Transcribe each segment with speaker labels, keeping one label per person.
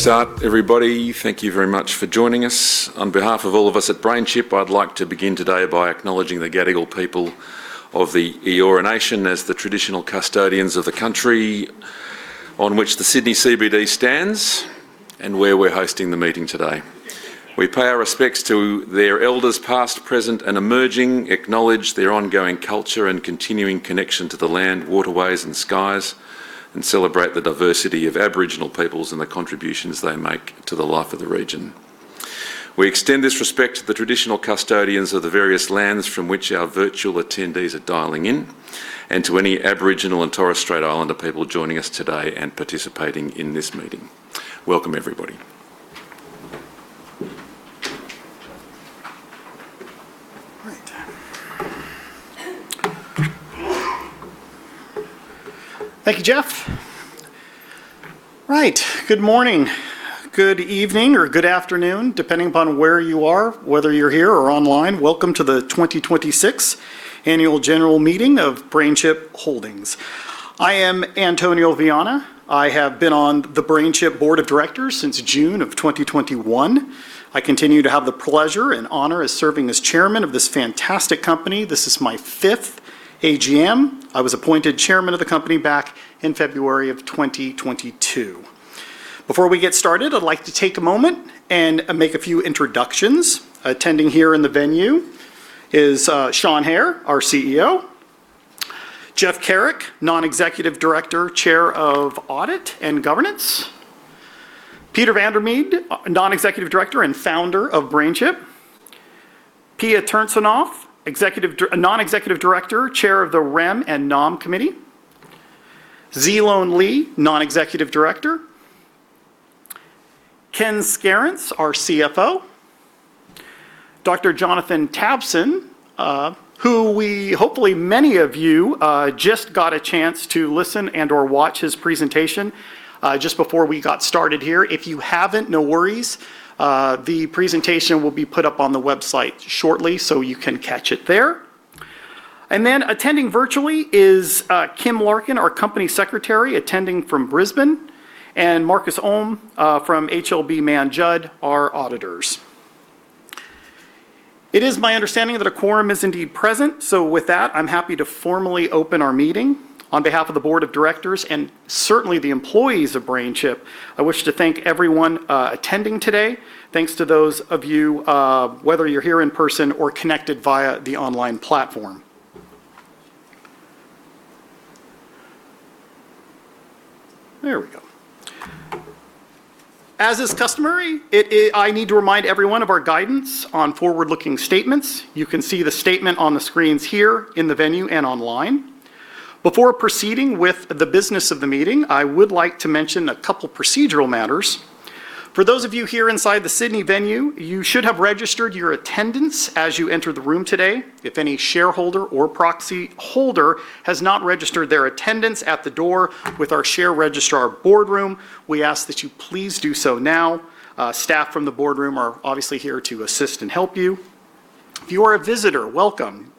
Speaker 1: Start, everybody. Thank you very much for joining us. On behalf of all of us at BrainChip, I'd like to begin today by acknowledging the Gadigal people of the Eora Nation as the traditional custodians of the country on which the Sydney CBD stands and where we're hosting the meeting today. We pay our respects to their elders past, present, and emerging, acknowledge their ongoing culture and continuing connection to the land, waterways, and skies, and celebrate the diversity of Aboriginal peoples and the contributions they make to the life of the region. We extend this respect to the traditional custodians of the various lands from which our virtual attendees are dialing in, and to any Aboriginal and Torres Strait Islander people joining us today and participating in this meeting. Welcome, everybody.
Speaker 2: Great. Thank you, Geoff. Right. Good morning, good evening, or good afternoon, depending upon where you are. Whether you're here or online, welcome to the 2026 annual general meeting of BrainChip Holdings. I am Antonio Viana. I have been on the BrainChip board of directors since June of 2021. I continue to have the pleasure and honor as serving as chairman of this fantastic company. This is my fifth AGM. I was appointed chairman of the company back in February of 2022. Before we get started, I'd like to take a moment and make a few introductions. Attending here in the venue is Sean Hehir, our CEO. Geoff Carrick, non-executive director, chair of audit and governance. Peter van der Made, non-executive director and founder of BrainChip. Pia Turcinov, non-executive director, chair of the REM and NOM committee. [Zhilong Li], non-executive director. Ken Scarince, our CFO. Dr. Jonathan Tapson, who we hopefully many of you just got a chance to listen and/or watch his presentation, just before we got started here. If you haven't, no worries. The presentation will be put up on the website shortly, so you can catch it there. Attending virtually is Kim Larkin, our company secretary, attending from Brisbane, and Marcus Ohm from HLB Mann Judd, our auditors. It is my understanding that a quorum is indeed present. I'm happy to formally open our meeting. On behalf of the board of directors and certainly the employees of BrainChip, I wish to thank everyone attending today. Thanks to those of you, whether you're here in person or connected via the online platform. There we go. As is customary, I need to remind everyone of our guidance on forward-looking statements. You can see the statement on the screens here in the venue and online. Before proceeding with the business of the meeting, I would like to mention a couple procedural matters. For those of you here inside the Sydney venue, you should have registered your attendance as you entered the room today. If any shareholder or proxy holder has not registered their attendance at the door with our share registrar BoardRoom, we ask that you please do so now. Staff from the BoardRoom are obviously here to assist and help you. If you are a visitor, welcome.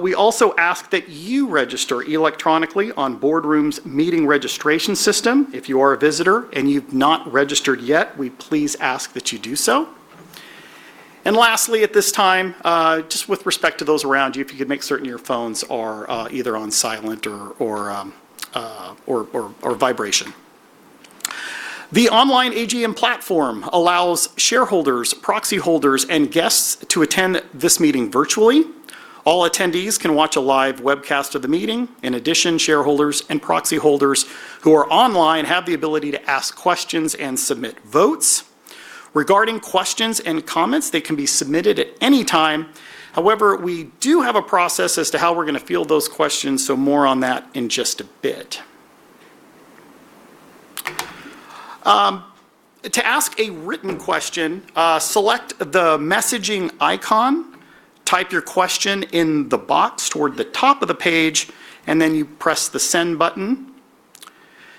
Speaker 2: We also ask that you register electronically on BoardRoom's meeting registration system. If you are a visitor and you've not registered yet, we please ask that you do so. Lastly, at this time, just with respect to those around you, if you could make certain your phones are either on silent or vibration. The online AGM platform allows shareholders, proxy holders, and guests to attend this meeting virtually. All attendees can watch a live webcast of the meeting. In addition, shareholders and proxy holders who are online have the ability to ask questions and submit votes. Regarding questions and comments, they can be submitted at any time. However, we do have a process as to how we're gonna field those questions, so more on that in just a bit. To ask a written question, select the messaging icon, type your question in the box toward the top of the page, and then you press the Send button.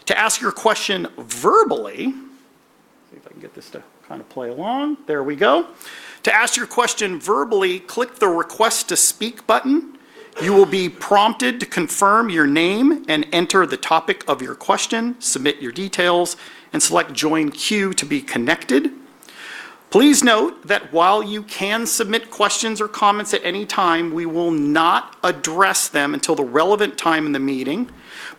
Speaker 2: To ask your question verbally See if I can get this to kind of play along. There we go. To ask your question verbally, click the Request to Speak button. You will be prompted to confirm your name and enter the topic of your question. Submit your details and select Join Queue to be connected. Please note that while you can submit questions or comments at any time, we will not address them until the relevant time in the meeting.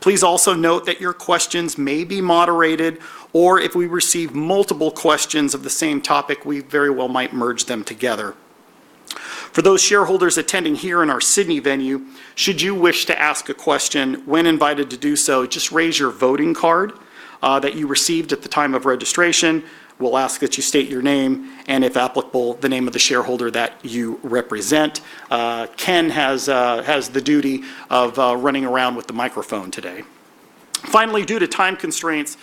Speaker 2: Please also note that your questions may be moderated, or if we receive multiple questions of the same topic, we very well might merge them together. For those shareholders attending here in our Sydney venue, should you wish to ask a question, when invited to do so, just raise your voting card that you received at the time of registration. We'll ask that you state your name, and if applicable, the name of the shareholder that you represent. Ken has the duty of running around with the microphone today. Finally, due to time constraints,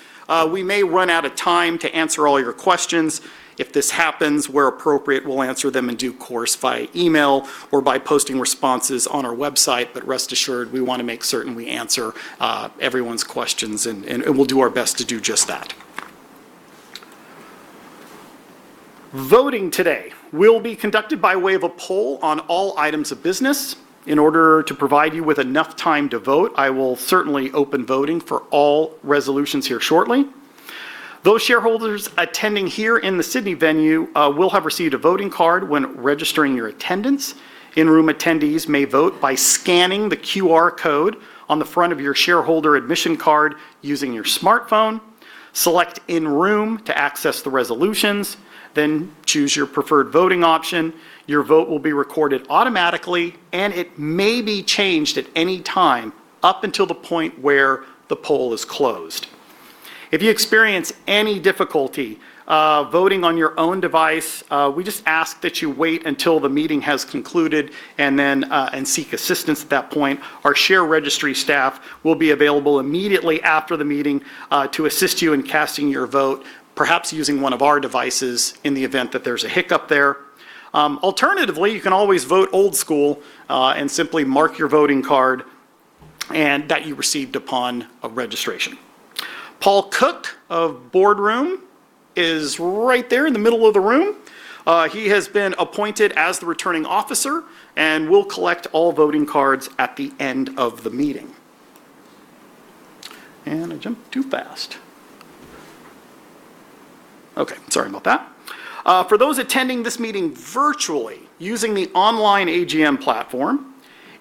Speaker 2: we may run out of time to answer all your questions. If this happens, where appropriate, we'll answer them in due course via email or by posting responses on our website. Rest assured, we wanna make certain we answer everyone's questions and we'll do our best to do just that. Voting today will be conducted by way of a poll on all items of business. In order to provide you with enough time to vote, I will certainly open voting for all resolutions here shortly. Those shareholders attending here in the Sydney venue will have received a voting card when registering your attendance. In-room attendees may vote by scanning the QR code on the front of your shareholder admission card using your smartphone. Select In Room to access the resolutions, choose your preferred voting option. Your vote will be recorded automatically, it may be changed at any time up until the point where the poll is closed. If you experience any difficulty voting on your own device, we just ask that you wait until the meeting has concluded, and seek assistance at that point. Our share registry staff will be available immediately after the meeting to assist you in casting your vote, perhaps using one of our devices in the event that there's a hiccup there. Alternatively, you can always vote old school, and simply mark your voting card that you received upon registration. Paul Cook of BoardRoom is right there in the middle of the room. He has been appointed as the returning officer and will collect all voting cards at the end of the meeting. I jumped too fast. Okay, sorry about that. For those attending this meeting virtually using the online AGM platform,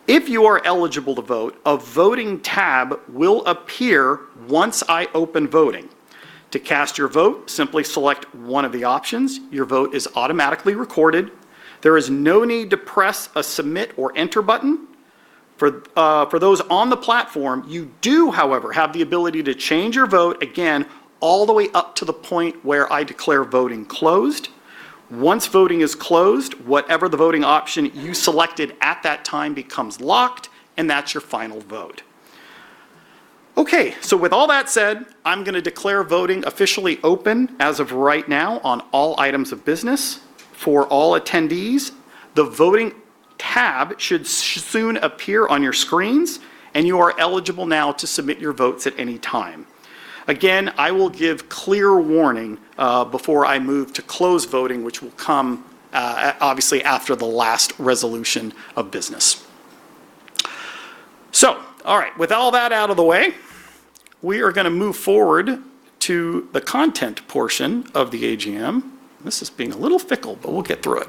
Speaker 2: if you are eligible to vote, a voting tab will appear once I open voting. To cast your vote, simply select one of the options. Your vote is automatically recorded. There is no need to press a Submit or Enter button. For those on the platform, you do, however, have the ability to change your vote, again, all the way up to the point where I declare voting closed. Once voting is closed, whatever the voting option you selected at that time becomes locked, and that's your final vote. Okay, with all that said, I'm gonna declare voting officially open as of right now on all items of business. For all attendees, the voting tab should soon appear on your screens, and you are eligible now to submit your votes at any time. Again, I will give clear warning before I move to close voting, which will come obviously after the last resolution of business. All right. With all that out of the way, we are gonna move forward to the content portion of the AGM. This is being a little fickle, but we'll get through it.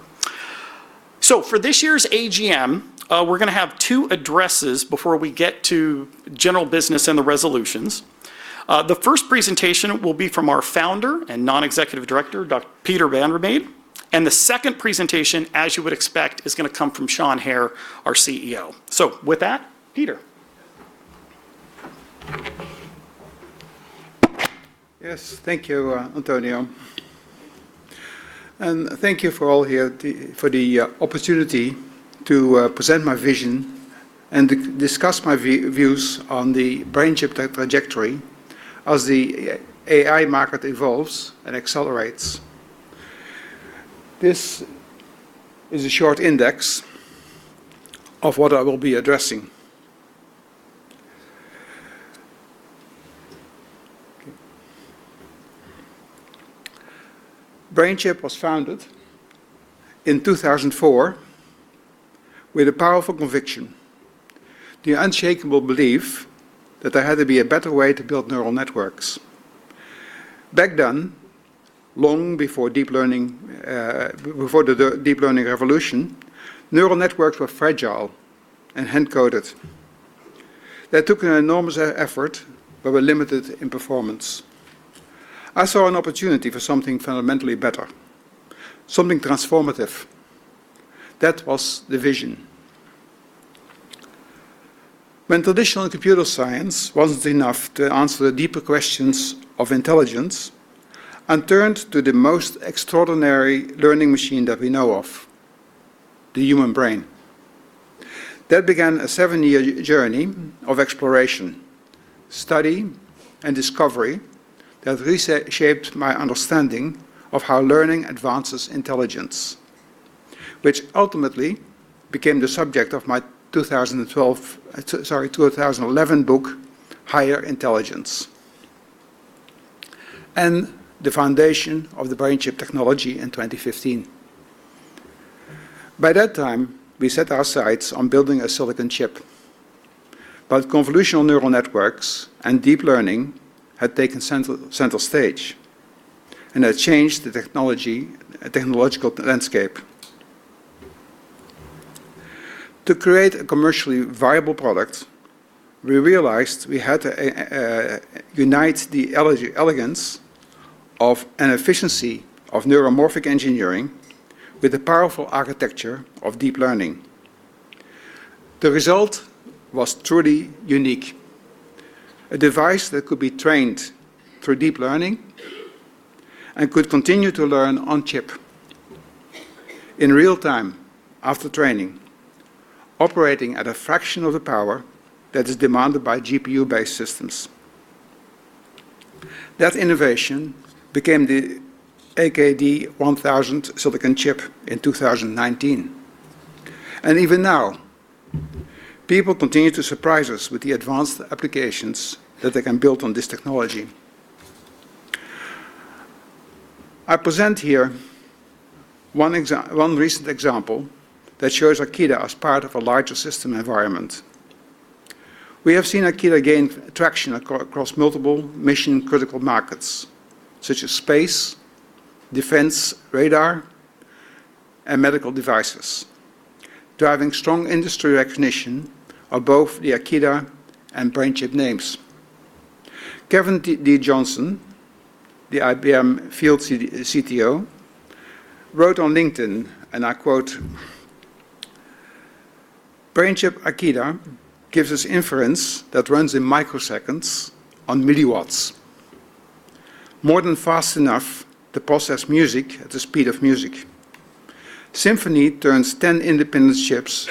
Speaker 2: For this year's AGM, we're gonna have two addresses before we get to general business and the resolutions. The first presentation will be from our founder and non-executive director, Dr. Peter van der Made. The second presentation, as you would expect, is gonna come from Sean Hehir, our CEO. With that, Peter.
Speaker 3: Yes, thank you, Antonio. Thank you for all here for the opportunity to present my vision and discuss my views on the BrainChip trajectory as the AI market evolves and accelerates. This is a short index of what I will be addressing. Okay. BrainChip was founded in 2004 with a powerful conviction, the unshakable belief that there had to be a better way to build neural networks. Back then, long before deep learning, before the deep learning revolution, neural networks were fragile and hand-coded. They took an enormous effort but were limited in performance. I saw an opportunity for something fundamentally better, something transformative. That was the vision. When traditional computer science wasn't enough to answer the deeper questions of intelligence, I turned to the most extraordinary learning machine that we know of, the human brain. That began a seven year journey of exploration, study, and discovery that shaped my understanding of how learning advances intelligence, which ultimately became the subject of my 2012, 2011 book, Higher Intelligence, and the foundation of the BrainChip technology in 2015. By that time, we set our sights on building a silicon chip, but Convolutional Neural Networks and deep learning had taken center stage and had changed the technological landscape. To create a commercially viable product, we realized we had to unite the elegance of and efficiency of neuromorphic engineering with the powerful architecture of deep learning. The result was truly unique, a device that could be trained through deep learning and could continue to learn on chip in real time after training, operating at a fraction of the power that is demanded by GPU-based systems. That innovation became the AKD1000 silicon chip in 2019. Even now, people continue to surprise us with the advanced applications that they can build on this technology. I present here one recent example that shows Akida as part of a larger system environment. We have seen Akida gain traction across multiple mission-critical markets, such as space, defense radar, and medical devices, driving strong industry recognition of both the Akida and BrainChip names. Kevin D. Johnson, the IBM field CTO, wrote on LinkedIn, and I quote, "BrainChip Akida gives us inference that runs in microseconds on milliwatts, more than fast enough to process music at the speed of music. Symphony turns 10 independent chips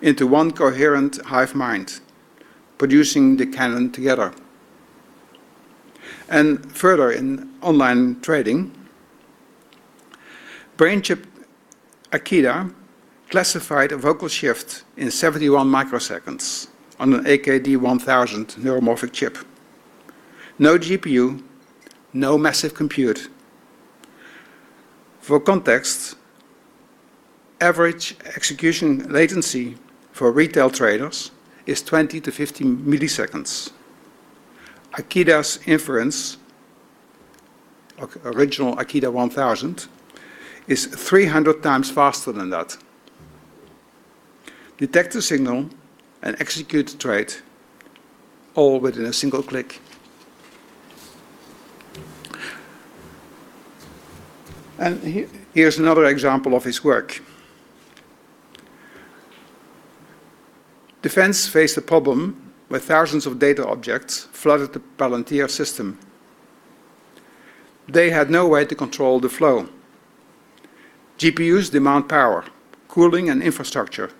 Speaker 3: into one coherent hive mind, producing the canon together." Further in online trading, "BrainChip Akida classified a vocal shift in 71 microseconds on an AKD1000 neuromorphic chip. No GPU, no massive compute. For context, average execution latency for retail traders is 20-50 ms. Akida's inference, or original Akida AKD1000, is 300 times faster than that. Detect a signal and execute a trade, all within a single click. Here's another example of his work. Defense faced a problem where thousands of data objects flooded the Palantir system. They had no way to control the flow. GPUs demand power, cooling, and infrastructure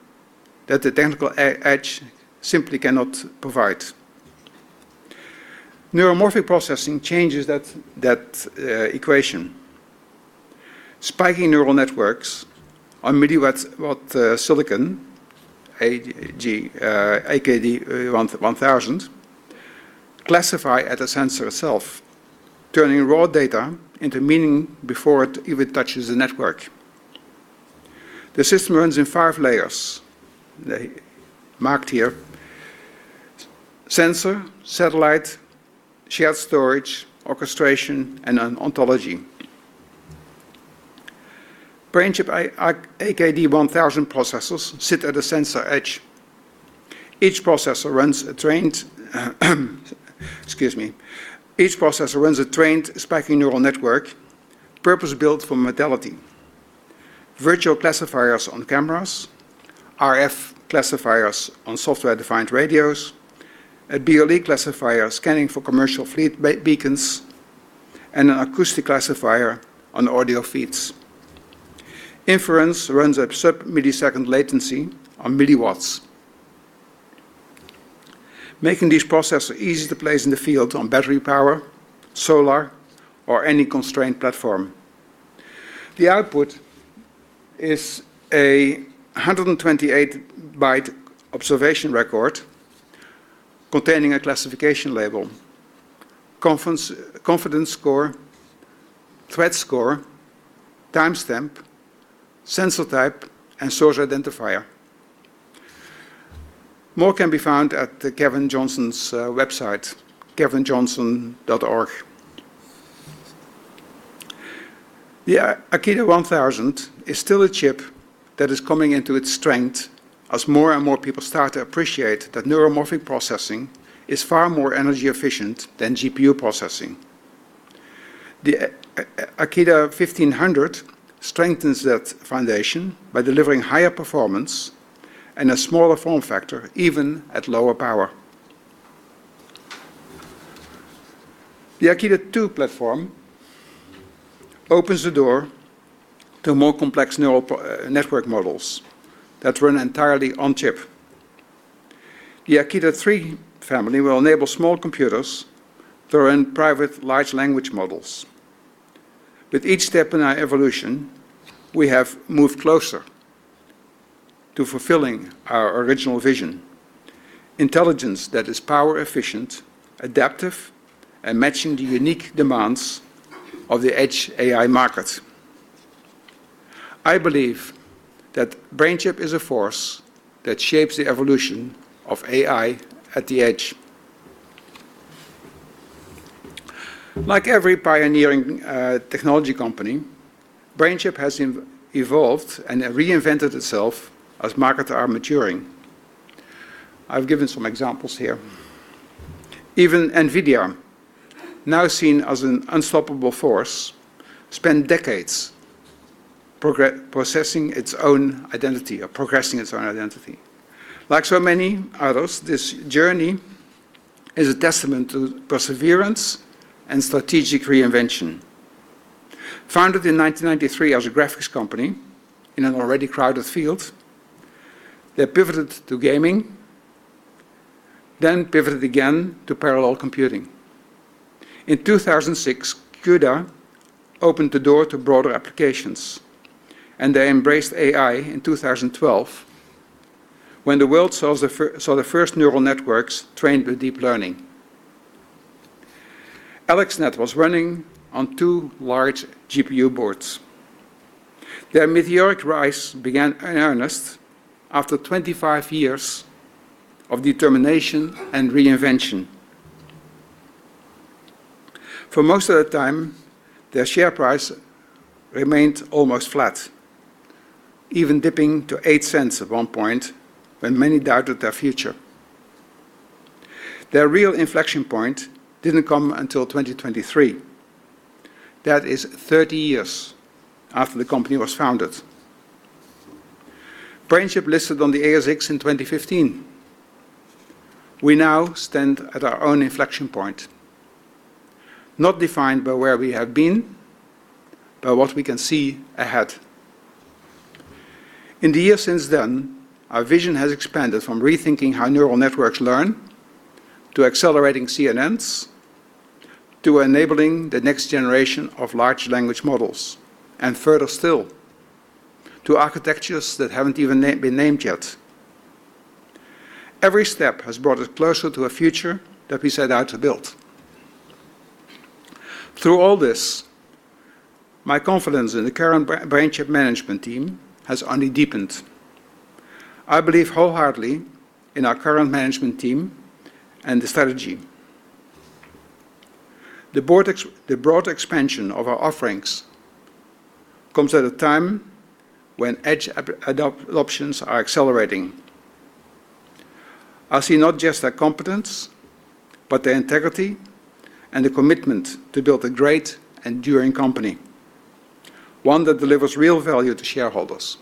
Speaker 3: that the technical edge simply cannot provide. Neuromorphic processing changes that equation. Spiking neural networks on milliwatt, watt silicon, AKD1000, classify at the sensor itself, turning raw data into meaning before it even touches the network. The system runs in 5 layers, they marked here: sensor, satellite, shared storage, orchestration, and an ontology. BrainChip AKD1000 processors sit at the sensor edge. Each processor runs a trained Excuse me. Each processor runs a trained spiking neural network purpose-built for modality. Virtual classifiers on cameras, RF classifiers on software-defined radios, a BLE classifier scanning for commercial fleet beacons, and an acoustic classifier on audio feeds. Inference runs at sub-millisecond latency on milliwatts. Making these processors easy to place in the field on battery power, solar, or any constrained platform. The output is a 128-byte observation record containing a classification label, confidence score, threat score, timestamp, sensor type, and source identifier. More can be found at Kevin D. Johnson's website, kevinjohnson.org. The Akida AKD1000 is still a chip that is coming into its strength as more and more people start to appreciate that neuromorphic processing is far more energy efficient than GPU processing. The Akida AKD1500 strengthens that foundation by delivering higher performance and a smaller form factor, even at lower power. The Akida 2 platform opens the door to more complex neural network models that run entirely on-chip. The Akida 3 family will enable small computers to run private large language models. With each step in our evolution, we have moved closer to fulfilling our original vision: intelligence that is power efficient, adaptive, and matching the unique demands of the edge AI market. I believe that BrainChip is a force that shapes the evolution of AI at the edge. Like every pioneering technology company, BrainChip has evolved and reinvented itself as markets are maturing. I've given some examples here. Even NVIDIA, now seen as an unstoppable force, spent decades progressing its own identity. Like so many others, this journey is a testament to perseverance and strategic reinvention. Founded in 1993 as a graphics company in an already crowded field, they pivoted to gaming. Pivoted again to parallel computing. In 2006, CUDA opened the door to broader applications. They embraced AI in 2012 when the world saw the first neural networks trained with deep learning. AlexNet was running on 2 large GPU boards. Their meteoric rise began in earnest after 25 years of determination and reinvention. For most of the time, their share price remained almost flat, even dipping to 0.08 at one point when many doubted their future. Their real inflection point didn't come until 2023. That is 30 years after the company was founded. BrainChip listed on the ASX in 2015. We now stand at our own inflection point, not defined by where we have been, by what we can see ahead. In the years since then, our vision has expanded from rethinking how neural networks learn, to accelerating CNNs, to enabling the next generation of large language models, and further still, to architectures that haven't even been named yet. Every step has brought us closer to a future that we set out to build. Through all this, my confidence in the current BrainChip management team has only deepened. I believe wholeheartedly in our current management team and the strategy. The broad expansion of our offerings comes at a time when edge adoptions are accelerating. I see not just their competence, but their integrity and the commitment to build a great, enduring company, one that delivers real value to shareholders.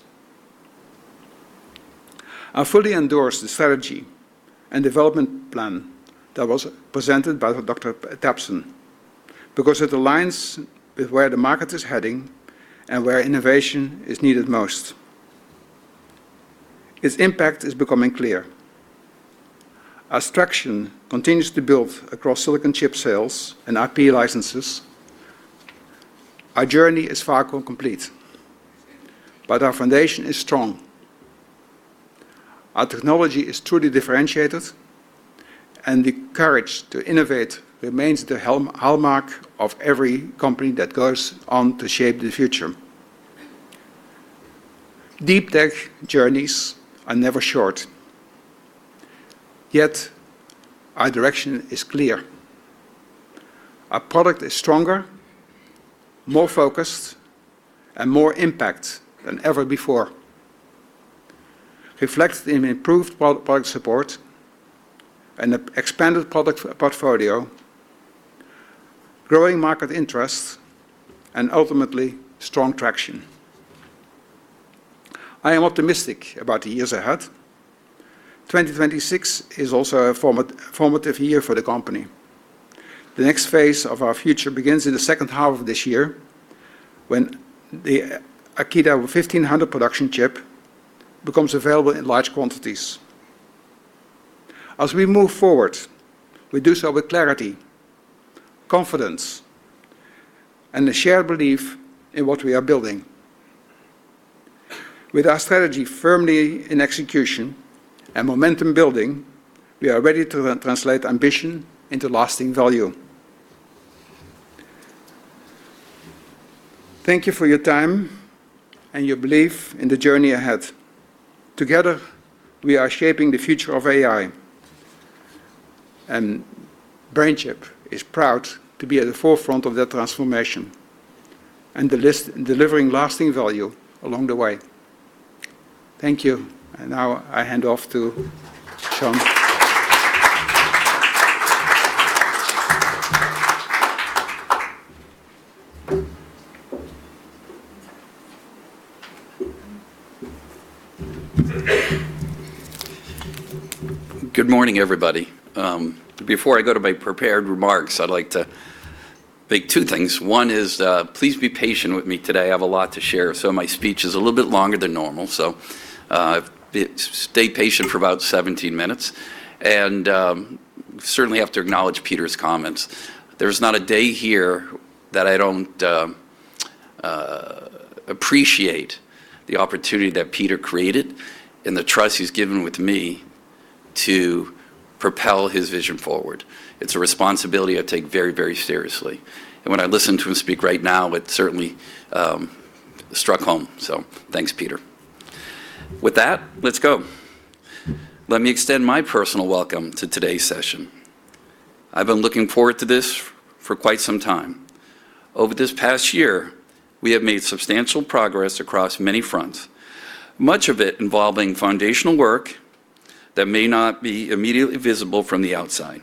Speaker 3: I fully endorse the strategy and development plan that was presented by Dr. Tapson because it aligns with where the market is heading and where innovation is needed most. Its impact is becoming clear. As traction continues to build across silicon chip sales and IP licenses, our journey is far from complete, but our foundation is strong. Our technology is truly differentiated, and the courage to innovate remains the hallmark of every company that goes on to shape the future. Deep tech journeys are never short, yet our direction is clear. Our product is stronger, more focused, and more impact than ever before, reflected in improved product support and a expanded product portfolio, growing market interest, and ultimately, strong traction. I am optimistic about the years ahead. 2026 is also a formative year for the company. The next phase of our future begins in the second half of this year when the Akida AKD1500 production chip becomes available in large quantities. As we move forward, we do so with clarity, confidence, and a shared belief in what we are building. With our strategy firmly in execution and momentum building, we are ready to translate ambition into lasting value. Thank you for your time and your belief in the journey ahead. Together, we are shaping the future of AI, and BrainChip is proud to be at the forefront of that transformation and delivering lasting value along the way. Thank you. Now I hand off to Sean.
Speaker 4: Good morning, everybody. Before I go to my prepared remarks, I'd like to make two things. One is, please be patient with me today. I have a lot to share, so my speech is a little bit longer than normal. Stay patient for about 17 minutes. Certainly have to acknowledge Peter's comments. There's not a day here that I don't appreciate the opportunity that Peter created and the trust he's given with me to propel his vision forward. It's a responsibility I take very, very seriously. When I listen to him speak right now, it certainly struck home. Thanks, Peter. With that, let's go. Let me extend my personal welcome to today's session. I've been looking forward to this for quite some time. Over this past year, we have made substantial progress across many fronts, much of it involving foundational work that may not be immediately visible from the outside.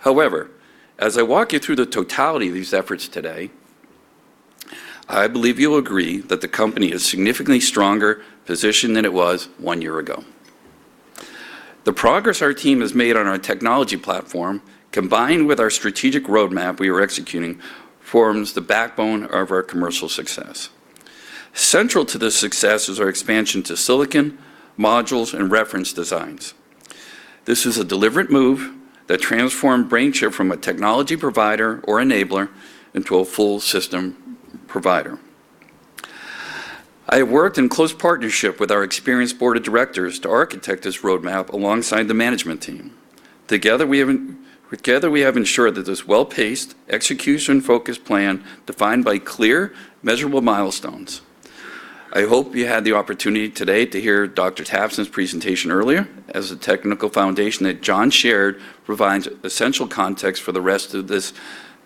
Speaker 4: However, as I walk you through the totality of these efforts today, I believe you'll agree that the company is significantly stronger positioned than it was one year ago. The progress our team has made on our technology platform, combined with our strategic roadmap we are executing, forms the backbone of our commercial success. Central to this success is our expansion to silicon, modules, and reference designs. This is a deliberate move that transformed BrainChip from a technology provider or enabler into a full system provider. I worked in close partnership with our experienced board of directors to architect this roadmap alongside the management team. Together we have ensured that this well-paced, execution-focused plan defined by clear, measurable milestones. I hope you had the opportunity today to hear Dr. Tapson's presentation earlier, as the technical foundation that John shared provides essential context for the rest of this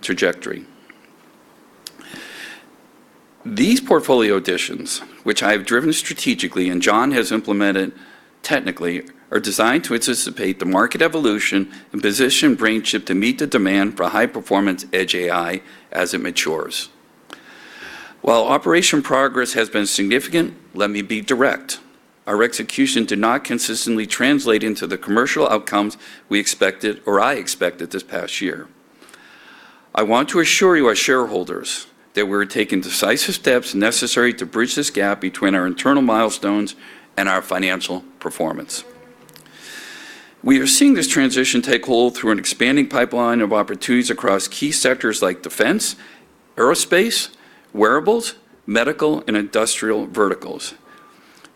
Speaker 4: trajectory. These portfolio additions, which I have driven strategically and John has implemented technically, are designed to anticipate the market evolution and position BrainChip to meet the demand for high-performance edge AI as it matures. While operation progress has been significant, let me be direct. Our execution did not consistently translate into the commercial outcomes we expected or I expected this past year. I want to assure you, our shareholders, that we're taking decisive steps necessary to bridge this gap between our internal milestones and our financial performance. We are seeing this transition take hold through an expanding pipeline of opportunities across key sectors like defense, aerospace, wearables, medical, and industrial verticals.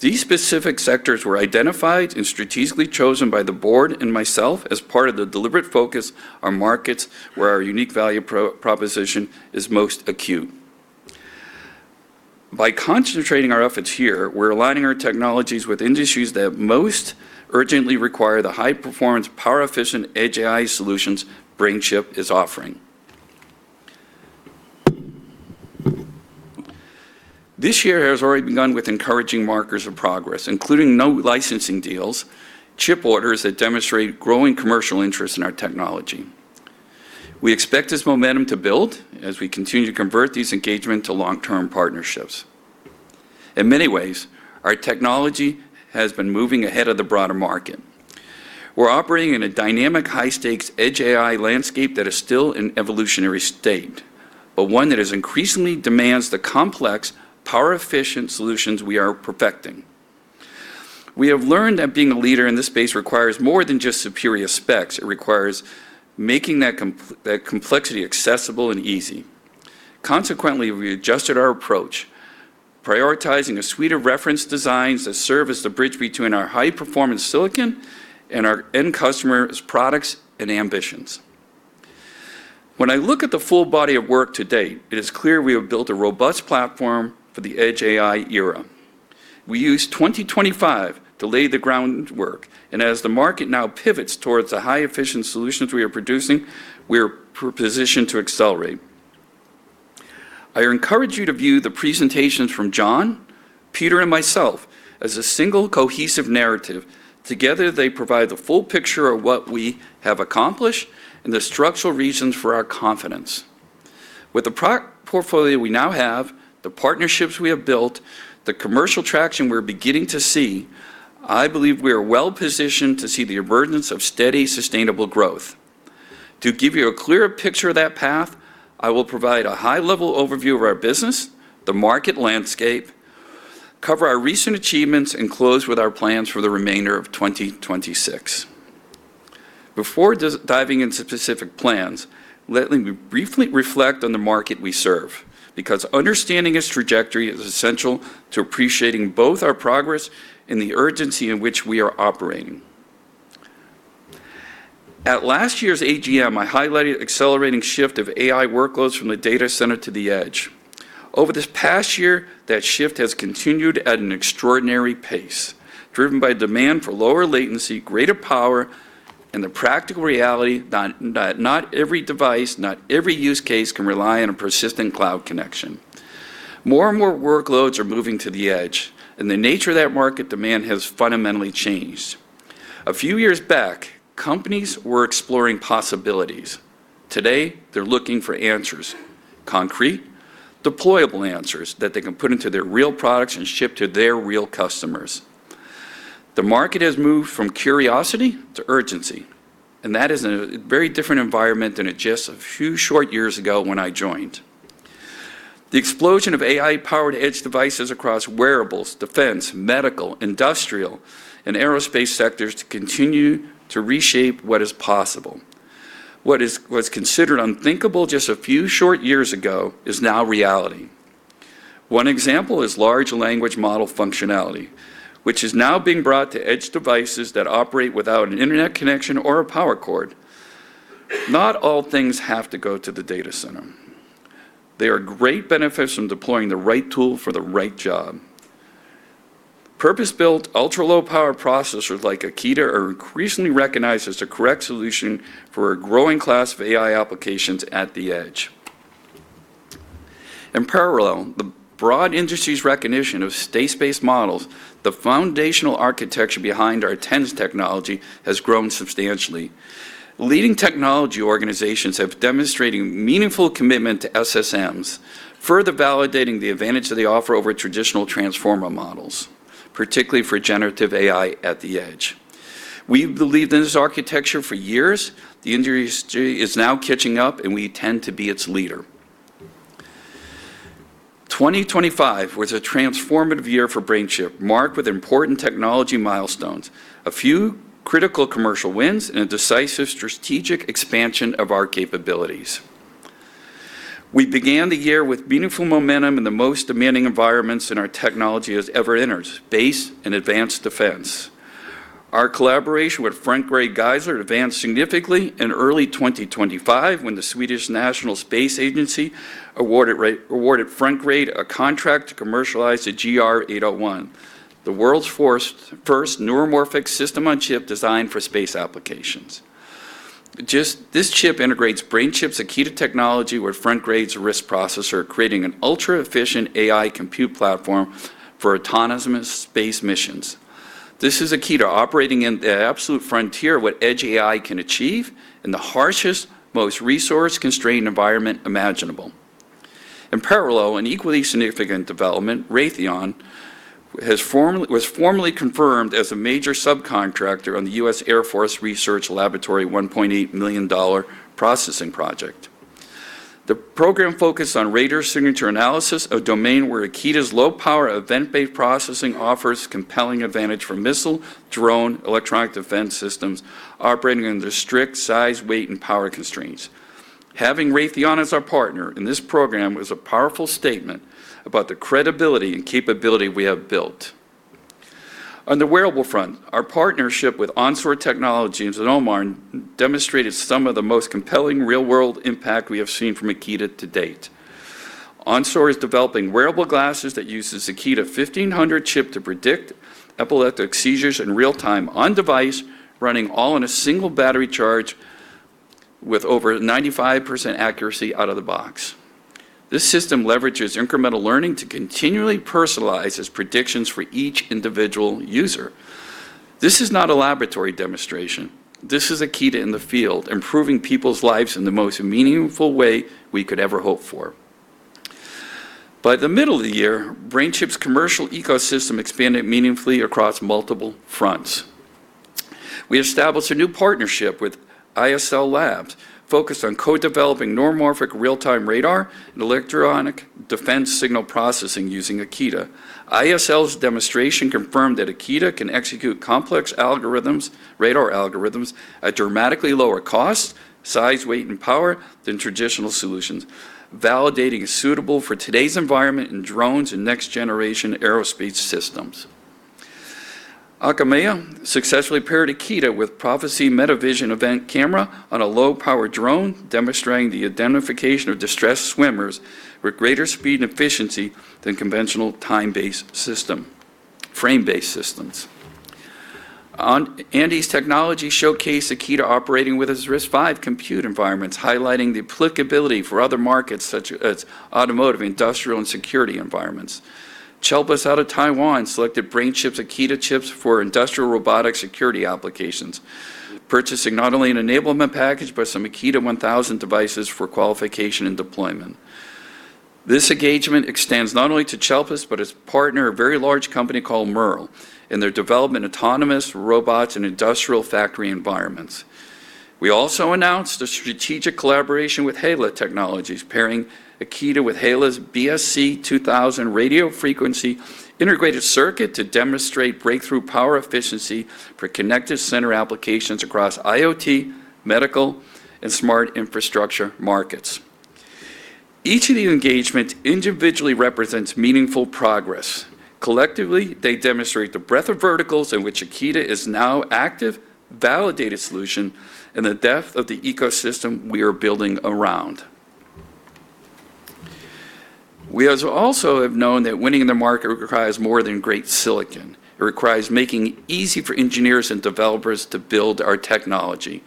Speaker 4: These specific sectors were identified and strategically chosen by the Board and myself as part of the deliberate focus on markets where our unique value proposition is most acute. By concentrating our efforts here, we're aligning our technologies with industries that most urgently require the high-performance, power-efficient edge AI solutions BrainChip is offering. This year has already begun with encouraging markers of progress, including new licensing deals, chip orders that demonstrate growing commercial interest in our technology. We expect this momentum to build as we continue to convert these engagements to long-term partnerships. In many ways, our technology has been moving ahead of the broader market. We're operating in a dynamic, high-stakes edge AI landscape that is still in evolutionary state, but one that is increasingly demands the complex, power-efficient solutions we are perfecting. We have learned that being a leader in this space requires more than just superior specs. It requires making that complexity accessible and easy. Consequently, we adjusted our approach, prioritizing a suite of reference designs that serve as the bridge between our high-performance silicon and our end customer's products and ambitions. When I look at the full body of work to date, it is clear we have built a robust platform for the edge AI era. We used 2025 to lay the groundwork, and as the market now pivots towards the high-efficient solutions we are producing, we are positioned to accelerate. I encourage you to view the presentations from John, Peter, and myself as a single, cohesive narrative. Together, they provide the full picture of what we have accomplished and the structural reasons for our confidence. With the portfolio we now have, the partnerships we have built, the commercial traction we're beginning to see, I believe we are well-positioned to see the emergence of steady, sustainable growth. To give you a clearer picture of that path, I will provide a high-level overview of our business, the market landscape, cover our recent achievements, and close with our plans for the remainder of 2026. Before diving into specific plans, let me briefly reflect on the market we serve, because understanding its trajectory is essential to appreciating both our progress and the urgency in which we are operating. At last year's AGM, I highlighted accelerating shift of AI workloads from the data center to the edge. Over this past year, that shift has continued at an extraordinary pace, driven by demand for lower latency, greater power, and the practical reality that not every device, not every use case can rely on a persistent cloud connection. More and more workloads are moving to the edge, and the nature of that market demand has fundamentally changed. A few years back, companies were exploring possibilities. Today, they're looking for answers, concrete, deployable answers that they can put into their real products and ship to their real customers. The market has moved from curiosity to urgency, and that is in a very different environment than it just a few short years ago when I joined. The explosion of AI-powered edge devices across wearables, defense, medical, industrial, and aerospace sectors to continue to reshape what is possible. What was considered unthinkable just a few short years ago is now reality. One example is large language model functionality, which is now being brought to edge devices that operate without an internet connection or a power cord. Not all things have to go to the data center. There are great benefits from deploying the right tool for the right job. Purpose-built, ultra-low power processors like Akida are increasingly recognized as the correct solution for a growing class of AI applications at the edge. In parallel, the broad industry's recognition of state-space models, the foundational architecture behind our TENNs technology, has grown substantially. Leading technology organizations have demonstrating meaningful commitment to SSMs, further validating the advantage they offer over traditional transformer models, particularly for generative AI at the edge. We've believed in this architecture for years. The industry is now catching up. We intend to be its leader. 2025 was a transformative year for BrainChip, marked with important technology milestones, a few critical commercial wins, and a decisive strategic expansion of our capabilities. We began the year with meaningful momentum in the most demanding environments in our technology has ever entered, space and advanced defense. Our collaboration with Frontgrade Gaisler advanced significantly in early 2025 when the Swedish National Space Agency awarded Frontgrade a contract to commercialize the GR801, the world's first neuromorphic System-on-Chip designed for space applications. This chip integrates BrainChip's Akida technology with Frontgrade's RISC processor, creating an ultra-efficient AI compute platform for autonomous space missions. This is Akida operating in the absolute frontier what edge AI can achieve in the harshest, most resource-constrained environment imaginable. In parallel, an equally significant development, Raytheon was formally confirmed as a major subcontractor on the U.S. Air Force Research Laboratory $1.8 million processing project. The program focused on radar signature analysis, a domain where Akida's low-power, event-based processing offers compelling advantage for missile, drone, electronic defense systems operating under strict size, weight, and power constraints. Having Raytheon as our partner in this program was a powerful statement about the credibility and capability we have built. On the wearable front, our partnership with Onsor Technologies in Oman demonstrated some of the most compelling real-world impact we have seen from Akida to date. Onsor is developing wearable glasses that uses Akida AKD1500 chip to predict epileptic seizures in real-time on-device, running all on a single battery charge with over 95% accuracy out of the box. This system leverages incremental learning to continually personalize its predictions for each individual user. This is not a laboratory demonstration. This is Akida in the field, improving people's lives in the most meaningful way we could ever hope for. By the middle of the year, BrainChip's commercial ecosystem expanded meaningfully across multiple fronts. We established a new partnership with ISL Labs focused on co-developing neuromorphic real-time radar and electronic defense signal processing using Akida. ISL's demonstration confirmed that Akida can execute complex algorithms, radar algorithms at dramatically lower cost, size, weight, and power than traditional solutions, validating it's suitable for today's environment in drones and next-generation aerospace systems. Akameya successfully paired Akida with Prophesse Metavision event camera on a low-power drone, demonstrating the identification of distressed swimmers with greater speed and efficiency than conventional frame-based systems. Andes Technology showcased Akida operating with its RISC-V compute environments, highlighting the applicability for other markets such as automotive, industrial, and security environments. Chelpis out of Taiwan selected BrainChip's Akida chips for industrial robotic security applications, purchasing not only an enablement package, but some Akida AKD1000 devices for qualification and deployment. This engagement extends not only to Chelpis, but its partner, a very large company called Mirle, in their development autonomous robots and industrial factory environments. We also announced a strategic collaboration with HaiLa Technologies, pairing Akida with HaiLa's BSC2000 radio frequency integrated circuit to demonstrate breakthrough power efficiency for connected center applications across IoT, medical, and smart infrastructure markets. Each of the engagement individually represents meaningful progress. Collectively, they demonstrate the breadth of verticals in which Akida is now active, validated solution, and the depth of the ecosystem we are building around. We also have known that winning in the market requires more than great silicon. It requires making it easy for engineers and developers to build our technology.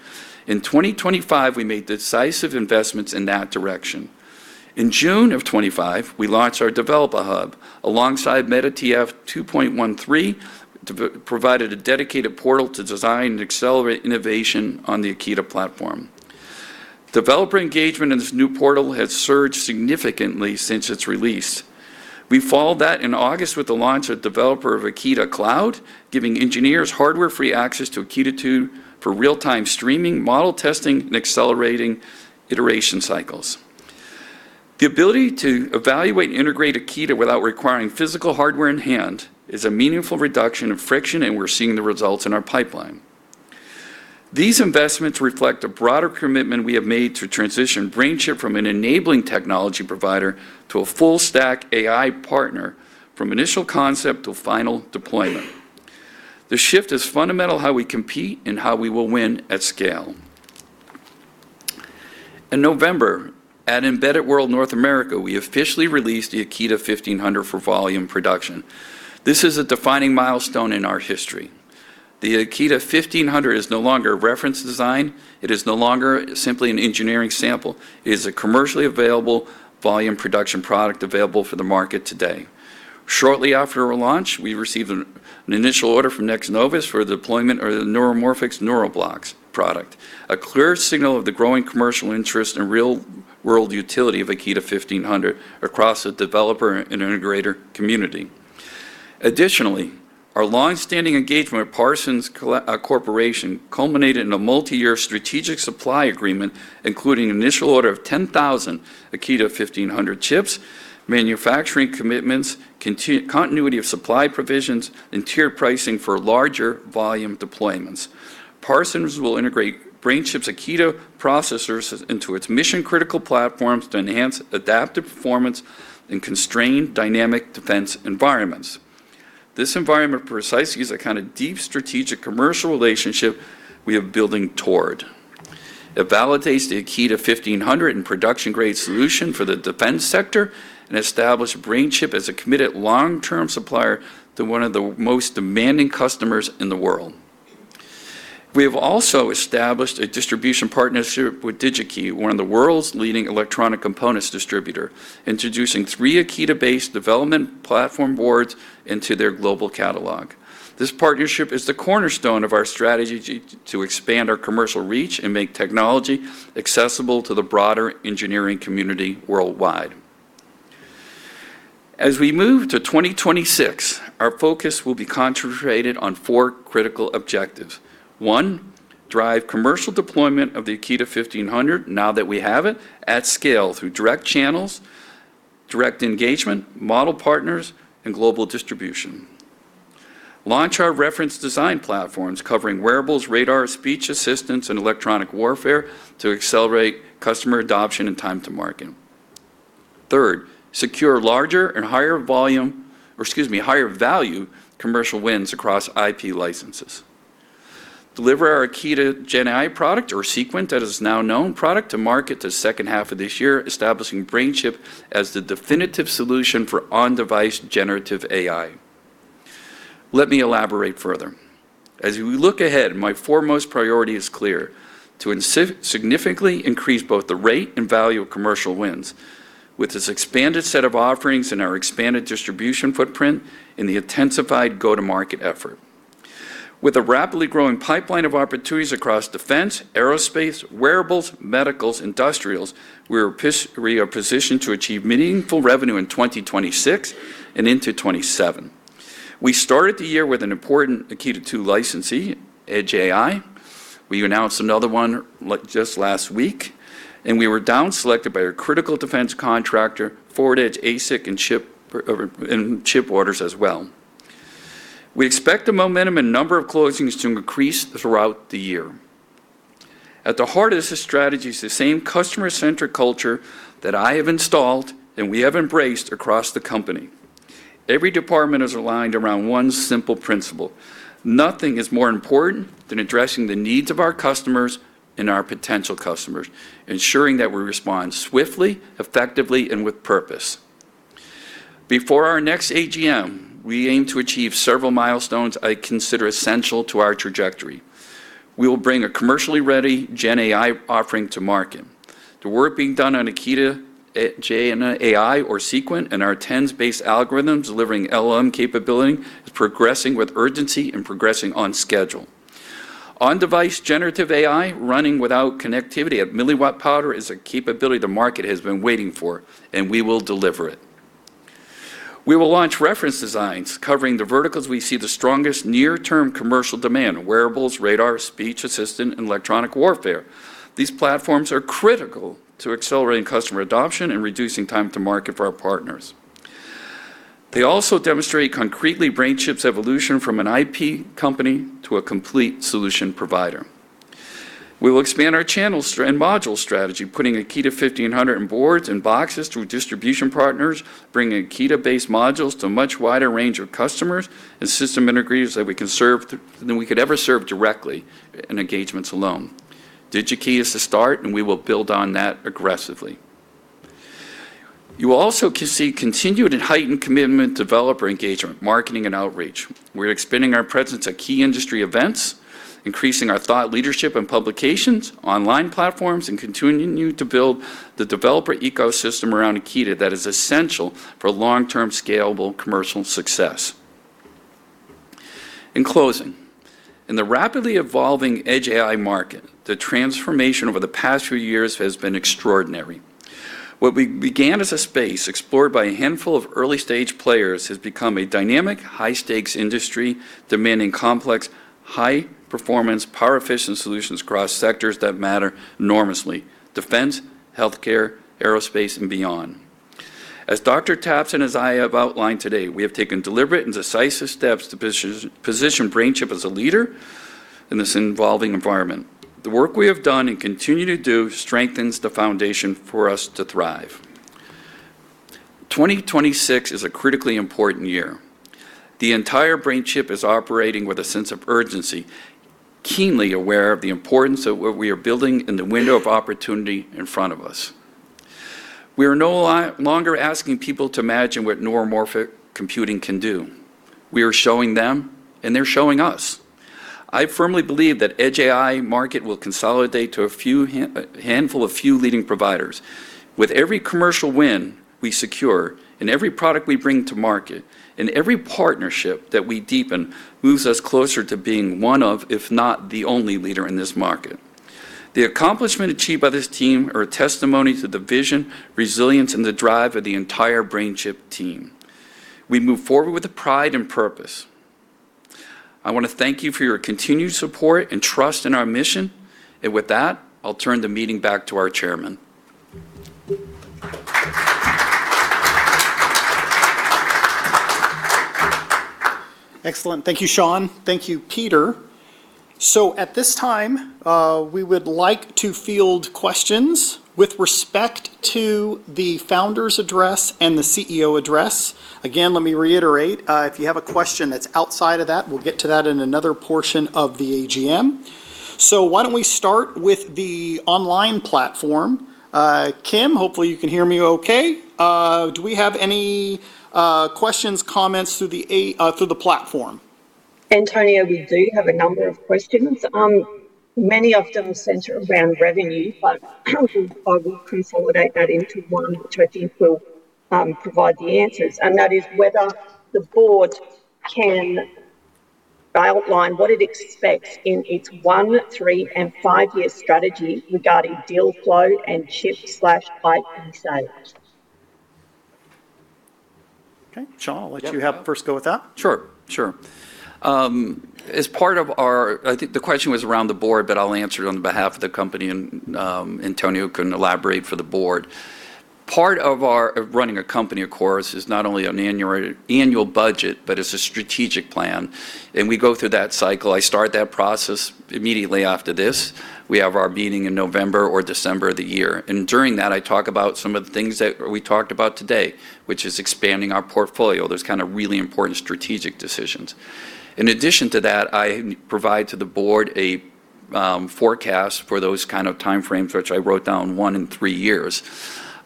Speaker 4: In 2025, we made decisive investments in that direction. In June of 2025, we launched our developer hub alongside Meta TF 2.13 provided a dedicated portal to design and accelerate innovation on the Akida platform. Developer engagement in this new portal has surged significantly since its release. We followed that in August with the launch of Akida Cloud, giving engineers hardware-free access to Akida 2 for real-time streaming, model testing, and accelerating iteration cycles. The ability to evaluate and integrate Akida without requiring physical hardware in hand is a meaningful reduction in friction, and we're seeing the results in our pipeline. These investments reflect a broader commitment we have made to transition BrainChip from an enabling technology provider to a full-stack AI partner from initial concept to final deployment. The shift is fundamental how we compete and how we will win at scale. In November, at Embedded World North America, we officially released the Akida 1500 for volume production. This is a defining milestone in our history. The Akida 1500 is no longer a reference design. It is no longer simply an engineering sample. It is a commercially available volume production product available for the market today. Shortly after our launch, we received an initial order from Nex Novus for the deployment of the Neuromorphyx NeuroBlocks product, a clear signal of the growing commercial interest in real-world utility of Akida 1500 across the developer and integrator community. Additionally, our long-standing engagement with Parsons Corporation culminated in a multi-year strategic supply agreement, including an initial order of 10,000 Akida 1500 chips, manufacturing commitments, continuity of supply provisions, and tiered pricing for larger volume deployments. Parsons will integrate BrainChip's Akida processors into its mission-critical platforms to enhance adaptive performance in constrained dynamic defense environments. This environment precisely is the kind of deep strategic commercial relationship we are building toward. It validates the Akida 1500 and production-grade solution for the defense sector and establish BrainChip as a committed long-term supplier to one of the most demanding customers in the world. We have also established a distribution partnership with DigiKey, one of the world's leading electronic components distributor, introducing three Akida-based development platform boards into their global catalog. This partnership is the cornerstone of our strategy to expand our commercial reach and make technology accessible to the broader engineering community worldwide. As we move to 2026, our focus will be concentrated on four critical objectives. 1, drive commercial deployment of the Akida 1500 now that we have it at scale through direct channels, direct engagement, model partners, and global distribution. Launch our reference design platforms covering wearables, radar, speech assistance, and electronic warfare to accelerate customer adoption and time to market. Third, secure larger and higher volume, or excuse me, higher value commercial wins across IP licenses. Deliver our Akida Gen I product, or Sequent as it is now known, product to market to second half of this year, establishing BrainChip as the definitive solution for on-device generative AI. Let me elaborate further. As we look ahead, my foremost priority is clear: to significantly increase both the rate and value of commercial wins with this expanded set of offerings and our expanded distribution footprint in the intensified go-to-market effort. With a rapidly growing pipeline of opportunities across defense, aerospace, wearables, medicals, industrials, we are positioned to achieve meaningful revenue in 2026 and into 2027. We started the year with an important Akida licensee, EDGEAI. We announced another one just last week, and we were down selected by a critical defense contractor, for edge ASIC and chip, for, or, and chip orders as well. We expect the momentum and number of closings to increase throughout the year. At the heart of this strategy is the same customer-centric culture that I have installed and we have embraced across the company. Every department is aligned around one simple principle. Nothing is more important than addressing the needs of our customers and our potential customers, ensuring that we respond swiftly, effectively, and with purpose. Before our next AGM, we aim to achieve several milestones I consider essential to our trajectory. We will bring a commercially ready Gen AI offering to market. The work being done on Akida, GenAI or Sequent and our tens-based algorithms delivering LM capability is progressing with urgency and progressing on schedule. On-device generative AI running without connectivity at milliwatt power is a capability the market has been waiting for, and we will deliver it. We will launch reference designs covering the verticals we see the strongest near-term commercial demand, wearables, radar, speech assistant, and electronic warfare. These platforms are critical to accelerating customer adoption and reducing time to market for our partners. They also demonstrate concretely BrainChip's evolution from an IP company to a complete solution provider. We will expand our channel and module strategy, putting Akida AKD1500 in boards and boxes through distribution partners, bringing Akida-based modules to a much wider range of customers and system integrators that we can serve than we could ever serve directly in engagements alone. Digi-Key is the start. We will build on that aggressively. You also can see continued and heightened commitment developer engagement, marketing, and outreach. We're expanding our presence at key industry events, increasing our thought leadership and publications, online platforms, and continue to build the developer ecosystem around Akida that is essential for long-term scalable commercial success. In closing, in the rapidly evolving edge AI market, the transformation over the past few years has been extraordinary. What we began as a space explored by a handful of early-stage players has become a dynamic, high-stakes industry demanding complex, high-performance, power-efficient solutions across sectors that matter enormously, defense, healthcare, aerospace, and beyond. As Dr. Tapson and as I have outlined today, we have taken deliberate and decisive steps to position BrainChip as a leader in this evolving environment. The work we have done and continue to do strengthens the foundation for us to thrive. 2026 is a critically important year. The entire BrainChip is operating with a sense of urgency, keenly aware of the importance of what we are building and the window of opportunity in front of us. We are no longer asking people to imagine what neuromorphic computing can do. We are showing them, and they're showing us. I firmly believe that edge AI market will consolidate to a handful of few leading providers. With every commercial win we secure and every product we bring to market and every partnership that we deepen moves us closer to being one of, if not the only leader in this market. The accomplishment achieved by this team are a testimony to the vision, resilience, and the drive of the entire BrainChip team. We move forward with the pride and purpose. I wanna thank you for your continued support and trust in our mission. With that, I'll turn the meeting back to our chairman.
Speaker 2: Excellent. Thank you, Sean. Thank you, Peter. At this time, we would like to field questions with respect to the founder's address and the CEO address. Again, let me reiterate, if you have a question that's outside of that, we'll get to that in another portion of the AGM. Why don't we start with the online platform. Kim, hopefully you can hear me okay. Do we have any questions, comments through the platform?
Speaker 5: Antonio, we do have a number of questions. Many of them center around revenue, but I will consolidate that into one which I think will provide the answers, and that is whether the board can outline what it expects in its one-, three-, and five-year strategy regarding deal flow and chip/IP sales.
Speaker 2: Okay. Sean.
Speaker 4: Yep.
Speaker 2: I'll let you have first go with that.
Speaker 4: Sure, sure. As part of our I think the question was around the board, but I'll answer it on behalf of the company, and Antonio can elaborate for the board. Part of our, of running a company, of course, is not only an annual budget, but is a strategic plan, and we go through that cycle. I start that process immediately after this. We have our meeting in November or December of the year. During that, I talk about some of the things that we talked about today, which is expanding our portfolio, those kind of really important strategic decisions. In addition to that, I provide to the board a forecast for those kind of timeframes which I wrote down, one in three years.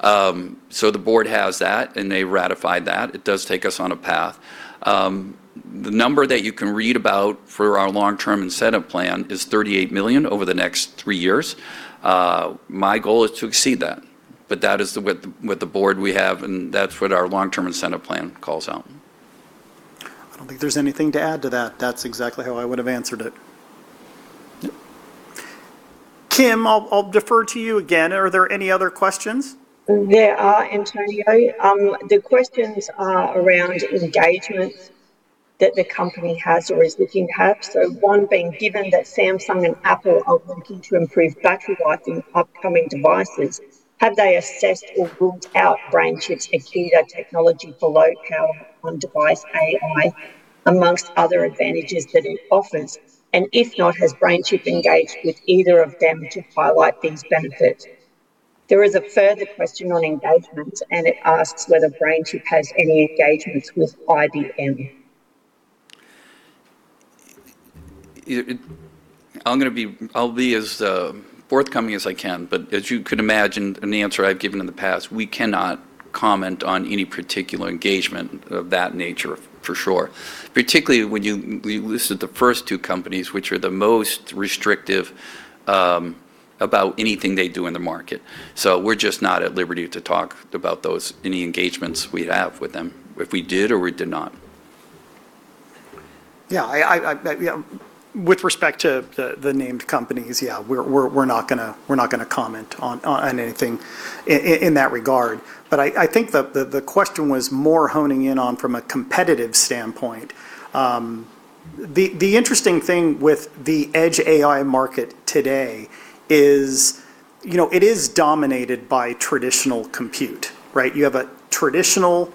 Speaker 4: The board has that, and they ratified that. It does take us on a path. The number that you can read about for our long-term incentive plan is 38 million over the next three years. My goal is to exceed that, but that is with the board we have, and that's what our long-term incentive plan calls out.
Speaker 2: I don't think there's anything to add to that. That's exactly how I would've answered it.
Speaker 4: Yep.
Speaker 2: Kim, I'll defer to you again. Are there any other questions?
Speaker 5: There are, Antonio. The questions are around engagements that the company has or is looking to have. One being, given that Samsung and Apple are looking to improve battery life in upcoming devices, have they assessed or ruled out BrainChip's Akida technology for low-power on-device AI amongst other advantages that it offers? If not, has BrainChip engaged with either of them to highlight these benefits? There is a further question on engagements. It asks whether BrainChip has any engagements with IBM.
Speaker 4: I'll be as forthcoming as I can. As you could imagine, and the answer I've given in the past, we cannot comment on any particular engagement of that nature for sure, particularly when you listed the first two companies, which are the most restrictive about anything they do in the market. We're just not at liberty to talk about those, any engagements we have with them, if we did or we did not.
Speaker 2: Yeah, I, I, yeah, with respect to the named companies, yeah, we're, we're not gonna, we're not gonna comment on anything in that regard. But I think the, the question was more honing in on from a competitive standpoint. The, the interesting thing with the edge AI market today is, you know, it is dominated by traditional compute, right? You have a traditional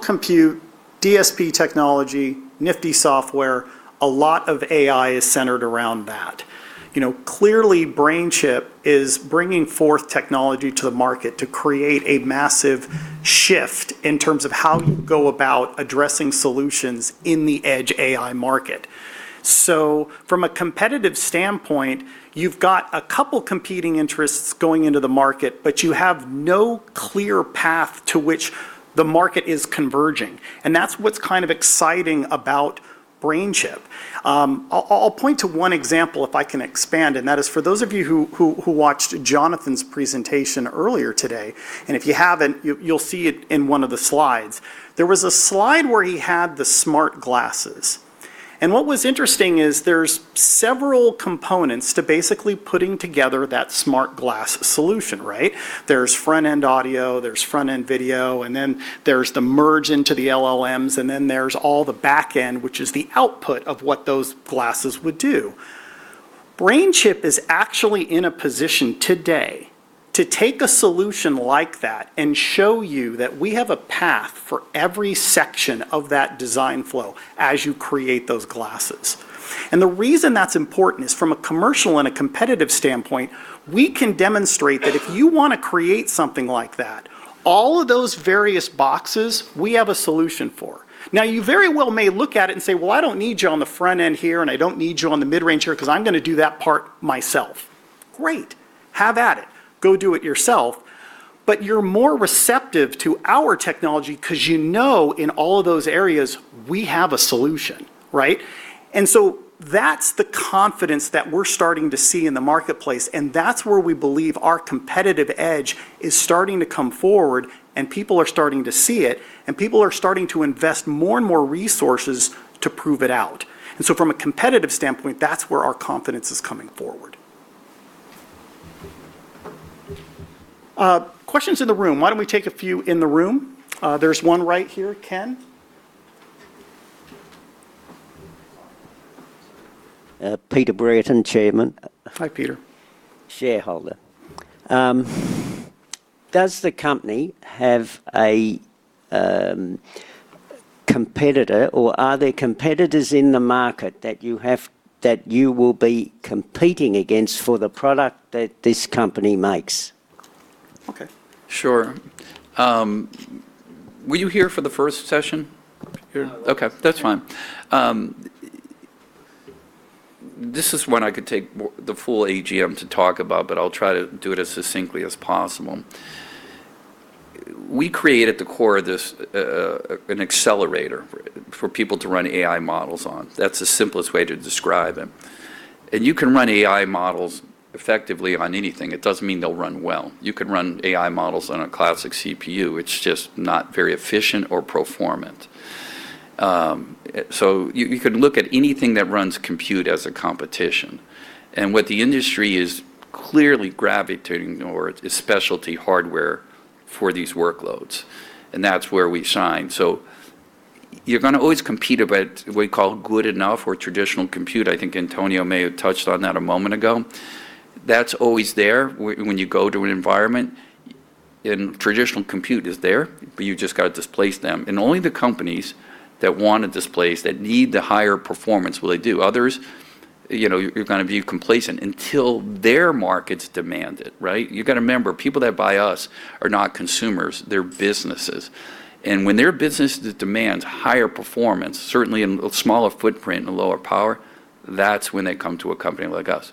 Speaker 2: compute, DSP technology, nifty software. A lot of AI is centered around that. You know, clearly BrainChip is bringing forth technology to the market to create a massive shift in terms of how you go about addressing solutions in the edge AI market. From a competitive standpoint, you've got a couple competing interests going into the market, but you have no clear path to which the market is converging, and that's what's kind of exciting about BrainChip. I'll point to one example if I can expand, and that is for those of you who, who watched Jonathan's presentation earlier today, and if you haven't, you'll see it in one of the slides. There was a slide where he had the smart glasses, and what was interesting is there's several components to basically putting together that smart glass solution, right? There's front-end audio, there's front-end video, and then there's the merge into the LLMs, and then there's all the back end, which is the output of what those glasses would do. BrainChip is actually in a position today to take a solution like that and show you that we have a path for every section of that design flow as you create those glasses. The reason that's important is from a commercial and a competitive standpoint, we can demonstrate that if you wanna create something like that, all of those various boxes we have a solution for. Now, you very well may look at it and say, "Well, I don't need you on the front end here, and I don't need you on the mid-range here 'cause I'm gonna do that part myself." Great. Have at it. Go do it yourself. You're more receptive to our technology 'cause you know in all of those areas we have a solution, right? That's the confidence that we're starting to see in the marketplace, and that's where we believe our competitive edge is starting to come forward, and people are starting to see it, and people are starting to invest more and more resources to prove it out. From a competitive standpoint, that's where our confidence is coming forward. Questions in the room. Why don't we take a few in the room? There's one right here. Ken?
Speaker 6: Peter Brereton, Chairman.
Speaker 2: Hi, Peter.
Speaker 6: Shareholder. Does the company have a competitor, or are there competitors in the market that you will be competing against for the product that this company makes?
Speaker 2: Okay.
Speaker 4: Sure. Were you here for the first session? Here.
Speaker 6: No, I wasn't.
Speaker 4: Okay, that's fine. This is one I could take the full AGM to talk about, but I'll try to do it as succinctly as possible. We create, at the core of this, an accelerator for people to run AI models on. That's the simplest way to describe them. You can run AI models effectively on anything. It doesn't mean they'll run well. You can run AI models on a classic CPU. It's just not very efficient or performant. You can look at anything that runs compute as a competition, what the industry is clearly gravitating towards is specialty hardware for these workloads, that's where we shine. You're gonna always compete about what we call good enough or traditional compute. I think Antonio may have touched on that a moment ago. That's always there when you go to an environment, and traditional compute is there, but you just gotta displace them, and only the companies that wanna displace, that need the higher performance will they do. Others, you know, you're gonna be complacent until their markets demand it, right? You gotta remember, people that buy us are not consumers, they're businesses, and when they're businesses that demand higher performance, certainly in a smaller footprint and a lower power, that's when they come to a company like us.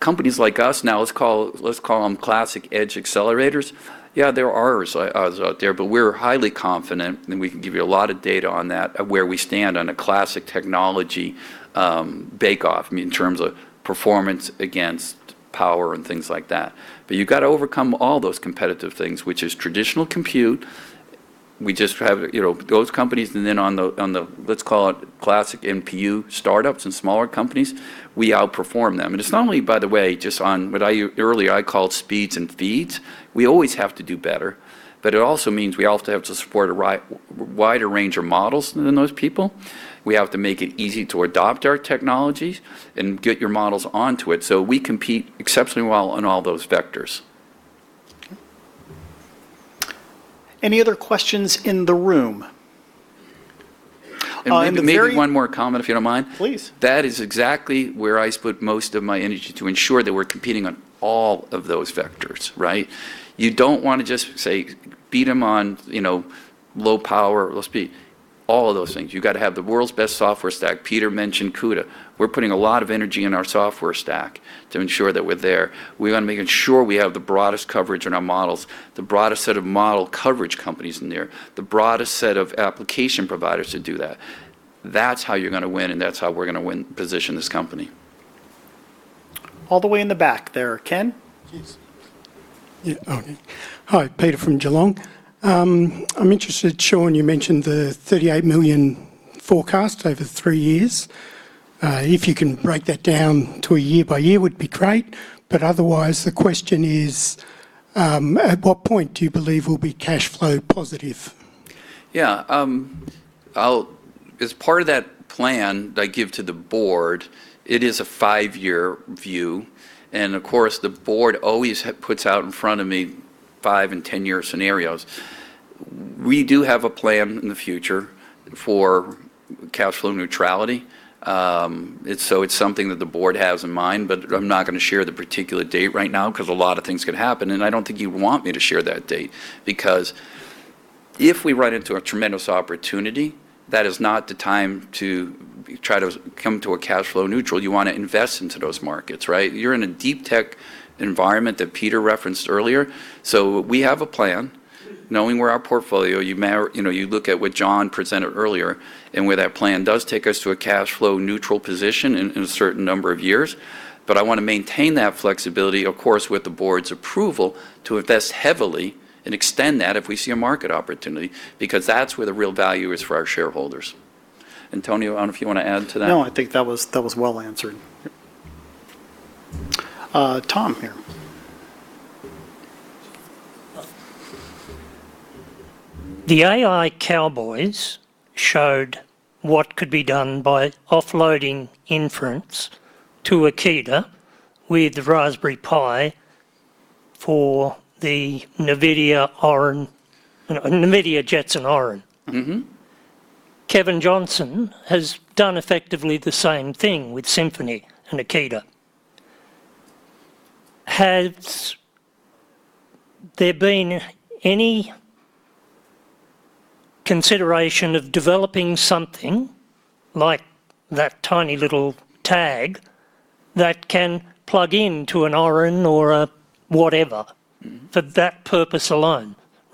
Speaker 4: Companies like us, now let's call, let's call them classic edge accelerators. Yeah, there are others out there, but we're highly confident, and we can give you a lot of data on that, of where we stand on a classic technology, bake-off, I mean, in terms of performance against power and things like that. You gotta overcome all those competitive things, which is traditional compute. We just have, you know, those companies, and then on the, on the, let's call it classic NPU startups and smaller companies, we outperform them. It's not only, by the way, just on what I earlier called speeds and feeds. We always have to do better, but it also means we also have to support a wider range of models than those people. We have to make it easy to adopt our technologies and get your models onto it. We compete exceptionally well on all those vectors.
Speaker 2: Okay. Any other questions in the room?
Speaker 4: Maybe one more comment, if you don't mind.
Speaker 2: Please.
Speaker 4: That is exactly where I put most of my energy to ensure that we're competing on all of those vectors, right? You don't wanna just, say, beat them on, you know, low power or low speed. All of those things. You gotta have the world's best software stack. Peter mentioned CUDA. We're putting a lot of energy in our software stack to ensure that we're there. We wanna make ensure we have the broadest coverage in our models, the broadest set of model coverage companies in there, the broadest set of application providers to do that. That's how you're gonna win, and that's how we're gonna win, position this company.
Speaker 2: All the way in the back there. Ken?
Speaker 7: Yes. Yeah. Okay. Hi, Peter from Geelong. I'm interested, Sean, you mentioned the 38 million forecast over three years. If you can break that down to a year by year, would be great, otherwise, the question is, at what point do you believe we'll be cash flow positive?
Speaker 4: Yeah. As part of that plan that I give to the board, it is a five year view. Of course, the board always puts out in front of me five and 10-year scenarios. We do have a plan in the future for cash flow neutrality. It's something that the board has in mind. I'm not gonna share the particular date right now, because a lot of things could happen. I don't think you want me to share that date. If we run into a tremendous opportunity, that is not the time to try to come to a cash flow neutral. You wanna invest into those markets, right? You're in a deep tech environment that Peter referenced earlier. We have a plan, knowing where our portfolio, You know, you look at what John presented earlier, and where that plan does take us to a cash flow neutral position in a certain number of years. I wanna maintain that flexibility, of course, with the board's approval, to invest heavily and extend that if we see a market opportunity, because that's where the real value is for our shareholders. Antonio, I don't know if you wanna add to that?
Speaker 2: No, I think that was, that was well answered. Yep. Tom here.
Speaker 8: The AI Cowboys showed what could be done by offloading inference to Akida with the Raspberry Pi for the NVIDIA Jetson Orin. Kevin D. Johnson has done effectively the same thing with Symphony and Akida. Has there been any consideration of developing something like that tiny little tag that can plug into an Orin or a whatever. for that purpose alone,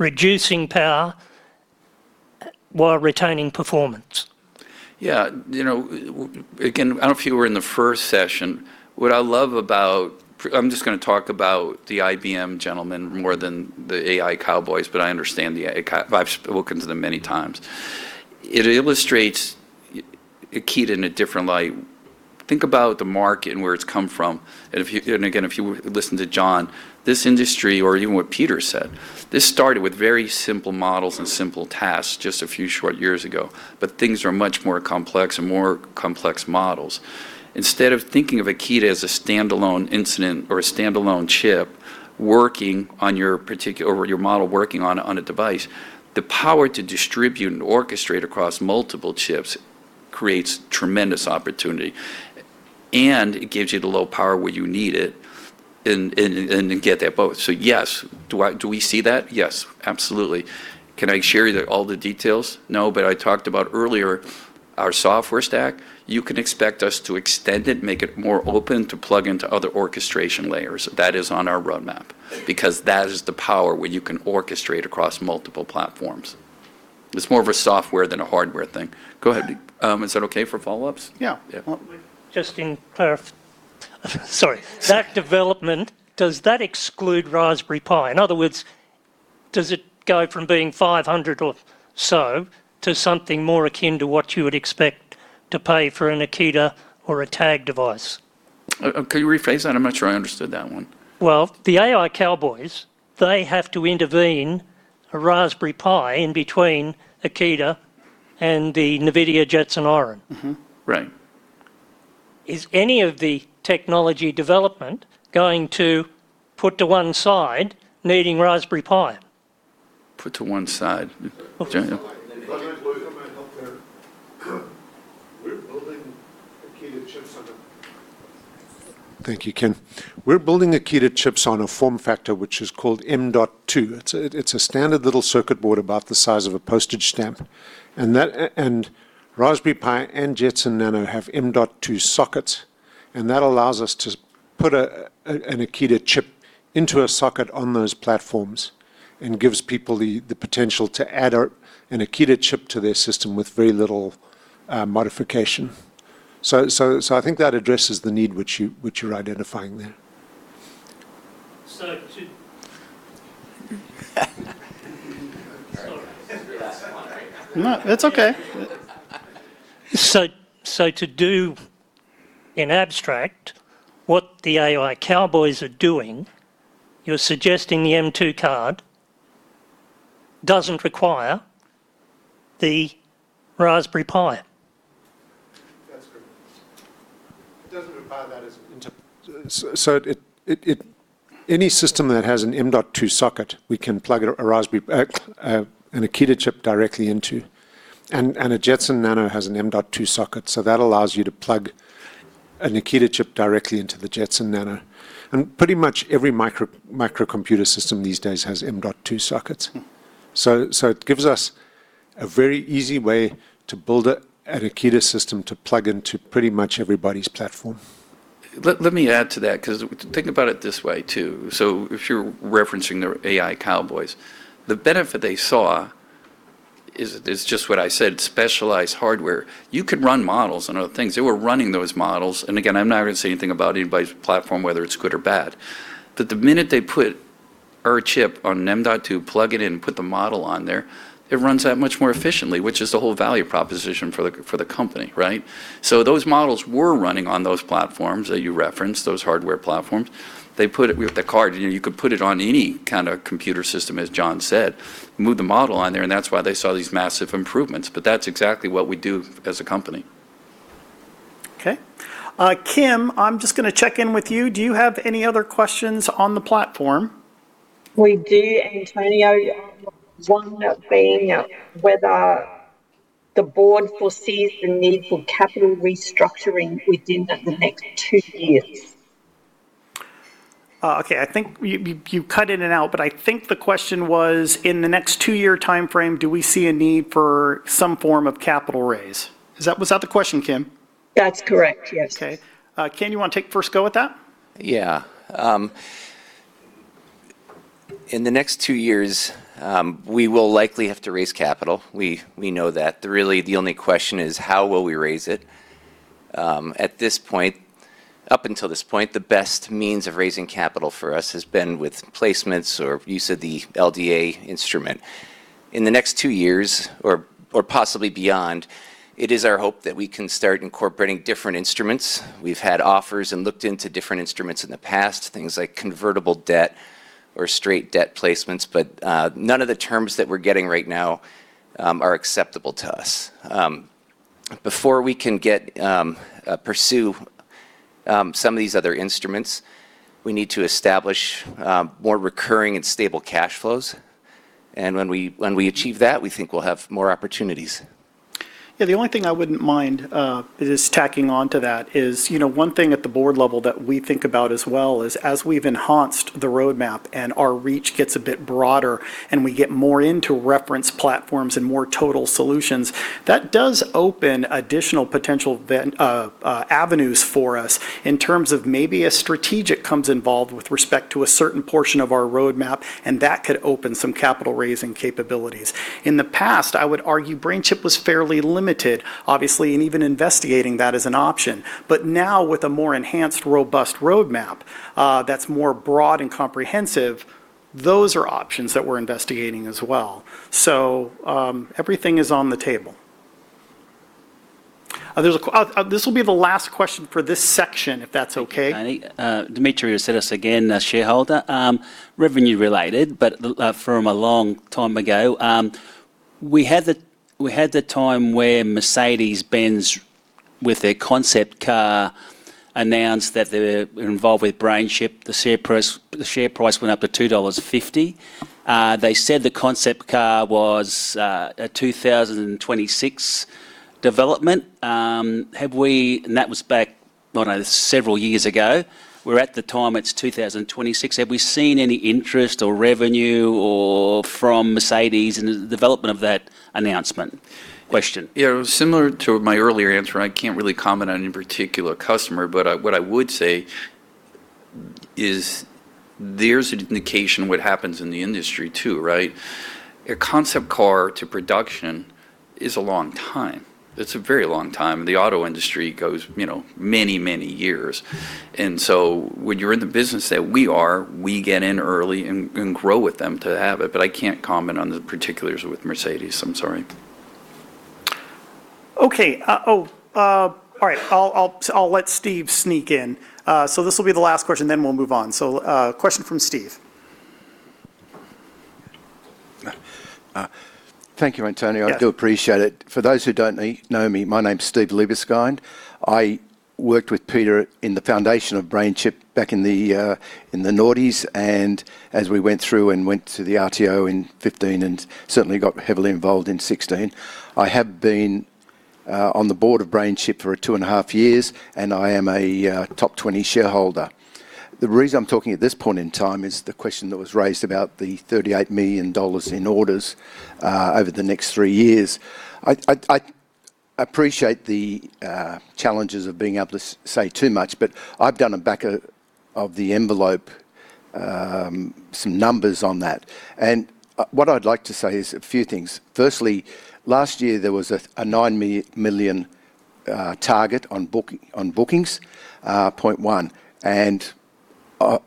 Speaker 8: reducing power while retaining performance?
Speaker 4: Yeah, you know, again, I don't know if you were in the first session. What I love about I'm just gonna talk about the IBM gentleman more than the AI Cowboys, but I understand I've spoken to them many times. It illustrates Akida in a different light. Think about the market and where it's come from. Again, if you listened to John, this industry, or even what Peter said, this started with very simple models and simple tasks just a few short years ago, but things are much more complex models. Instead of thinking of Akida as a standalone incident or a standalone chip working on your model working on a device, the power to distribute and orchestrate across multiple chips creates tremendous opportunity, and it gives you the low power where you need it and get that both. Yes, do we see that? Yes, absolutely. Can I share you the, all the details? No, I talked about earlier our software stack. You can expect us to extend it, make it more open to plug into other orchestration layers. That is on our roadmap because that is the power where you can orchestrate across multiple platforms. It's more of a software than a hardware thing. Go ahead. Is that okay for follow-ups?
Speaker 2: Yeah.
Speaker 4: Yeah.
Speaker 8: Sorry. That development, does that exclude Raspberry Pi? In other words, does it go from being 500 or so to something more akin to what you would expect to pay for an Akida or a [Tech] device?
Speaker 4: Can you rephrase that? I'm not sure I understood that one.
Speaker 8: Well, the AI Cowboys, they have to intervene a Raspberry Pi in between Akida and the NVIDIA Jetson Orin.
Speaker 4: Right.
Speaker 8: Is any of the technology development going to put to one side needing Raspberry Pi?
Speaker 4: Put to one side.
Speaker 8: Okay.
Speaker 9: Come and help there. Thank you, Ken. We're building Akida chips on a form factor which is called M.2. It's a standard little circuit board about the size of a postage stamp, and Raspberry Pi and Jetson Nano have M.2 sockets, and that allows us to put an Akida chip into a socket on those platforms and gives people the potential to add an Akida chip to their system with very little modification. I think that addresses the need which you're identifying there.
Speaker 8: Sorry.
Speaker 2: This is your last one, right?
Speaker 4: No, that's okay.
Speaker 8: To do in abstract what the AI Cowboys are doing, you're suggesting the M.2 card doesn't require the Raspberry Pi?
Speaker 9: That's correct. It doesn't require that as any system that has an M.2 socket we can plug an Akida chip directly into. A Jetson Nano has an M.2 socket, so that allows you to plug an Akida chip directly into the Jetson Nano. Pretty much every microcomputer system these days has M.2 sockets. It gives us a very easy way to build an Akida system to plug into pretty much everybody's platform.
Speaker 4: Let me add to that cause think about it this way too. If you're referencing the AI Cowboys, the benefit they saw is just what I said, specialized hardware. You could run models on other things. They were running those models, and again, I'm not gonna say anything about anybody's platform, whether it's good or bad. The minute they put our chip on an M.2, plug it in, put the model on there, it runs that much more efficiently, which is the whole value proposition for the company, right? Those models were running on those platforms that you referenced, those hardware platforms. They put it with the card, you know, you could put it on any kinda computer system, as John said, move the model on there, and that's why they saw these massive improvements, but that's exactly what we do as a company.
Speaker 2: Okay. Kim, I'm just going to check in with you. Do you have any other questions on the platform?
Speaker 5: We do, Antonio. One being whether the board foresees the need for capital restructuring within the next two years.
Speaker 2: Okay. I think you cut in and out, but I think the question was, in the next two-year timeframe, do we see a need for some form of capital raise? Was that the question, Kim?
Speaker 5: That's correct. Yes.
Speaker 2: Okay. Ken, you wanna take first go at that?
Speaker 10: Yeah. In the next two years, we will likely have to raise capital. We know that. The only question is, how will we raise it? At this point, up until this point, the best means of raising capital for us has been with placements or use of the LDA instrument. In the next two years or possibly beyond, it is our hope that we can start incorporating different instruments. We've had offers and looked into different instruments in the past, things like convertible debt or straight debt placements, but none of the terms that we're getting right now are acceptable to us. Before we can pursue some of these other instruments, we need to establish more recurring and stable cash flows, and when we achieve that, we think we'll have more opportunities.
Speaker 2: Yeah, the only thing I wouldn't mind, just tacking onto that is, you know, one thing at the board level that we think about as well is as we've enhanced the roadmap and our reach gets a bit broader and we get more into reference platforms and more total solutions, that does open additional potential avenues for us in terms of maybe a strategic comes involved with respect to a certain portion of our roadmap. That could open some capital-raising capabilities. In the past, I would argue BrainChip was fairly limited, obviously, in even investigating that as an option, but now with a more enhanced, robust roadmap, that's more broad and comprehensive. Those are options that we're investigating as well. Everything is on the table. There's a question this will be the last question for this section, if that's okay.
Speaker 11: Thank you, Antonio, Dimitri has said us again, a shareholder. Revenue related, but from a long time ago. We had the time where Mercedes-Benz, with their concept car, announced that they were involved with BrainChip. The share price went up to 2.50 dollars. They said the concept car was a 2026 development. Have we And that was back, I don't know, several years ago. We're at the time, it's 2026. Have we seen any interest or revenue or from Mercedes in the development of that announcement? Question?
Speaker 4: Yeah, similar to my earlier answer, I can't really comment on any particular customer. What I would say is there's an indication what happens in the industry too, right? A concept car to production is a long time. It's a very long time. The auto industry goes, you know, many, many years. When you're in the business that we are, we get in early and grow with them to have it. I can't comment on the particulars with Mercedes. I'm sorry.
Speaker 2: Okay. All right. I'll let Steve sneak in. This will be the last question, then we'll move on. Question from Steve.
Speaker 12: Thank you, Antonio.
Speaker 2: Yeah.
Speaker 12: I do appreciate it. For those who don't know me, my name's Steven Liebeskind. I worked with Peter in the foundation of BrainChip back in the noughties, and as we went through and went to the RTO in 2015 and certainly got heavily involved in 2016. I have been on the board of BrainChip for two and a half years, and I am a top 20 shareholder. The reason I'm talking at this point in time is the question that was raised about the 38 million dollars in orders over the next three years. I appreciate the challenges of being able to say too much, but I've done a back of the envelope some numbers on that. What I'd like to say is a few things. Firstly, last year there was a 9 million target on bookings, Point 1,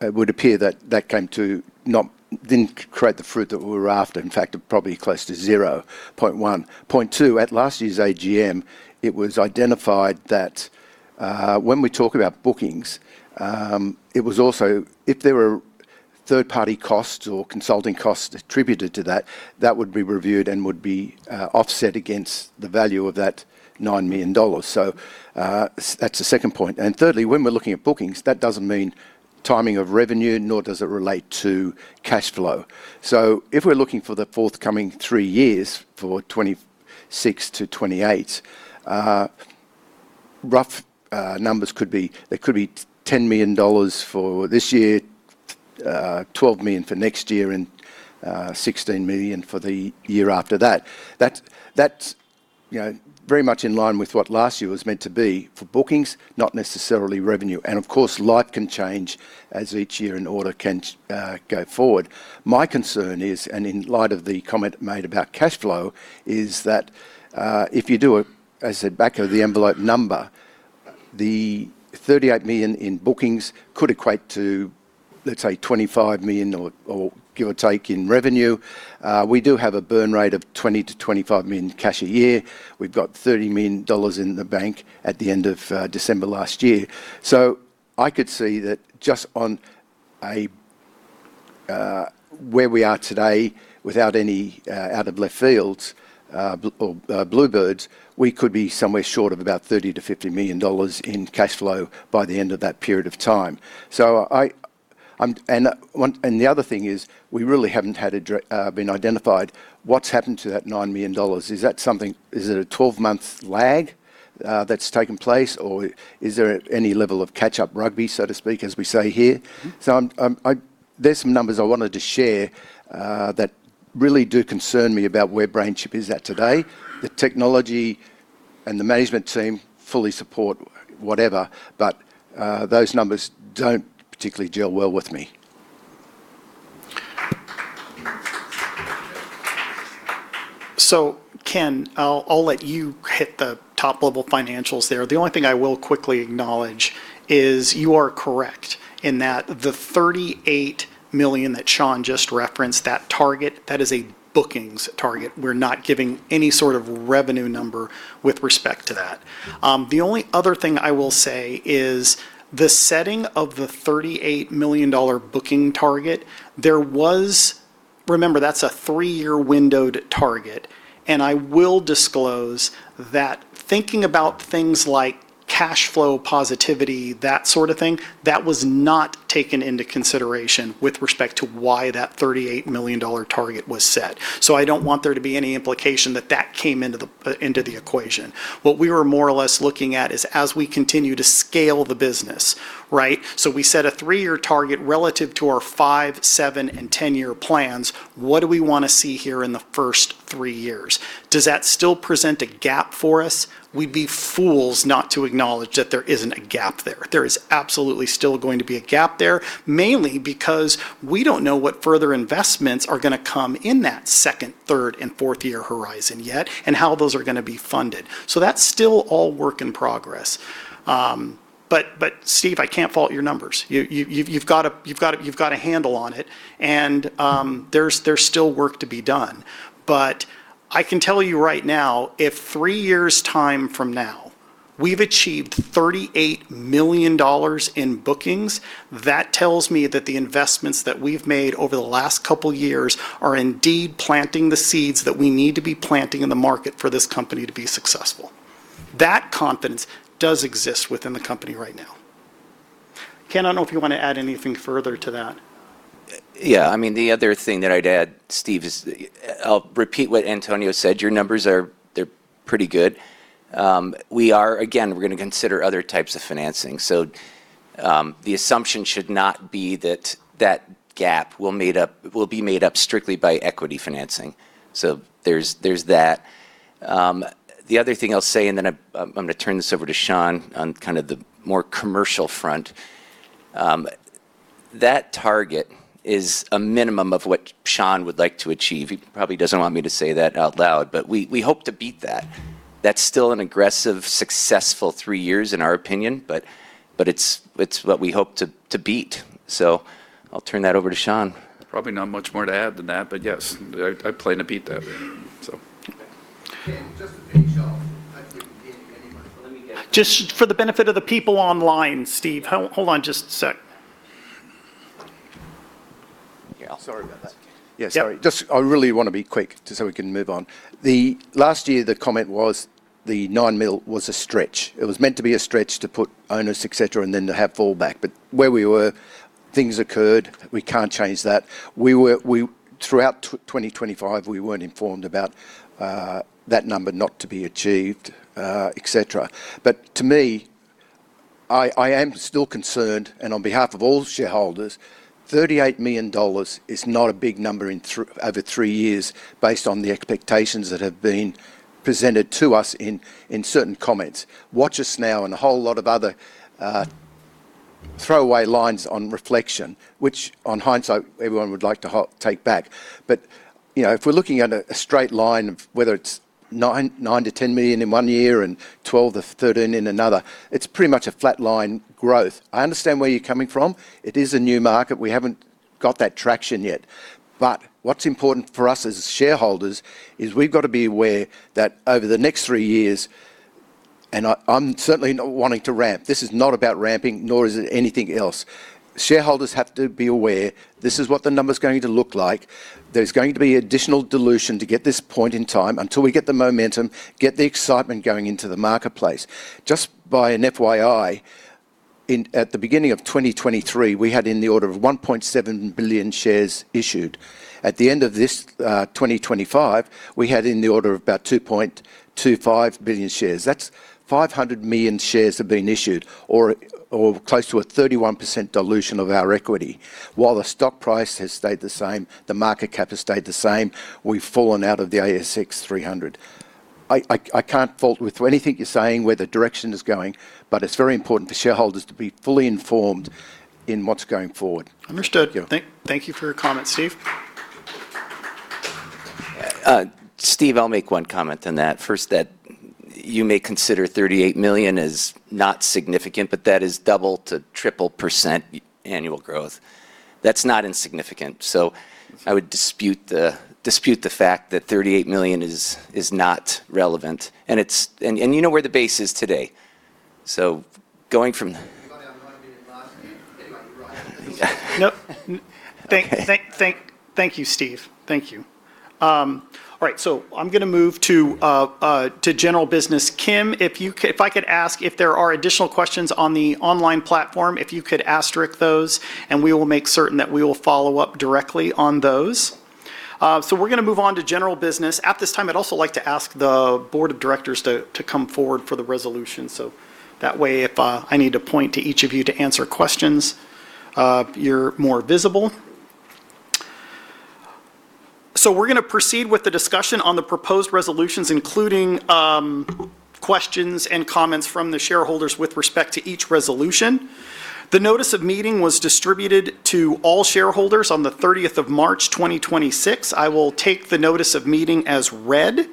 Speaker 12: it would appear that that came to not didn't create the fruit that we were after. In fact, probably close to zero. Point 1. Point 2, at last year's AGM, it was identified that when we talk about bookings, it was also if there were third-party costs or consulting costs attributed to that would be reviewed and would be offset against the value of that 9 million dollars. That's the second point. Thirdly, when we're looking at bookings, that doesn't mean timing of revenue, nor does it relate to cashflow. If we're looking for the forthcoming three years, for 2026 to 2028, numbers could be 10 million dollars for this year, 12 million for next year, and 16 million for the year after that. That's, you know, very much in line with what last year was meant to be for bookings, not necessarily revenue. Of course, life can change as each year and order can go forward. My concern is, and in light of the comment made about cashflow, is that if you do a, as I said, back of the envelope number, the 38 million in bookings could equate to, let's say, 25 million or give or take in revenue. We do have a burn rate of 20 million-25 million cash a year. We've got 30 million dollars in the bank at the end of December last year. I could see that just on a, where we are today, without any out of left fields or bluebirds, we could be somewhere short of about 30 million-50 million dollars in cashflow by the end of that period of time. I'm And, one, and the other thing is we really haven't been identified what's happened to that 9 million dollars. Is that something, is it a 12-month lag that's taken place, or is there any level of catch-up rugby, so to speak, as we say here? I'm, I There's some numbers I wanted to share that really do concern me about where BrainChip is at today. The technology and the management team fully support whatever, but those numbers don't particularly gel well with me.
Speaker 2: Ken, I'll let you hit the top level financials there. The only thing I will quickly acknowledge is you are correct in that the 38 million that Sean just referenced, that target, that is a bookings target. We're not giving any sort of revenue number with respect to that. The only other thing I will say is the setting of the 38 million dollar booking target, Remember, that's a three year windowed target, and I will disclose that thinking about things like cashflow positivity, that sort of thing, that was not taken into consideration with respect to why that 38 million dollar target was set. I don't want there to be any implication that that came into the equation. What we were more or less looking at is as we continue to scale the business, right? We set a three year target relative to our five, seven, and 10-year plans. What do we wanna see here in the 1st three years? Does that still present a gap for us? We'd be fools not to acknowledge that there isn't a gap there. There is absolutely still going to be a gap there, mainly because we don't know what further investments are gonna come in that 2nd, 3rd, and 4th year horizon yet, and how those are gonna be funded. That's still all work in progress. Steven Liebeskind, I can't fault your numbers. You've got a handle on it, and there's still work to be done. I can tell you right now, if three years' time from now we've achieved 38 million dollars in bookings, that tells me that the investments that we've made over the last couple years are indeed planting the seeds that we need to be planting in the market for this company to be successful. That confidence does exist within the company right now. Ken, I don't know if you want to add anything further to that.
Speaker 10: The other thing that I'd add, Steve, is, I'll repeat what Antonio said, your numbers are pretty good. Again, we're going to consider other types of financing, the assumption should not be that that gap will be made up strictly by equity financing. There's that. The other thing I'll say, and then I'm going to turn this over to Sean on kind of the more commercial front, that target is a minimum of what Sean would like to achieve. He probably doesn't want me to say that out loud, we hope to beat that. That's still an aggressive, successful three years in our opinion, but it's what we hope to beat. I'll turn that over to Sean.
Speaker 4: Probably not much more to add than that, but yes, I plan to beat that.
Speaker 12: Ken, just to finish off, I didn't hear anybody-
Speaker 2: Let me get Just for the benefit of the people online, Steve. Hold on just a sec. Yeah.
Speaker 12: Sorry about that.
Speaker 2: Yep.
Speaker 12: Yeah, sorry. I really want to be quick just so we can move on. The last year, the comment was the 9 million was a stretch. It was meant to be a stretch to put owners, et cetera, and then to have fallback. Where we were, things occurred. We can't change that. We were Throughout 2025, we weren't informed about that number not to be achieved, et cetera. To me, I am still concerned, and on behalf of all shareholders, 338 million dollars is not a big number in over three years based on the expectations that have been presented to us in certain comments. Watch us now and a whole lot of other throwaway lines on reflection, which on hindsight everyone would like to take back. You know, if we're looking at a straight line of whether it's 9 million-10 million in one year and 12 million-13 million in another, it's pretty much a flatline growth. I understand where you're coming from. It is a new market. We haven't got that traction yet. What's important for us as shareholders is we've got to be aware that over the next three years, and I'm certainly not wanting to ramp, this is not about ramping nor is it anything else. Shareholders have to be aware this is what the number's going to look like. There's going to be additional dilution to get this point in time until we get the momentum, get the excitement going into the marketplace. Just by an FYI, at the beginning of 2023, we had in the order of 1.7 billion shares issued. At the end of this 2025, we had in the order of about 2.25 billion shares. That's 500 million shares have been issued or close to a 31% dilution of our equity. While the stock price has stayed the same, the market cap has stayed the same, we've fallen out of the ASX 300. I can't fault with anything you're saying where the direction is going, but it's very important for shareholders to be fully informed in what's going forward.
Speaker 2: Understood.
Speaker 12: Thank you.
Speaker 2: Thank you for your comment, Steve.
Speaker 10: Steve, I'll make 1 comment on that. First, that you may consider 38 million as not significant. That is double to triple percentage annual growth. That's not insignificant. I would dispute the fact that 38 million is not relevant, and it's and you know where the base is today.
Speaker 12: If anybody had known it'd been last year, anyway, you're right.
Speaker 2: Nope.
Speaker 10: Okay.
Speaker 2: Thank you, Steve. Thank you. All right, I'm gonna move to general business. Kim, if I could ask if there are additional questions on the online platform, if you could asterisk those, we will make certain that we will follow up directly on those. We're gonna move on to general business. At this time, I'd also like to ask the board of directors to come forward for the resolution so that way if I need to point to each of you to answer questions, you're more visible. We're gonna proceed with the discussion on the proposed resolutions, including questions and comments from the shareholders with respect to each resolution. The notice of meeting was distributed to all shareholders on the 30th of March, 2026. I will take the notice of meeting as read.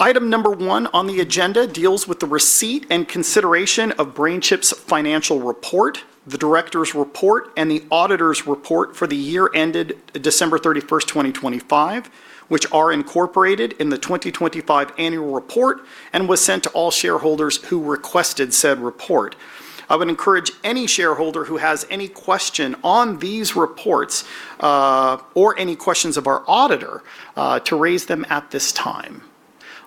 Speaker 2: Item number 1 on the agenda deals with the receipt and consideration of BrainChip's financial report, the director's report, and the auditor's report for the year ended December 31st, 2025, which are incorporated in the 2025 annual report and was sent to all shareholders who requested said report. I would encourage any shareholder who has any question on these reports, or any questions of our auditor, to raise them at this time.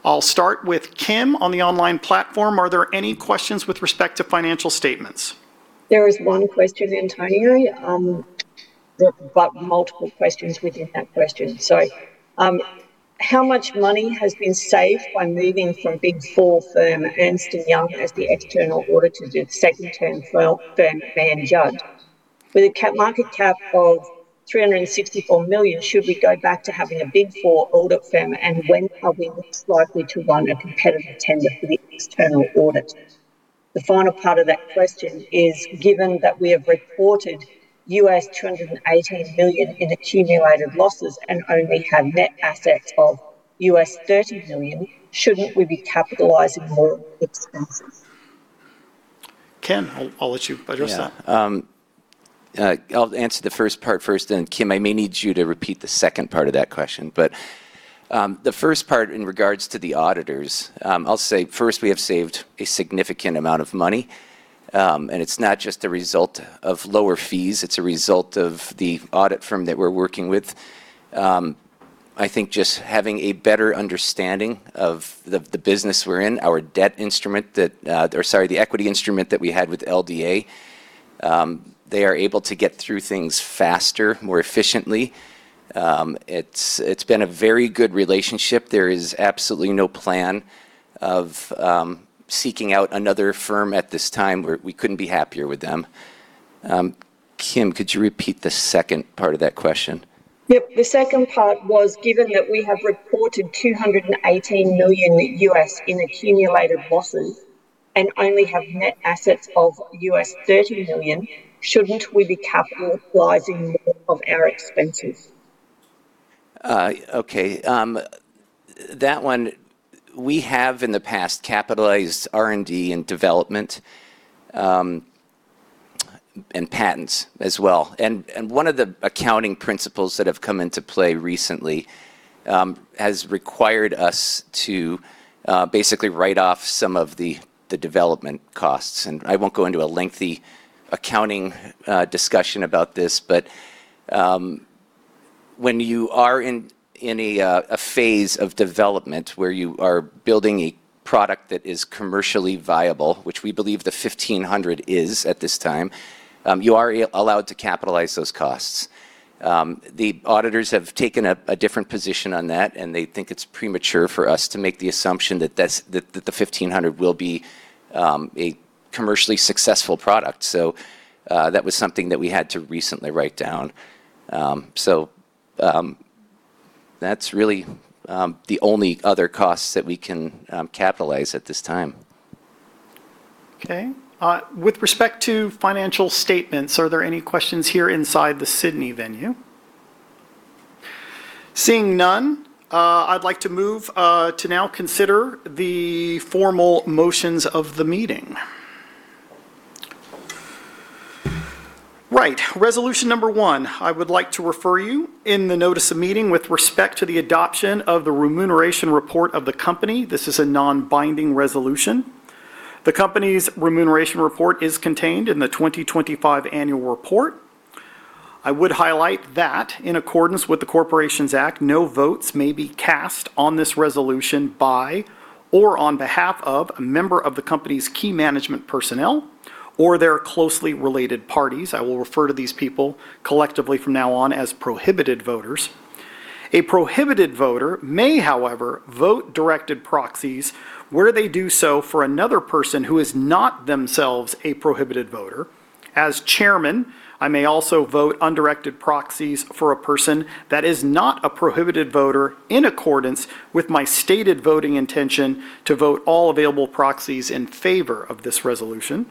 Speaker 2: I'll start with Kim on the online platform. Are there any questions with respect to financial statements?
Speaker 5: There is one question, Antonio, multiple questions within that question. How much money has been saved by moving from Big Four firm Ernst & Young as the external auditor to the second-tier firm, HLB Mann Judd? With a market cap of 364 million, should we go back to having a Big Four audit firm, and when are we most likely to run a competitive tender for the external audit? The final part of that question is, given that we have reported $218 million in accumulated losses and only have net assets of $30 million, shouldn't we be capitalizing more expenses?
Speaker 2: Ken, I'll let you address that.
Speaker 10: I'll answer the first part first, then Kim, I may need you to repeat the second part of that question. The first part in regards to the auditors, I'll say first we have saved a significant amount of money, and it's not just a result of lower fees, it's a result of the audit firm that we're working with. I think just having a better understanding of the business we're in, our debt instrument that or sorry, the equity instrument that we had with LDA, they are able to get through things faster, more efficiently. It's been a very good relationship. There is absolutely no plan of seeking out another firm at this time. We couldn't be happier with them. Kim, could you repeat the second part of that question?
Speaker 5: Yep. The second part was, given that we have reported $218 million in accumulated losses and only have net assets of $30 million, shouldn't we be capitalizing more of our expenses?
Speaker 10: Okay. That one, we have in the past capitalized R&D and development, and patents as well. One of the accounting principles that have come into play recently, has required us to, basically write off some of the development costs. I won't go into a lengthy accounting, discussion about this, but, when you are in a phase of development where you are building a product that is commercially viable, which we believe the 1500 is at this time, you are allowed to capitalize those costs. The auditors have taken a different position on that, and they think it's premature for us to make the assumption that the 1500 will be, a commercially successful product. That was something that we had to recently write down. That's really the only other costs that we can capitalize at this time.
Speaker 2: Okay. With respect to financial statements, are there any questions here inside the Sydney venue? Seeing none, I'd like to move to now consider the formal motions of the meeting. Right. Resolution number one, I would like to refer you in the notice of meeting with respect to the adoption of the remuneration report of the company. This is a non-binding resolution. The company's remuneration report is contained in the 2025 annual report. I would highlight that in accordance with the Corporations Act, no votes may be cast on this resolution by, or on behalf of, a member of the company's key management personnel or their closely related parties. I will refer to these people collectively from now on as prohibited voters. A prohibited voter may, however, vote directed proxies where they do so for another person who is not themselves a prohibited voter. As chairman, I may also vote undirected proxies for a person that is not a prohibited voter in accordance with my stated voting intention to vote all available proxies in favor of this resolution.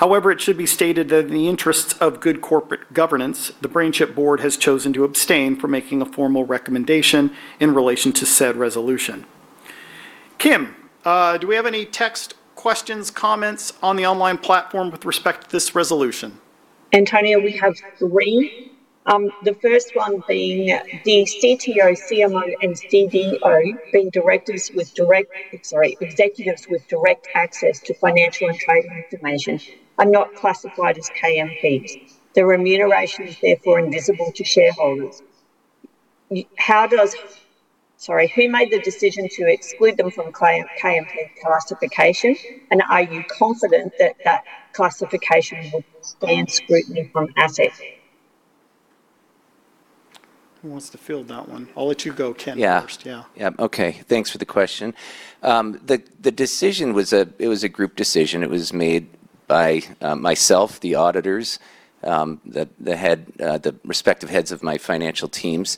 Speaker 2: It should be stated that in the interests of good corporate governance, the BrainChip Board has chosen to abstain from making a formal recommendation in relation to said resolution. Kim, do we have any text questions, comments on the online platform with respect to this resolution?
Speaker 5: Antonio, we have three. The first one being the CTO, CMO, and DDO, being executives with direct access to financial and trading information, are not classified as KMPs. Their remuneration is therefore invisible to shareholders. Who made the decision to exclude them from KMP classification, and are you confident that that classification will stand scrutiny from ASX?
Speaker 2: Who wants to field that one? I'll let you go, Ken, first.
Speaker 10: Yeah.
Speaker 2: Yeah.
Speaker 10: Yeah. Okay. Thanks for the question. The decision was a group decision. It was made by myself, the auditors, the respective heads of my financial teams.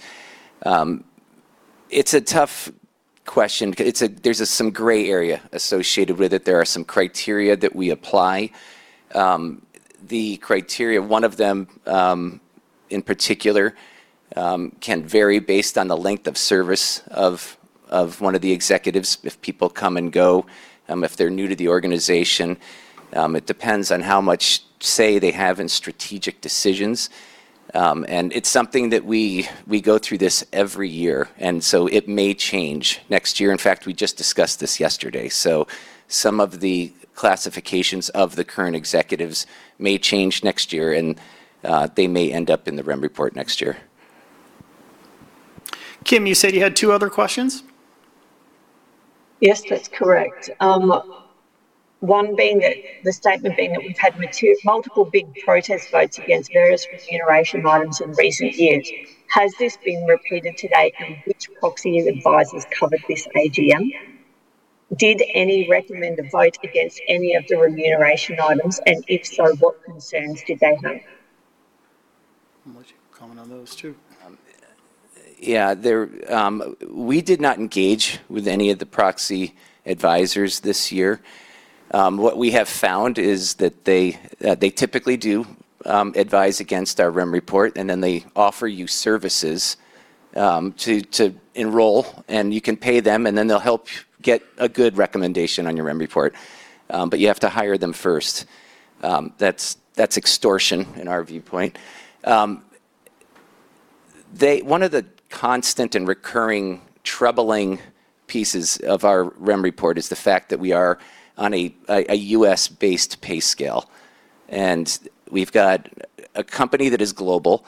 Speaker 10: It's a tough question. There's some gray area associated with it. There are some criteria that we apply. The criteria, one of them, in particular, can vary based on the length of service of one of the executives, if people come and go, if they're new to the organization. It depends on how much say they have in strategic decisions. It's something that we go through this every year. It may change next year. In fact, we just discussed this yesterday. Some of the classifications of the current executives may change next year, and they may end up in the REM report next year.
Speaker 2: Kim, you said you had two other questions?
Speaker 5: Yes, that's correct. One being that the statement being that we've had multiple big protest votes against various remuneration items in recent years. Has this been repeated to date, and which proxy advisors covered this AGM? Did any recommend a vote against any of the remuneration items, and if so, what concerns did they have?
Speaker 2: On those 2.
Speaker 10: Yeah, there, we did not engage with any of the proxy advisors this year. What we have found is that they typically do advise against our REM report, and then they offer you services to enroll, and you can pay them, and then they'll help get a good recommendation on your REM report. You have to hire them first. That's extortion in our viewpoint. One of the constant and recurring troubling pieces of our REM report is the fact that we are on a U.S.-based pay scale, and we've got a company that is global.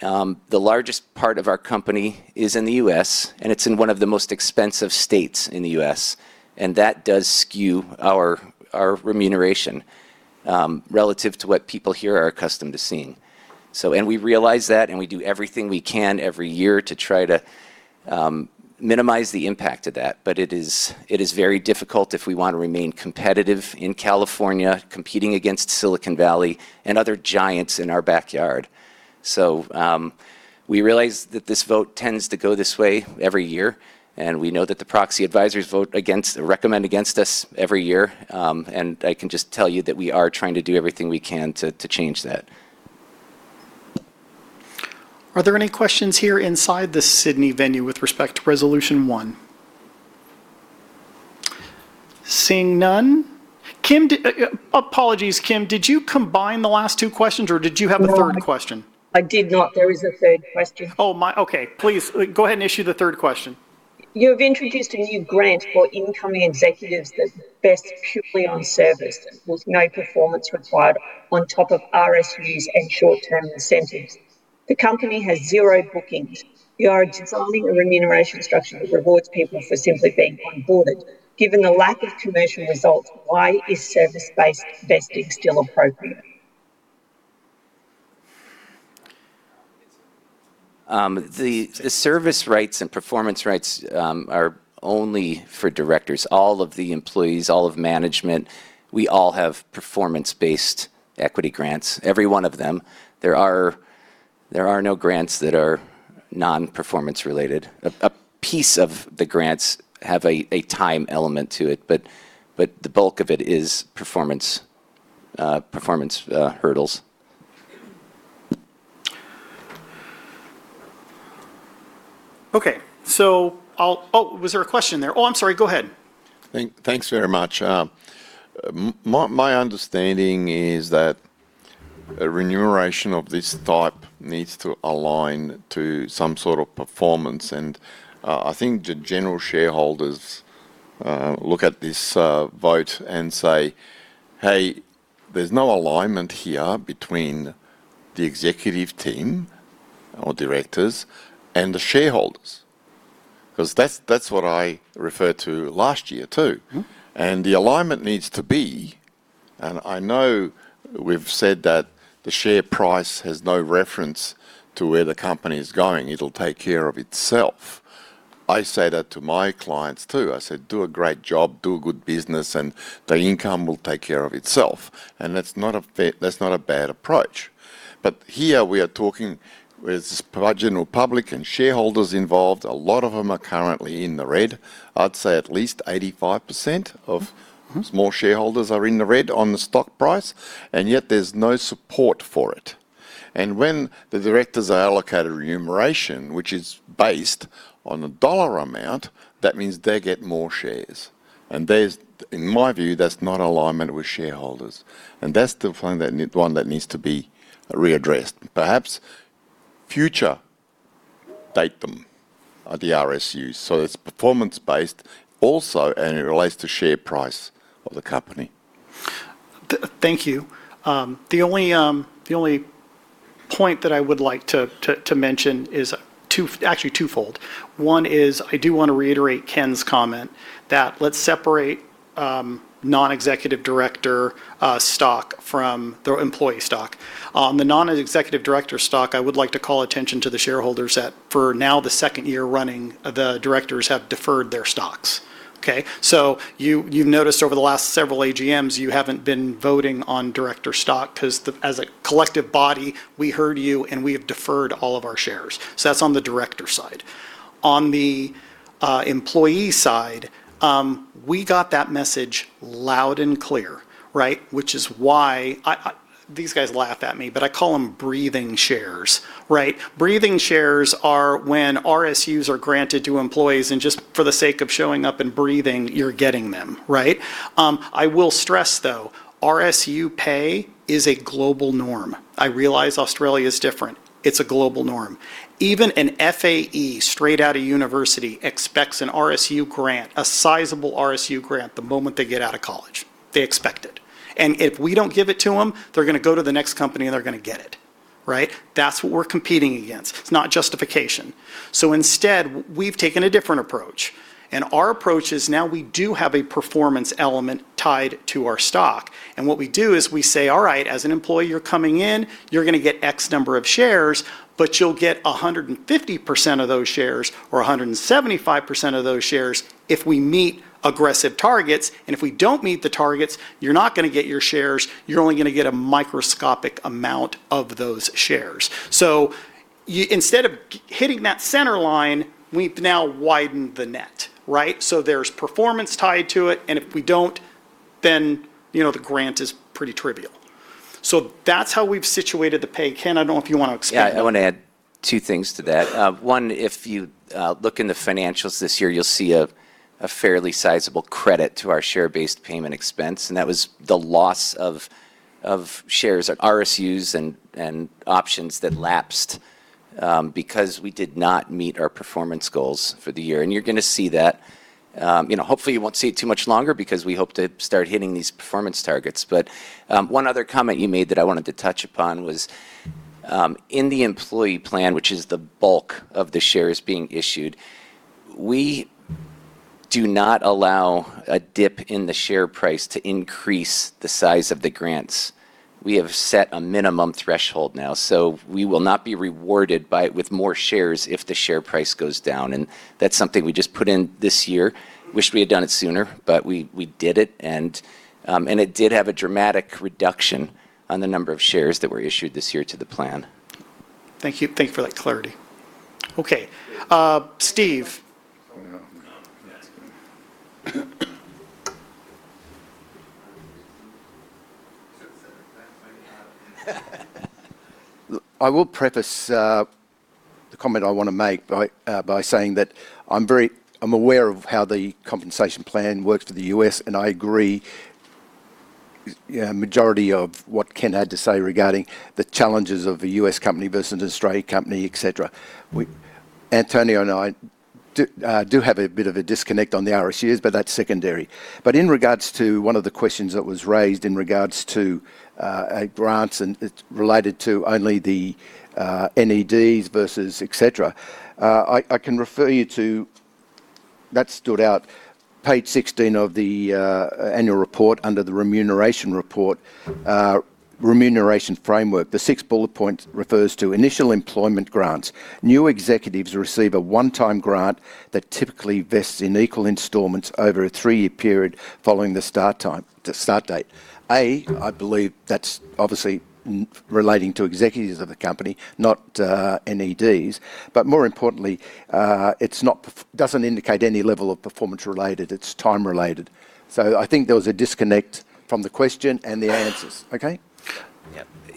Speaker 10: The largest part of our company is in the U.S., and it's in one of the most expensive states in the U.S., and that does skew our remuneration relative to what people here are accustomed to seeing. And we realize that, and we do everything we can every year to try to minimize the impact of that. It is very difficult if we want to remain competitive in California, competing against Silicon Valley and other giants in our backyard. We realize that this vote tends to go this way every year, and we know that the proxy advisors vote against, recommend against us every year. And I can just tell you that we are trying to do everything we can to change that.
Speaker 2: Are there any questions here inside the Sydney venue with respect to resolution 1? Seeing none. Kim, apologies, Kim. Did you combine the last two questions, or did you have a third question?
Speaker 5: No, I did not. There is a third question.
Speaker 2: Oh my. Okay. Please, go ahead and issue the third question.
Speaker 5: You've introduced a new grant for incoming executives that vests purely on service with no performance required on top of RSUs and short-term incentives. The company has zero bookings. You are designing a remuneration structure that rewards people for simply being onboarded. Given the lack of commercial results, why is service-based vesting still appropriate?
Speaker 10: The service rights and performance rights are only for directors. All of the employees, all of management, we all have performance-based equity grants, every one of them. There are no grants that are non-performance related. A piece of the grants have a time element to it, but the bulk of it is performance hurdles.
Speaker 2: Okay, I'll Oh, was there a question there? Oh, I'm sorry. Go ahead.
Speaker 13: Thanks very much. My understanding is that a remuneration of this type needs to align to some sort of performance. I think the general shareholders look at this vote and say, "Hey, there's no alignment here between the executive team or directors and the shareholders." 'Cause that's what I referred to last year, too. The alignment needs to be, and I know we've said that the share price has no reference to where the company is going. It'll take care of itself. I say that to my clients, too. I said, "Do a great job, do a good business, and the income will take care of itself." That's not a bad approach. Here we are talking with the general public and shareholders involved. A lot of them are currently in the red. I'd say at least 85%. Small shareholders are in the red on the stock price, yet there's no support for it. When the directors are allocated remuneration, which is based on an AUD amount, that means they get more shares. There's, in my view, that's not alignment with shareholders, and that's the thing, one that needs to be readdressed. Perhaps future date them the RSUs, so it's performance-based also, and it relates to share price of the company.
Speaker 2: Thank you. The only point that I would like to mention is actually twofold. One is I do wanna reiterate Ken's comment that let's separate non-executive director stock from the employee stock. The non-executive director stock, I would like to call attention to the shareholders that for now the second year running, the directors have deferred their stocks. Okay? You've noticed over the last several AGMs, you haven't been voting on director stock 'cause, as a collective body, we heard you, and we have deferred all of our shares. That's on the director side. On the employee side, we got that message loud and clear, right? Which is why I, these guys laugh at me, but I call them breathing shares, right? Breathing shares are when RSUs are granted to employees, and just for the sake of showing up and breathing, you're getting them, right? I will stress, though, RSU pay is a global norm. I realize Australia is different. It's a global norm. Even an FAE straight out of university expects an RSU grant, a sizable RSU grant, the moment they get out of college. They expect it. If we don't give it to them, they're gonna go to the next company, and they're gonna get it, right? That's what we're competing against. It's not justification. Instead, we've taken a different approach, and our approach is now we do have a performance element tied to our stock. What we do is we say, "All right. As an employee, you're coming in. You're gonna get X number of shares, but you'll get 150% of those shares or 175% of those shares if we meet aggressive targets. If we don't meet the targets, you're not gonna get your shares. You're only gonna get a microscopic amount of those shares. Instead of hitting that center line, we've now widened the net, right? There's performance tied to it, and if we don't, then, you know, the grant is pretty trivial. That's how we've situated the pay. Ken, I don't know if you wanna explain that.
Speaker 10: Yeah, I wanna add two things to that. One, if you look in the financials this year, you'll see a fairly sizable credit to our share-based payment expense, and that was the loss of shares, RSUs and options that lapsed because we did not meet our performance goals for the year. You're gonna see that, You know, hopefully you won't see it too much longer because we hope to start hitting these performance targets. One other comment you made that I wanted to touch upon was, in the employee plan, which is the bulk of the shares being issued, we do not allow a dip in the share price to increase the size of the grants. We have set a minimum threshold now. We will not be rewarded with more shares if the share price goes down, and that's something we just put in this year. Wish we had done it sooner, but we did it, and it did have a dramatic reduction on the number of shares that were issued this year to the plan.
Speaker 2: Thank you. Thank you for that clarity. Okay. Steve.
Speaker 12: Look, I will preface the comment I wanna make by saying that I'm aware of how the compensation plan works for the U.S., I agree, majority of what Ken had to say regarding the challenges of a U.S. company versus an Australian company, et cetera. We Antonio and I do have a bit of a disconnect on the RSUs, That's secondary. In regards to one of the questions that was raised in regards to grants and it's related to only the NEDs versus et cetera, I can refer you to, that stood out, page 16 of the annual report under the remuneration report, remuneration framework. The sixth bullet point refers to initial employment grants. New executives receive a one-time grant that typically vests in equal installments over a three-year period following the start date. I believe that's obviously relating to executives of the company, not NEDs. But more importantly, doesn't indicate any level of performance related. It's time related. I think there was a disconnect from the question and the answers. Okay?
Speaker 10: Yeah. Yeah.
Speaker 2: You want. Okay.
Speaker 10: He's correct.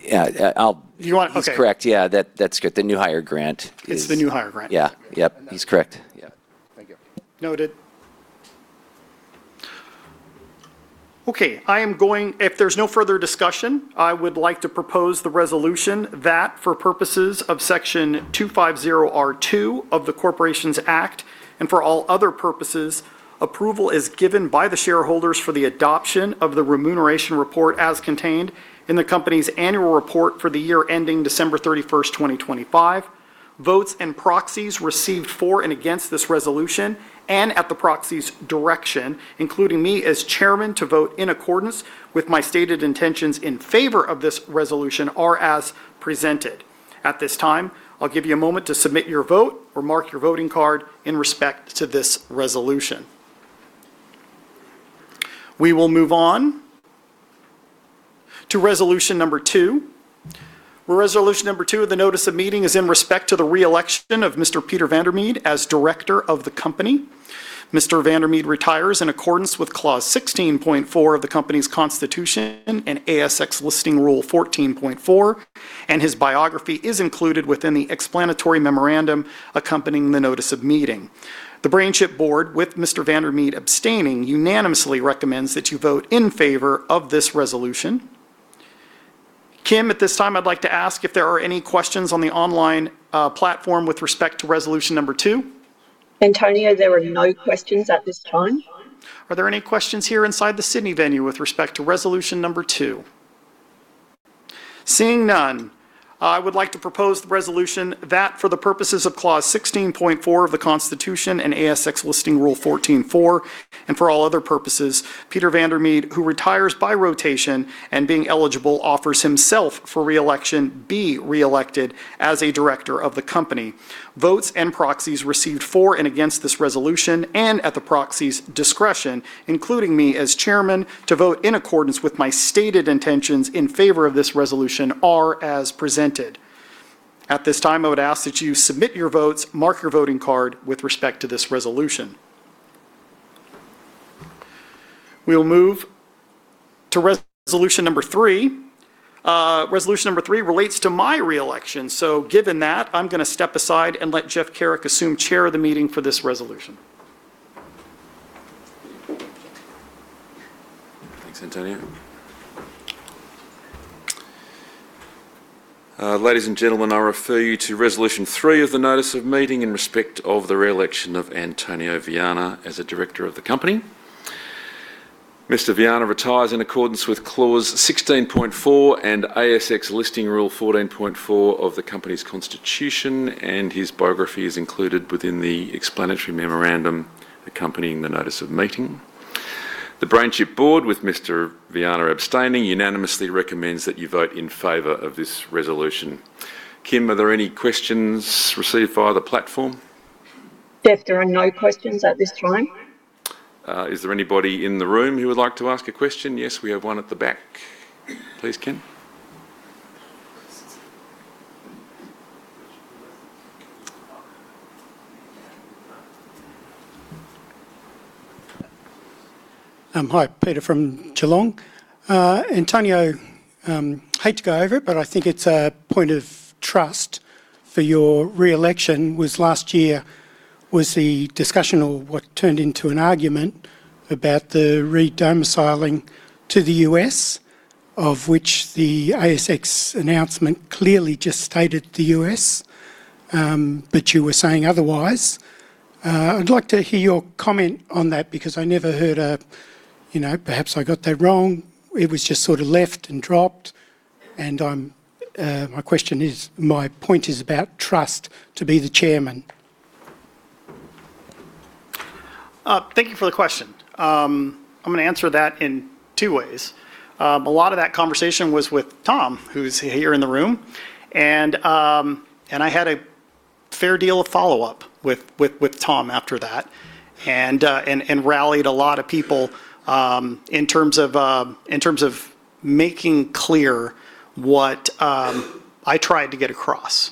Speaker 10: Yeah. That's good. The new hire grant is.
Speaker 2: It's the new hire grant.
Speaker 10: Yeah. Yep, he's correct. Yeah.
Speaker 12: Thank you.
Speaker 2: Noted. Okay. If there's no further discussion, I would like to propose the resolution that, for purposes of Section 250R(2) of the Corporations Act, and for all other purposes, approval is given by the shareholders for the adoption of the Remuneration Report as contained in the company's Annual Report for the year ending December 31st, 2025. Votes and proxies received for and against this resolution, and at the proxy's direction, including me as Chairman to vote in accordance with my stated intentions in favor of this resolution, are as presented. At this time, I'll give you a moment to submit your vote or mark your voting card in respect to this resolution. We will move on to Resolution number 2, where Resolution number 2 of the notice of meeting is in respect to the reelection of Mr. Peter van der Made as Director of the company. Mr. Peter van der Made retires in accordance with Clause 16.4 of the company's constitution and ASX Listing Rule 14.4, and his biography is included within the explanatory memorandum accompanying the notice of meeting. The BrainChip board, with Mr. Peter van der Made abstaining, unanimously recommends that you vote in favor of this resolution. Kim, at this time I'd like to ask if there are any questions on the online platform with respect to resolution number 2.
Speaker 5: Antonio, there are no questions at this time.
Speaker 2: Are there any questions here inside the Sydney venue with respect to resolution number 2? Seeing none, I would like to propose the resolution that, for the purposes of Clause 16.4 of the Constitution and ASX Listing Rule 14.4, and for all other purposes, Peter van der Made, who retires by rotation and being eligible offers himself for reelection, be reelected as a director of the company. Votes and proxies received for and against this resolution, and at the proxy's discretion, including me as chairman, to vote in accordance with my stated intentions in favor of this resolution, are as presented. At this time, I would ask that you submit your votes, mark your voting card with respect to this resolution. We will move to resolution number 3. Resolution number 3 relates to my reelection. Given that, I'm gonna step aside and let Geoff Carrick assume chair of the meeting for this resolution.
Speaker 1: Thanks, Antonio. ladies and gentlemen, I refer you to resolution 3 of the notice of meeting in respect of the reelection of Antonio Viana as a director of the company. Mr. Viana retires in accordance with Clause 16.4 and ASX Listing Rule 14.4 of the company's constitution, and his biography is included within the explanatory memorandum accompanying the notice of meeting. The BrainChip board, with Mr. Viana abstaining, unanimously recommends that you vote in favor of this resolution. Kim, are there any questions received via the platform?
Speaker 5: Beth, there are no questions at this time.
Speaker 1: Is there anybody in the room who would like to ask a question? Yes, we have one at the back. Please, Ken.
Speaker 7: Hi. Peter from Geelong. Antonio, hate to go over it, but I think it's a point of trust for your re-election, was last year was the discussion or what turned into an argument about the re-domiciling to the U.S., of which the ASX announcement clearly just stated the U.S., but you were saying otherwise. I'd like to hear your comment on that because I never heard a, you know. Perhaps I got that wrong. It was just sort of left and dropped and, my question is, my point is about trust to be the Chairman.
Speaker 2: Thank you for the question. I'm gonna answer that in two ways. A lot of that conversation was with Tom, who's here in the room, and I had a fair deal of follow-up with Tom after that. Rallied a lot of people in terms of making clear what I tried to get across.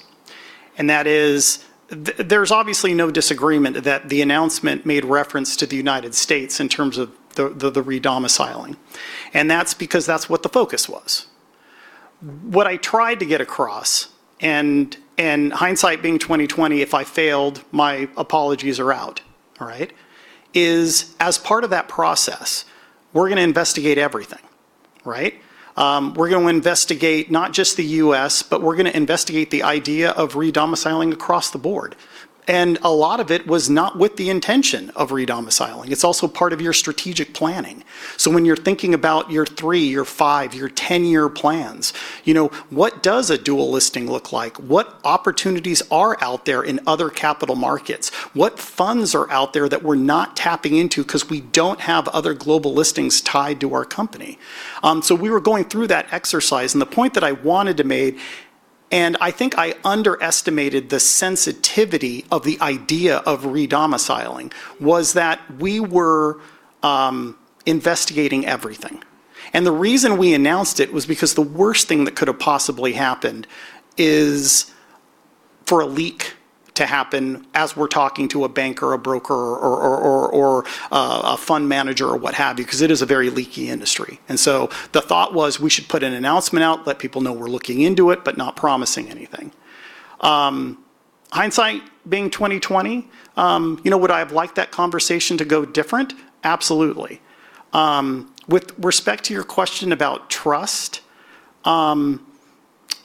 Speaker 2: That is there's obviously no disagreement that the announcement made reference to the United States in terms of the re-domiciling, and that's because that's what the focus was. What I tried to get across, and hindsight being 20/20, if I failed, my apologies are out, all right. As part of that process, we're gonna investigate everything, right. We're gonna investigate not just the U.S., but we're gonna investigate the idea of re-domiciling across the board. A lot of it was not with the intention of re-domiciling. When you're thinking about your 3, your five, your 10-year plans, you know, what does a dual listing look like? What opportunities are out there in other capital markets? What funds are out there that we're not tapping into 'cause we don't have other global listings tied to our company? We were going through that exercise, and the point that I wanted to make, and I think I underestimated the sensitivity of the idea of re-domiciling, was that we were investigating everything. The reason we announced it was because the worst thing that could have possibly happened is for a leak to happen as we're talking to a bank or a broker or a fund manager or what have you, 'cause it is a very leaky industry. The thought was we should put an announcement out, let people know we're looking into it, but not promising anything. Hindsight being 20/20, would I have liked that conversation to go different? Absolutely. With respect to your question about trust,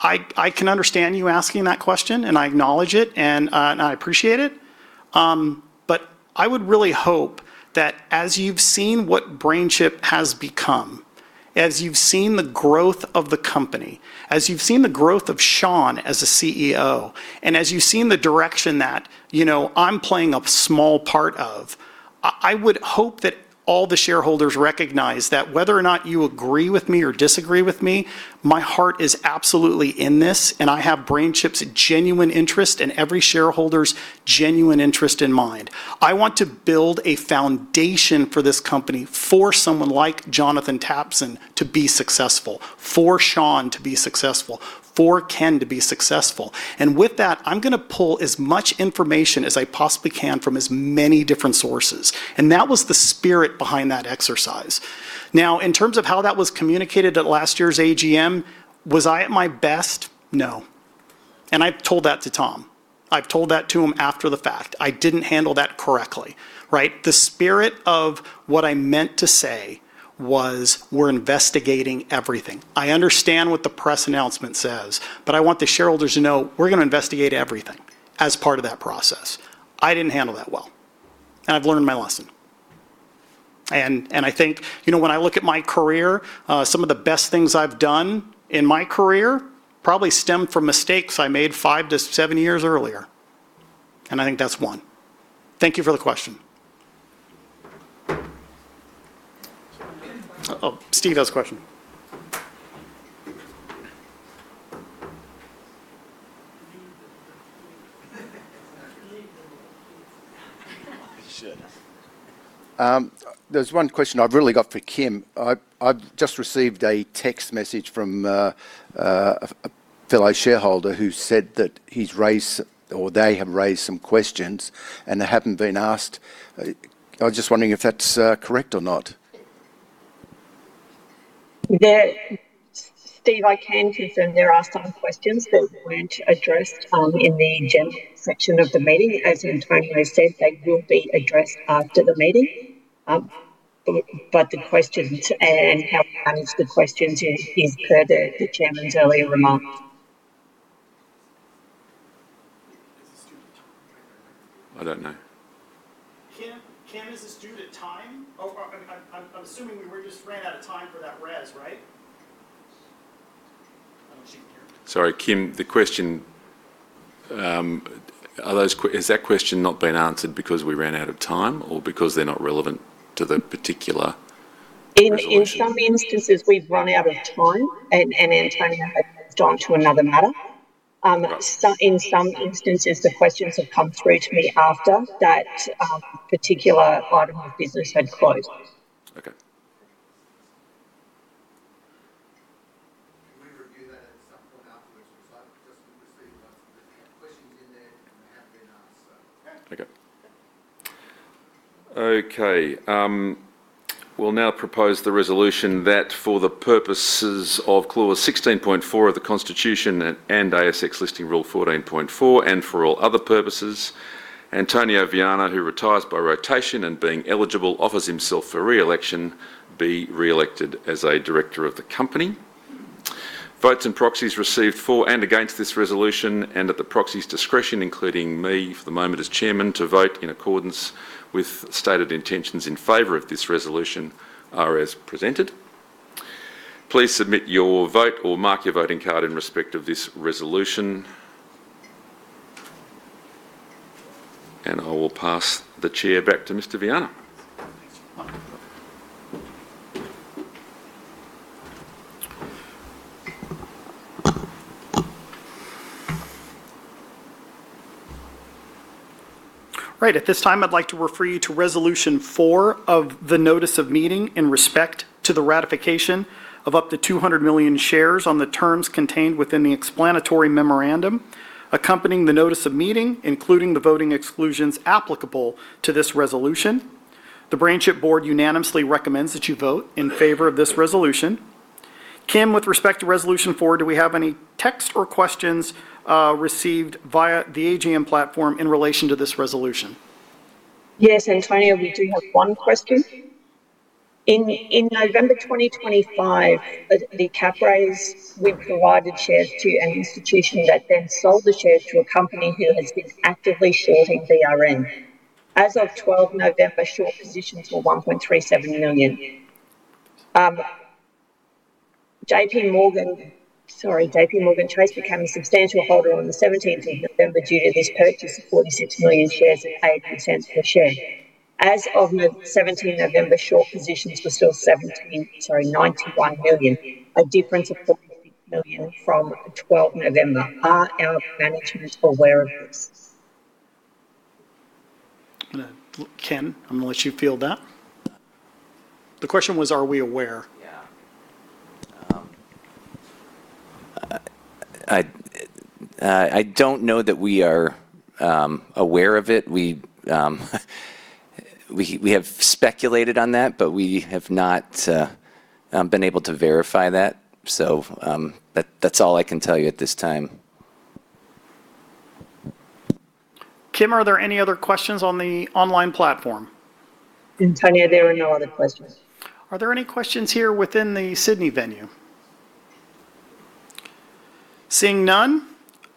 Speaker 2: I can understand you asking that question, and I acknowledge it and I appreciate it. I would really hope that as you've seen what BrainChip has become, as you've seen the growth of the company, as you've seen the growth of Sean as the CEO, and as you've seen the direction that, you know, I'm playing a small part of, I would hope that all the shareholders recognize that whether or not you agree with me or disagree with me, my heart is absolutely in this, and I have BrainChip's genuine interest and every shareholder's genuine interest in mind. I want to build a foundation for this company for someone like Jonathan Tapson to be successful, for Sean to be successful, for Ken to be successful. With that, I'm gonna pull as much information as I possibly can from as many different sources, and that was the spirit behind that exercise. In terms of how that was communicated at last year's AGM, was I at my best? No. I've told that to Tom. I've told that to him after the fact. I didn't handle that correctly, right. The spirit of what I meant to say was we're investigating everything. I understand what the press announcement says, but I want the shareholders to know we're gonna investigate everything as part of that process. I didn't handle that well, and I've learned my lesson. I think, you know, when I look at my career, some of the best things I've done in my career probably stem from mistakes I made five to seven years earlier, and I think that's one. Thank you for the question.
Speaker 1: Oh, Steve has a question.
Speaker 12: There's one question I've really got for Kim. I've just received a text message from a fellow shareholder who said that he's raised, or they have raised some questions, and they haven't been asked. I was just wondering if that's correct or not.
Speaker 5: Steven Liebeskind, I can confirm there are some questions that weren't addressed in the agenda section of the meeting. As Antonio said, they will be addressed after the meeting. But the questions and how we manage the questions is per the Chairman's earlier remark.
Speaker 1: I don't know.
Speaker 2: Kim? Kim, is this due to time? I'm assuming we were just ran out of time for that res, right? I don't see Kim.
Speaker 1: Sorry, Kim, the question, has that question not been answered because we ran out of time or because they're not relevant to the particular?
Speaker 5: In some instances, we've run out of time and Antonio had moved on to another matter. In some instances, the questions have come through to me after that particular item of business had closed.
Speaker 1: Okay.
Speaker 12: Can we review that at some point afterwards? Because I've just been receiving notes that there's been questions in there that haven't been asked, so.
Speaker 1: Okay. Okay, we'll now propose the resolution that for the purposes of Clause 16.4 of the Constitution and ASX Listing Rule 14.4, and for all other purposes, Antonio Viana, who retires by rotation and being eligible, offers himself for re-election, be re-elected as a director of the company. Votes and proxies received for and against this resolution, and at the proxy's discretion, including me for the moment as Chairman, to vote in accordance with stated intentions in favor of this resolution are as presented. Please submit your vote or mark your voting card in respect of this resolution. I will pass the chair back to Mr. Viana.
Speaker 2: Thank you. Right. At this time, I would like to refer you to Resolution 4 of the notice of meeting in respect to the ratification of up to 200 million shares on the terms contained within the explanatory memorandum accompanying the notice of meeting, including the voting exclusions applicable to this resolution. The BrainChip board unanimously recommends that you vote in favor of this resolution. Kim, with respect to Resolution 4, do we have any text or questions received via the AGM platform in relation to this resolution?
Speaker 5: Yes, Antonio, we do have one question. In November 2025, at the cap raise, we provided shares to an institution that then sold the shares to a company who has been actively shorting BRN. As of 12 November, short positions were 1.37 million. JPMorgan Chase became a substantial holder on the 17th of November due to this purchase of 46 million shares at 0.08 per share. As of the 17 November, short positions were still 91 million, a difference of 48 million from the 12 November. Are our management aware of this?
Speaker 2: Kim, I'm gonna let you field that. The question was, are we aware?
Speaker 10: Yeah. I don't know that we are aware of it. We have speculated on that, but we have not been able to verify that. That's all I can tell you at this time.
Speaker 2: Kim, are there any other questions on the online platform?
Speaker 5: Antonio, there are no other questions.
Speaker 2: Are there any questions here within the Sydney venue? Seeing none,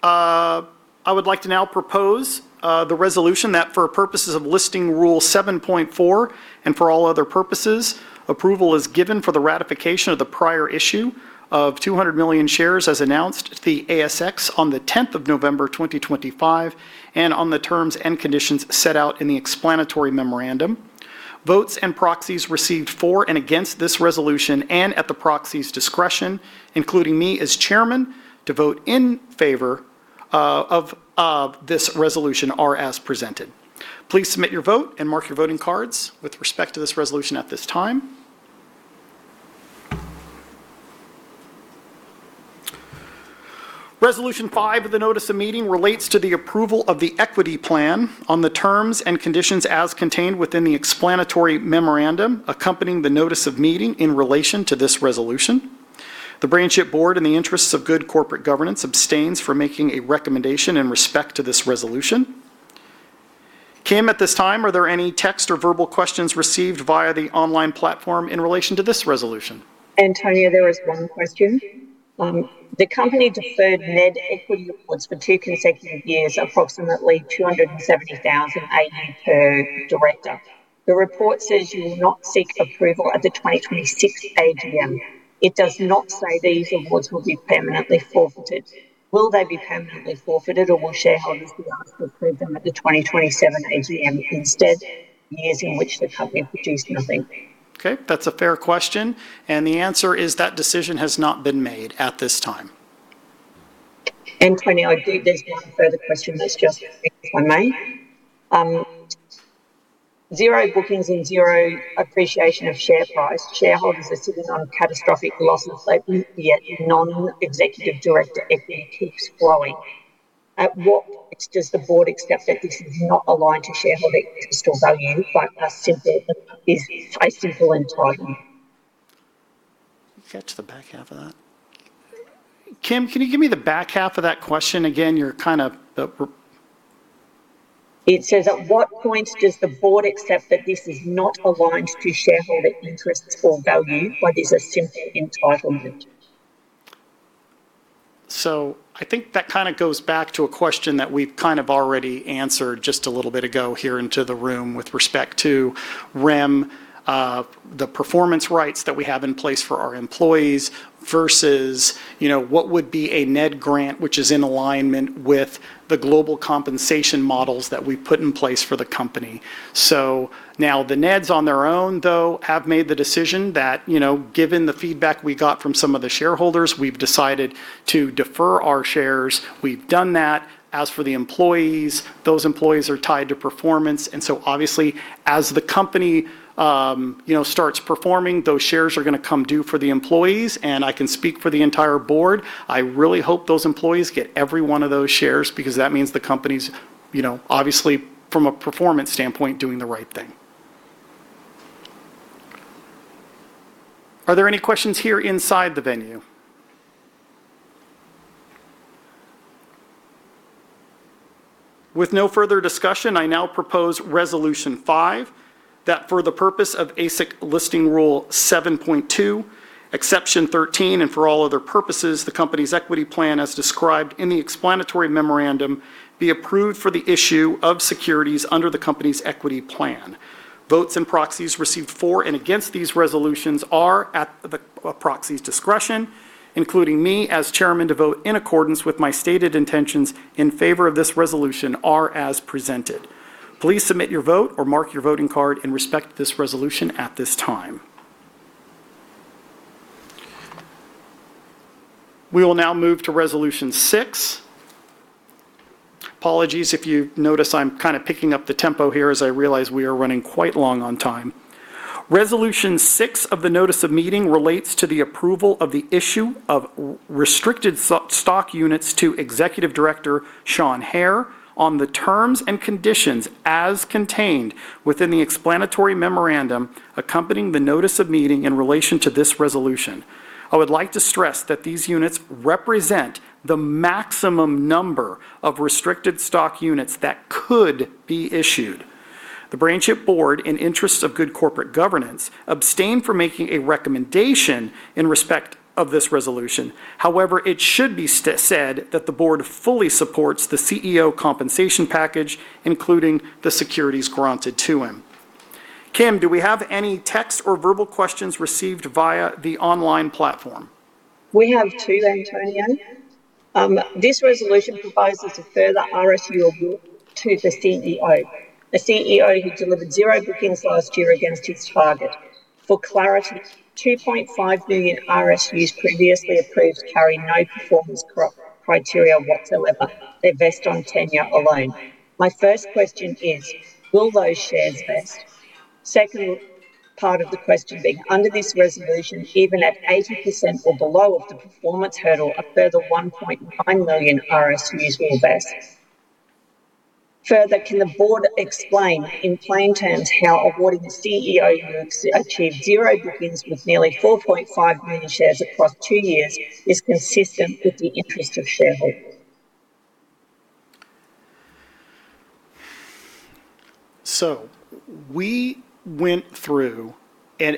Speaker 2: I would like to now propose the resolution that for purposes of Listing Rule 7.4, and for all other purposes, approval is given for the ratification of the prior issue of 200 million shares as announced at the ASX on the 10th of November 2025, and on the terms and conditions set out in the explanatory memorandum. Votes and proxies received for and against this resolution, and at the proxy's discretion, including me as Chairman, to vote in favor of this resolution are as presented. Please submit your vote and mark your voting cards with respect to this resolution at this time. Resolution 5 of the Notice of Meeting relates to the approval of the Equity Plan on the terms and conditions as contained within the Explanatory Memorandum accompanying the Notice of Meeting in relation to this resolution. The BrainChip Board, in the interests of good corporate governance, abstains from making a recommendation in respect to this resolution. Kim, at this time, are there any text or verbal questions received via the online platform in relation to this resolution?
Speaker 5: Antonio, there is one question. The company deferred net equity awards for two consecutive years, approximately 270,000 per director. The report says you will not seek approval at the 2026 AGM. It does not say these awards will be permanently forfeited. Will they be permanently forfeited, or will shareholders be asked to approve them at the 2027 AGM instead, years in which the company produced nothing?
Speaker 2: Okay, that's a fair question. The answer is that decision has not been made at this time.
Speaker 5: Antonio, I do, there's one further question that's just came, if I may. Zero bookings and zero appreciation of share price. Shareholders are sitting on catastrophic losses lately, yet non-executive director equity keeps growing. At what point does the Board accept that this is not aligned to shareholder interest or value, but a simple is facing full entitlement?
Speaker 2: Can you catch the back half of that? Kim, can you give me the back half of that question again?
Speaker 5: It says, "At what point does the Board accept that this is not aligned to shareholder interests or value, but is a simple entitlement?
Speaker 2: I think that kinda goes back to a question that we've kind of already answered just a little bit ago here into the room with respect to REM, the performance rights that we have in place for our employees versus, you know, what would be a NED grant which is in alignment with the global compensation models that we've put in place for the company. Now, the NEDs on their own, though, have made the decision that, you know, given the feedback we got from some of the shareholders, we've decided to defer our shares. We've done that. As for the employees, those employees are tied to performance, obviously, as the company, you know, starts performing, those shares are gonna come due for the employees. I can speak for the entire board, I really hope those employees get every one of those shares, because that means the company's, you know, obviously from a performance standpoint, doing the right thing. Are there any questions here inside the venue? With no further discussion, I now propose resolution 5, that for the purpose of ASX Listing Rule 7.2, exception 13, and for all other purposes, the company's equity plan as described in the explanatory memorandum be approved for the issue of securities under the company's equity plan. Votes and proxies received for and against these resolutions are at the proxy's discretion, including me as chairman to vote in accordance with my stated intentions in favor of this resolution are as presented. Please submit your vote or mark your voting card in respect to this resolution at this time. We will now move to resolution 6. Apologies if you notice I'm kinda picking up the tempo here as I realize we are running quite long on time. Resolution six of the Notice of Meeting relates to the approval of the issue of restricted stock units to Executive Director Sean Hehir on the terms and conditions as contained within the Explanatory Memorandum accompanying the Notice of Meeting in relation to this resolution. I would like to stress that these units represent the maximum number of restricted stock units that could be issued. The BrainChip Board, in interests of good corporate governance, abstain from making a recommendation in respect of this resolution. However, it should be said that the Board fully supports the CEO compensation package, including the securities granted to him. Kim, do we have any text or verbal questions received via the online platform?
Speaker 5: We have two, Antonio. This resolution proposes a further RSU award to the CEO, a CEO who delivered zero bookings last year against his target. For clarity, 2.5 million RSUs previously approved carry no performance criteria whatsoever. They vest on tenure alone. My first question is will those shares vest? Second part of the question being, under this resolution, even at 80% or below of the performance hurdle, a further 1.9 million RSUs will vest. Further, can the board explain in plain terms how awarding a CEO who achieved zero bookings with nearly 4.5 million shares across two years is consistent with the interest of shareholders?
Speaker 2: We went through an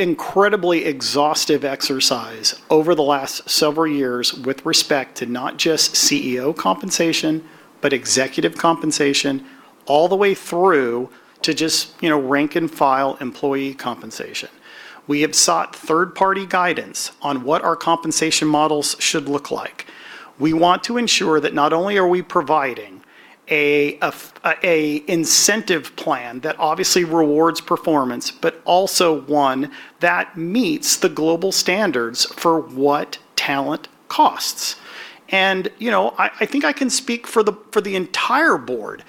Speaker 2: incredibly exhaustive exercise over the last several years with respect to not just CEO compensation, but executive compensation, all the way through to just, you know, rank and file employee compensation. We have sought third-party guidance on what our compensation models should look like. We want to ensure that not only are we providing a incentive plan that obviously rewards performance, but also one that meets the global standards for what talent costs. You know, I think I can speak for the entire board.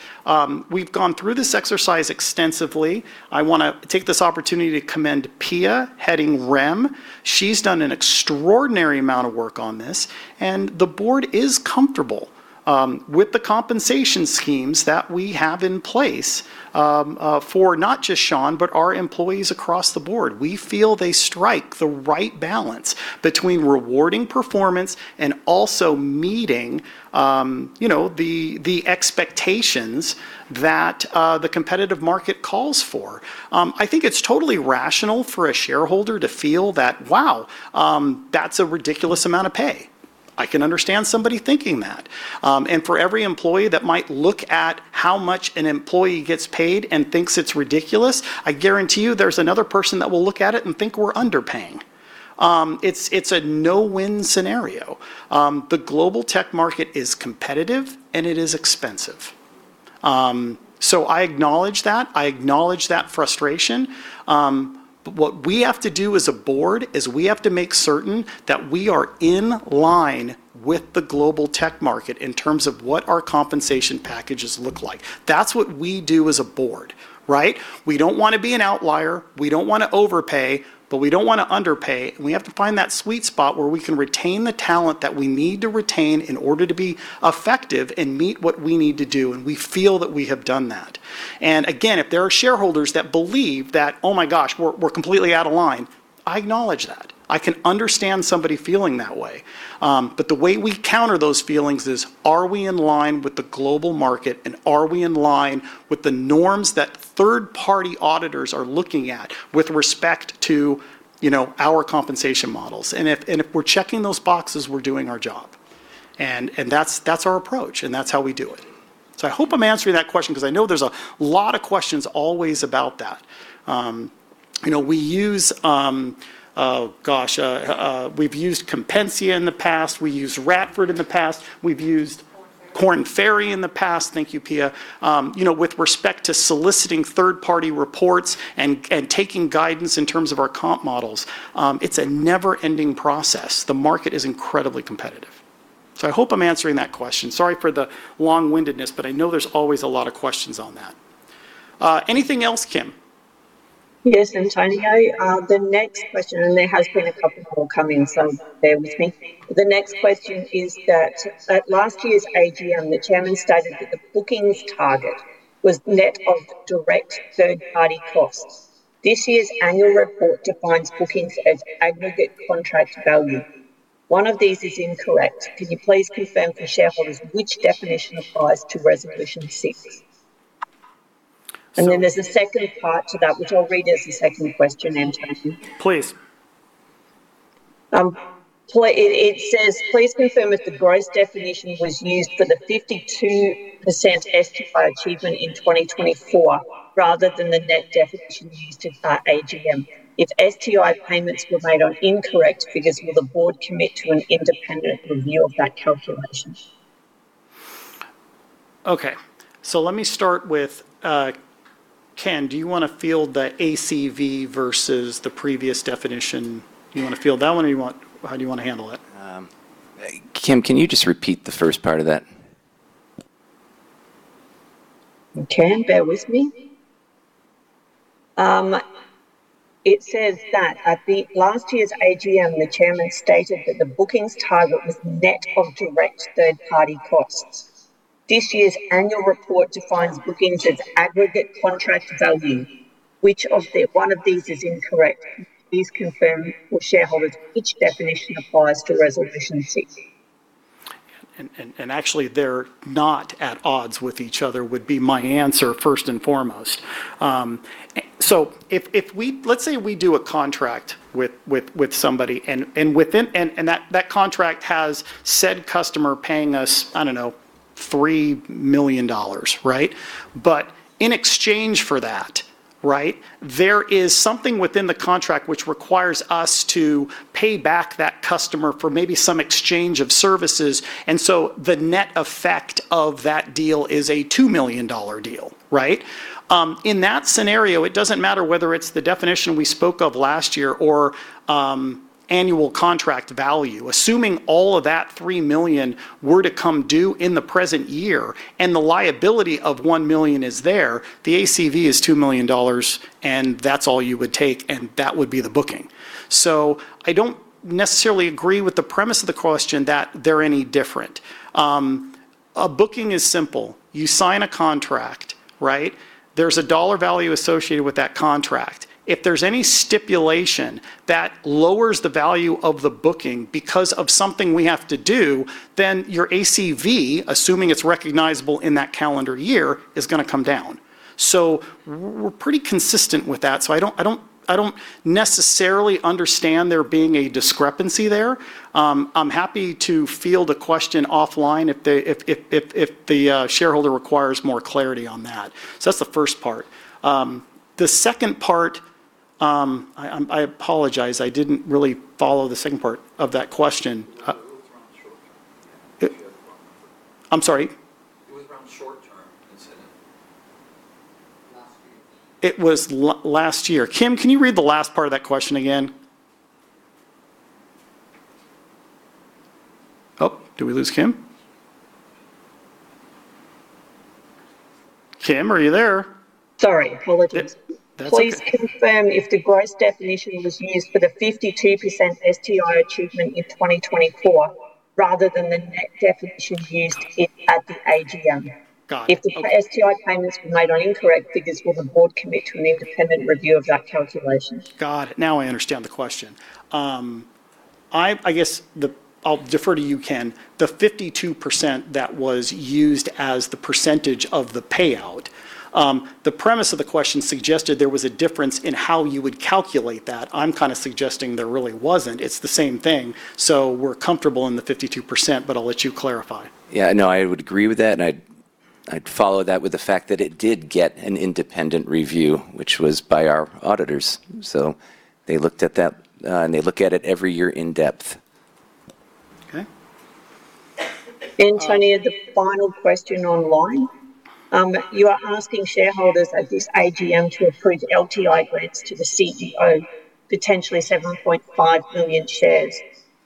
Speaker 2: We've gone through this exercise extensively. I wanna take this opportunity to commend Pia heading REM. She's done an extraordinary amount of work on this, and the board is comfortable with the compensation schemes that we have in place for not just Sean, but our employees across the board. We feel they strike the right balance between rewarding performance and also meeting, you know, the expectations that the competitive market calls for. I think it's totally rational for a shareholder to feel that, wow, that's a ridiculous amount of pay. I can understand somebody thinking that. For every employee that might look at how much an employee gets paid and thinks it's ridiculous, I guarantee you there's another person that will look at it and think we're underpaying. It's a no-win scenario. The global tech market is competitive, it is expensive. I acknowledge that. I acknowledge that frustration. What we have to do as a Board is we have to make certain that we are in line with the global tech market in terms of what our compensation packages look like. That's what we do as a board, right? We don't wanna be an outlier, we don't wanna overpay, but we don't wanna underpay, and we have to find that sweet spot where we can retain the talent that we need to retain in order to be effective and meet what we need to do, and we feel that we have done that. If there are shareholders that believe that, oh my gosh, we're completely out of line, I acknowledge that. I can understand somebody feeling that way. The way we counter those feelings is, are we in line with the global market, and are we in line with the norms that third-party auditors are looking at with respect to, you know, our compensation models? If we're checking those boxes, we're doing our job. That's our approach, and that's how we do it. I hope I'm answering that question, 'cause I know there's a lot of questions always about that. You know, we've used Compensia in the past, we used Radford in the past, we've used. Korn Ferry in the past. Thank you, Pia. you know, with respect to soliciting third-party reports and taking guidance in terms of our comp models, it's a never-ending process. The market is incredibly competitive. I hope I'm answering that question. Sorry for the long-windedness, but I know there's always a lot of questions on that. Anything else, Kim?
Speaker 5: Yes, Antonio. The next question And there has been a couple more come in, so bear with me. The next question is that at last year's AGM, the Chairman stated that the bookings target was net of direct third-party costs. This year's annual report defines bookings as aggregate contract value. One of these is incorrect. Can you please confirm for shareholders which definition applies to Resolution 6?
Speaker 2: So-
Speaker 5: There's a second part to that, which I'll read as the second question, Antonio.
Speaker 2: Please.
Speaker 5: It says, "Please confirm if the gross definition was used for the 52% STI achievement in 2024 rather than the net definition used at that AGM. If STI payments were made on incorrect figures, will the board commit to an independent review of that calculation?
Speaker 2: Okay, let me start with Ken, do you wanna field the ACV versus the previous definition? Do you wanna field that one or how do you wanna handle it?
Speaker 10: Kim, can you just repeat the first part of that?
Speaker 5: Okay, bear with me. It says that at the last year's AGM, the chairman stated that the bookings target was net of direct third-party costs. This year's annual report defines bookings as aggregate contract value. Which one of these is incorrect? Please confirm for shareholders which definition applies to Resolution 6.
Speaker 2: Actually, they're not at odds with each other, would be my answer, first and foremost. So if we, let's say we do a contract with somebody and within that contract has said customer paying us, I don't know, 3 million dollars, right? In exchange for that, right, there is something within the contract which requires us to pay back that customer for maybe some exchange of services, so the net effect of that deal is a 2 million dollar deal, right? In that scenario, it doesn't matter whether it's the definition we spoke of last year or annual contract value. Assuming all of that 3 million were to come due in the present year, and the liability of 1 million is there, the ACV is 2 million dollars, and that's all you would take, and that would be the booking. I don't necessarily agree with the premise of the question that they're any different. A booking is simple. You sign a contract, right? There's a dollar value associated with that contract. If there's any stipulation that lowers the value of the booking because of something we have to do, then your ACV, assuming it's recognizable in that calendar year, is gonna come down. We're pretty consistent with that, I don't necessarily understand there being a discrepancy there. I'm happy to field a question offline if the shareholder requires more clarity on that. That's the first part. The second part, I apologize, I didn't really follow the second part of that question. I'm sorry?
Speaker 10: It was around short term, isn't it?
Speaker 5: Last year.
Speaker 2: It was last year. Kim, can you read the last part of that question again? Oh, did we lose Kim? Kim, are you there?
Speaker 5: Sorry. Apologies.
Speaker 2: That's okay.
Speaker 5: Please confirm if the gross definition was used for the 52% STI achievement in 2024 rather than the net definition used at the AGM.
Speaker 2: Got it.
Speaker 5: If the STI payments were made on incorrect figures, will the board commit to an independent review of that calculation?
Speaker 2: Got it. Now I understand the question. I guess I'll defer to you, Ken. The 52% that was used as the percentage of the payout, the premise of the question suggested there was a difference in how you would calculate that. I'm kinda suggesting there really wasn't. It's the same thing. We're comfortable in the 52%, I'll let you clarify.
Speaker 10: Yeah, no, I would agree with that, and I'd follow that with the fact that it did get an independent review, which was by our auditors. They looked at that, and they look at it every year in depth.
Speaker 2: Okay.
Speaker 5: Antonio, the final question online. You are asking shareholders at this AGM to approve LTI grants to the CEO, potentially 7.5 million shares.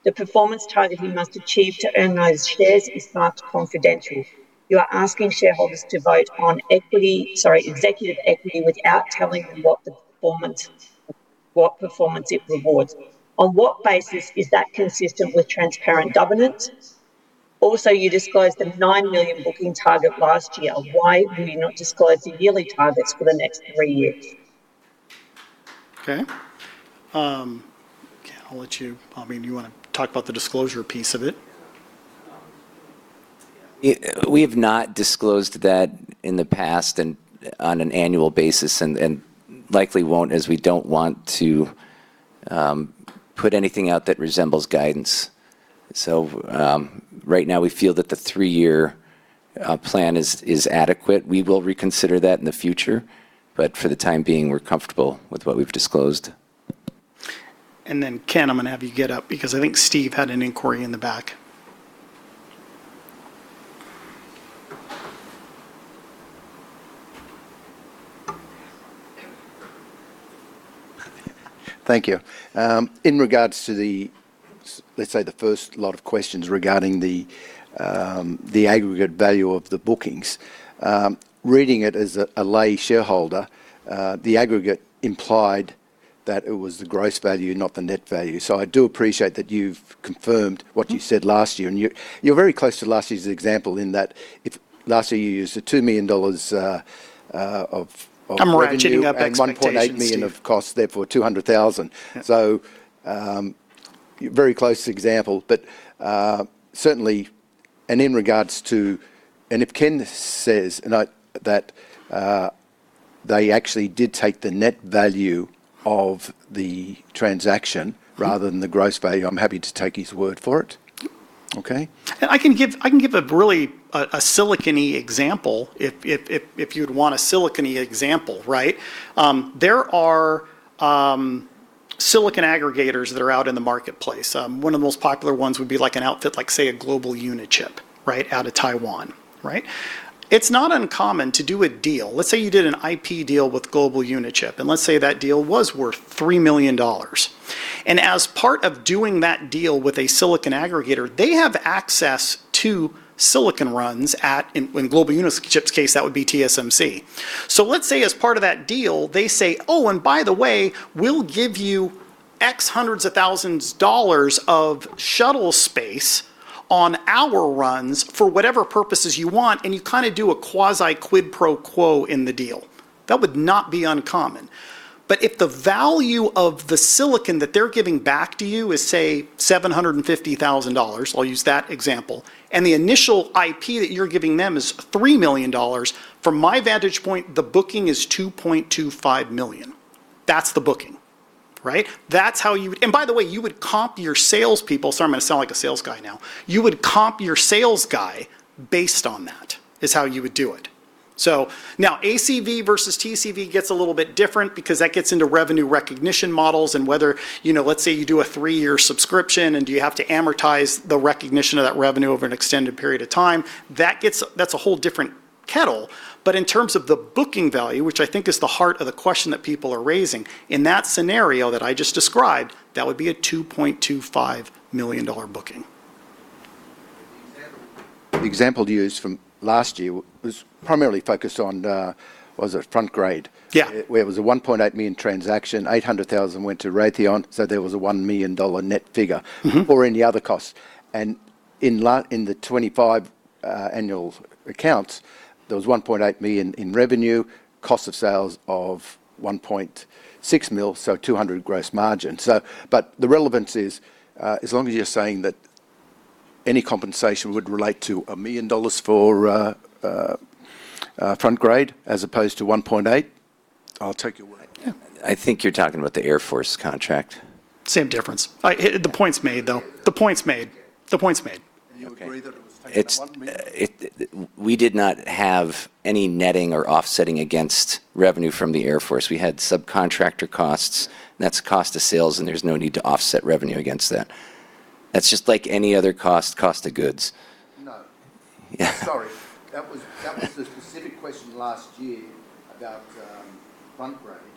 Speaker 5: The performance target he must achieve to earn those shares is marked confidential. You are asking shareholders to vote on equity, sorry, executive equity without telling them what performance it rewards. On what basis is that consistent with transparent governance? You disclosed an 9 million booking target last year. Why were you not disclose the yearly targets for the next three years?
Speaker 2: Okay. Ken, I'll let you. I mean, do you wanna talk about the disclosure piece of it?
Speaker 10: We have not disclosed that in the past and on an annual basis and likely won't, as we don't want to put anything out that resembles guidance. Right now we feel that the three year plan is adequate. We will reconsider that in the future. For the time being, we're comfortable with what we've disclosed.
Speaker 2: Ken, I'm gonna have you get up because I think Steve had an inquiry in the back.
Speaker 12: Thank you. In regards to the let's say the first lot of questions regarding the aggregate value of the bookings, reading it as a lay shareholder, the aggregate implied that it was the gross value, not the net value. I do appreciate that you've confirmed. what you said last year. You're very close to last year's example in that if, last year you used a 2 million dollars of revenue.
Speaker 2: I'm wrapping up expectations, Steven.
Speaker 12: 1.8 million of cost, therefore 200,000.
Speaker 2: Yeah.
Speaker 12: Very close example. Certainly, and in regards to if Ken says, and I, that they actually did take the net value of the transaction. rather than the gross value, I'm happy to take his word for it.
Speaker 2: Yeah.
Speaker 12: Okay?
Speaker 2: I can give a really, a Silicon-y example if you'd want a Silicon example, right? There are Silicon aggregators that are out in the marketplace. One of the most popular ones would be like an outfit like, say, a Global Unichip, right, out of Taiwan, right? It's not uncommon to do a deal. Let's say you did an IP deal with Global Unichip, and let's say that deal was worth 3 million dollars. As part of doing that deal with a Silicon aggregator, they have access to Silicon runs at, in Global Unichip's case, that would be TSMC. Let's say as part of that deal they say, "Oh, and by the way, we'll give you X hundreds of thousands dollars of shuttle space on our runs for whatever purposes you want," and you kinda do a quasi quid pro quo in the deal. That would not be uncommon. If the value of the silicon that they're giving back to you is, say, 750,000 dollars, I'll use that example, and the initial IP that you're giving them is 3 million dollars, from my vantage point, the booking is 2.25 million. That's the booking, right? That's how you would. By the way, you would comp your salespeople. Sorry, I'm gonna sound like a sales guy now. You would comp your sales guy based on that, is how you would do it. Now ACV versus TCV gets a little bit different because that gets into revenue recognition models and whether, you know, let's say you do a three year subscription, and do you have to amortize the recognition of that revenue over an extended period of time? That's a whole different kettle. In terms of the booking value, which I think is the heart of the question that people are raising, in that scenario that I just described, that would be a 2.25 million dollar booking.
Speaker 12: The example used from last year was primarily focused on, was it Frontgrade?
Speaker 2: Yeah.
Speaker 12: Where it was a 1.8 million transaction, 800,000 went to Raytheon, so there was a 1 million dollar net figure. or any other costs. In the 2025 annual accounts, there was 1.8 million in revenue, cost of sales of 1.6 million, so 200 gross margin. But the relevance is, as long as you're saying that any compensation would relate to 1 million dollars for Frontgrade as opposed to 1.8 million, I'll take your word.
Speaker 2: Yeah.
Speaker 10: I think you're talking about the Air Force contract.
Speaker 2: Same difference. The point's made, though. The point's made. The point's made.
Speaker 12: You agree that it was taken at $1 million?
Speaker 10: It's, we did not have any netting or offsetting against revenue from the Air Force. We had subcontractor costs. That's cost of sales. There's no need to offset revenue against that. That's just like any other cost of goods.
Speaker 12: No.
Speaker 10: Yeah.
Speaker 12: Sorry. That was the specific question last year about Frontgrade.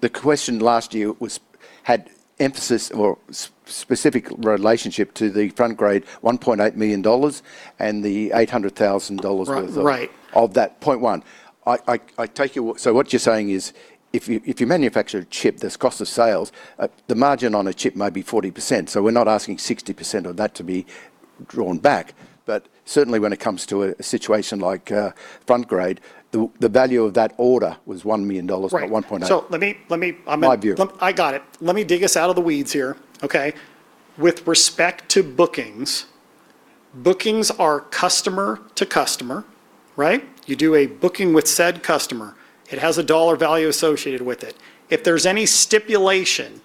Speaker 12: The question last year was, had emphasis or specific relationship to the Frontgrade 1.8 million dollars and the 800,000 dollars.
Speaker 2: Right.
Speaker 12: worth of that 0.1. What you're saying is if you manufacture a chip that's cost of sales, the margin on a chip might be 40%, so we're not asking 60% of that to be drawn back. Certainly when it comes to a situation like Frontgrade, the value of that order was 1 million dollars.
Speaker 2: Right
Speaker 12: not 1.8.
Speaker 2: Let me.
Speaker 12: My view.
Speaker 2: I got it. Let me dig us out of the weeds here, okay? With respect to bookings are customer to customer, right? You do a booking with said customer. It has an AUD value associated with it. If there's any financial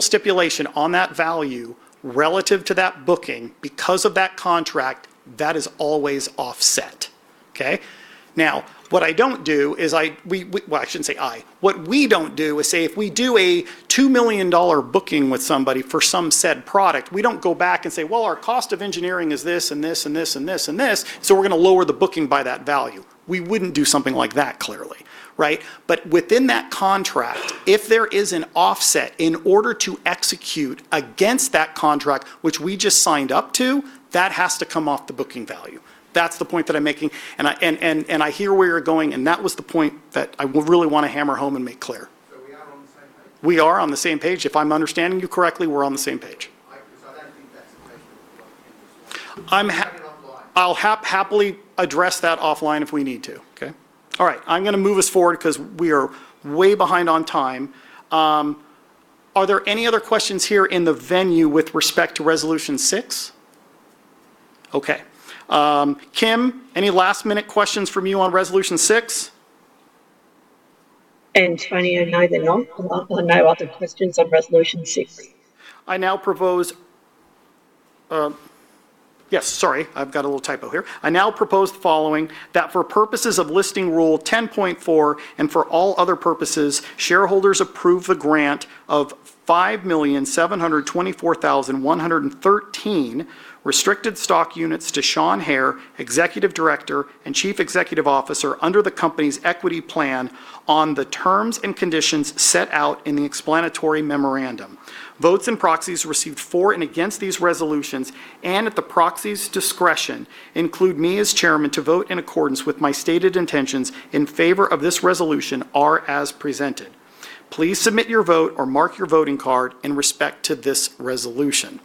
Speaker 2: stipulation on that value relative to that booking because of that contract, that is always offset, okay? What we don't do is say if we do an 2 million dollar booking with somebody for some said product, we don't go back and say, "Well, our cost of engineering is this, so we are gonna lower the booking by that value." We wouldn't do something like that, clearly, right? Within that contract, if there is an offset in order to execute against that contract which we just signed up to, that has to come off the booking value. That's the point that I'm making, and I hear where you're going, and that was the point that I really wanna hammer home and make clear.
Speaker 12: We are on the same page?
Speaker 2: We are on the same page. If I'm understanding you correctly, we're on the same page.
Speaker 12: I, because I don't think that's the question that was asked.
Speaker 2: I'm ha-
Speaker 12: Take it offline.
Speaker 2: I'll happily address that offline if we need to.
Speaker 12: Okay.
Speaker 2: All right. I'm gonna move us forward 'cause we are way behind on time. Are there any other questions here in the venue with respect to Resolution 6? Okay. Kim, any last-minute questions from you on Resolution 6?
Speaker 5: Antonio, no, there are no other questions on Resolution 6.
Speaker 2: I now propose, Yes, sorry, I've got a little typo here. I now propose the following: that for purposes of Listing Rule 10.4 and for all other purposes, shareholders approve the grant of 5,724,113 restricted stock units to Sean Hehir, Executive Director and Chief Executive Officer, under the company's equity plan on the terms and conditions set out in the explanatory memorandum. Votes and proxies received for and against these resolutions, at the proxy's discretion, include me as Chairman to vote in accordance with my stated intentions in favor of this resolution are as presented. Please submit your vote or mark your voting card in respect to this resolution.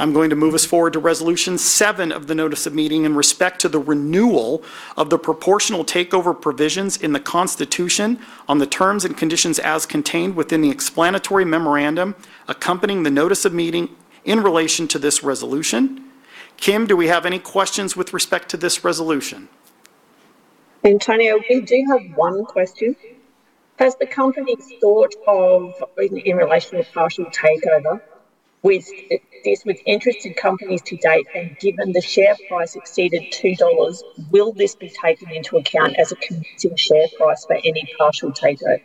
Speaker 2: I'm going to move us forward to Resolution 7 of the notice of meeting in respect to the renewal of the proportional takeover provisions in the constitution on the terms and conditions as contained within the explanatory memorandum accompanying the notice of meeting in relation to this resolution. Kim, do we have any questions with respect to this resolution?
Speaker 5: Antonio, we do have one question. Has the company thought of, in relation with partial takeover, with this, with interested companies to date, and given the share price exceeded 2 dollars, will this be taken into account as a convincing share price for any partial takeover?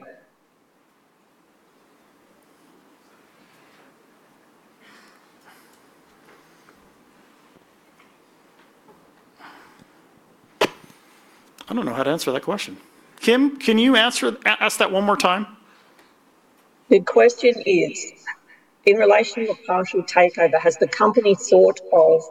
Speaker 2: I don't know how to answer that question. Kim, can you ask that one more time?
Speaker 5: The question is, in relation to a partial takeover, has the company thought of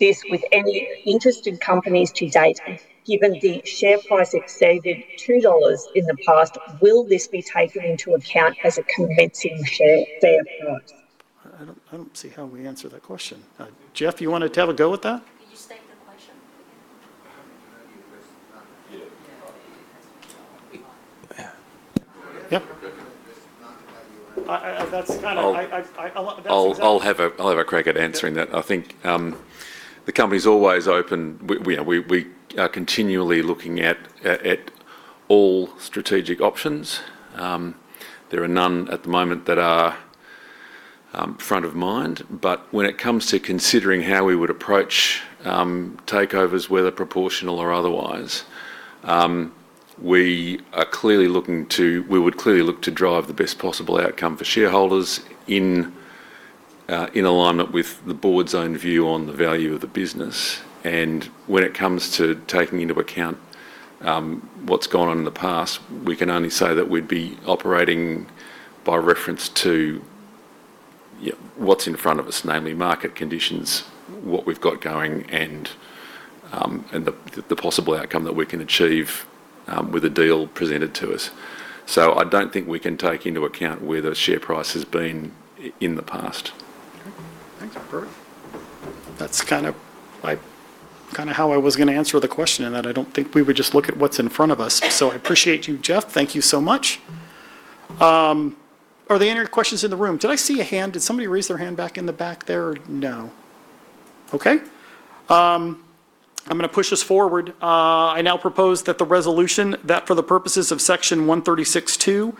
Speaker 5: this with any interested companies to date, given the share price exceeded 2 dollars in the past, will this be taken into account as a convincing share price?
Speaker 2: I don't see how we answer that question. Geoff, you wanna have a go at that?
Speaker 5: Can you state the question again?
Speaker 2: Yeah. I, that's kind of, I.
Speaker 1: I'll have a crack at answering that. I think the company's always open. We, you know, we are continually looking at all strategic options. There are none at the moment that are front of mind. When it comes to considering how we would approach takeovers, whether proportional or otherwise, we would clearly look to drive the best possible outcome for shareholders in alignment with the board's own view on the value of the business. When it comes to taking into account what's gone on in the past, we can only say that we'd be operating by reference to, yeah, what's in front of us, namely market conditions, what we've got going, and the possible outcome that we can achieve with a deal presented to us. I don't think we can take into account where the share price has been in the past.
Speaker 2: Thanks, Geoff. That's kind of my, kind of how I was going to answer the question, in that I don't think we would just look at what's in front of us. I appreciate you, Geoff. Thank you so much. Are there any other questions in the room? Did I see a hand? Did somebody raise their hand back in the back there? No. Okay. I'm going to push us forward. I now propose that the resolution, that for the purposes of Section 136(2)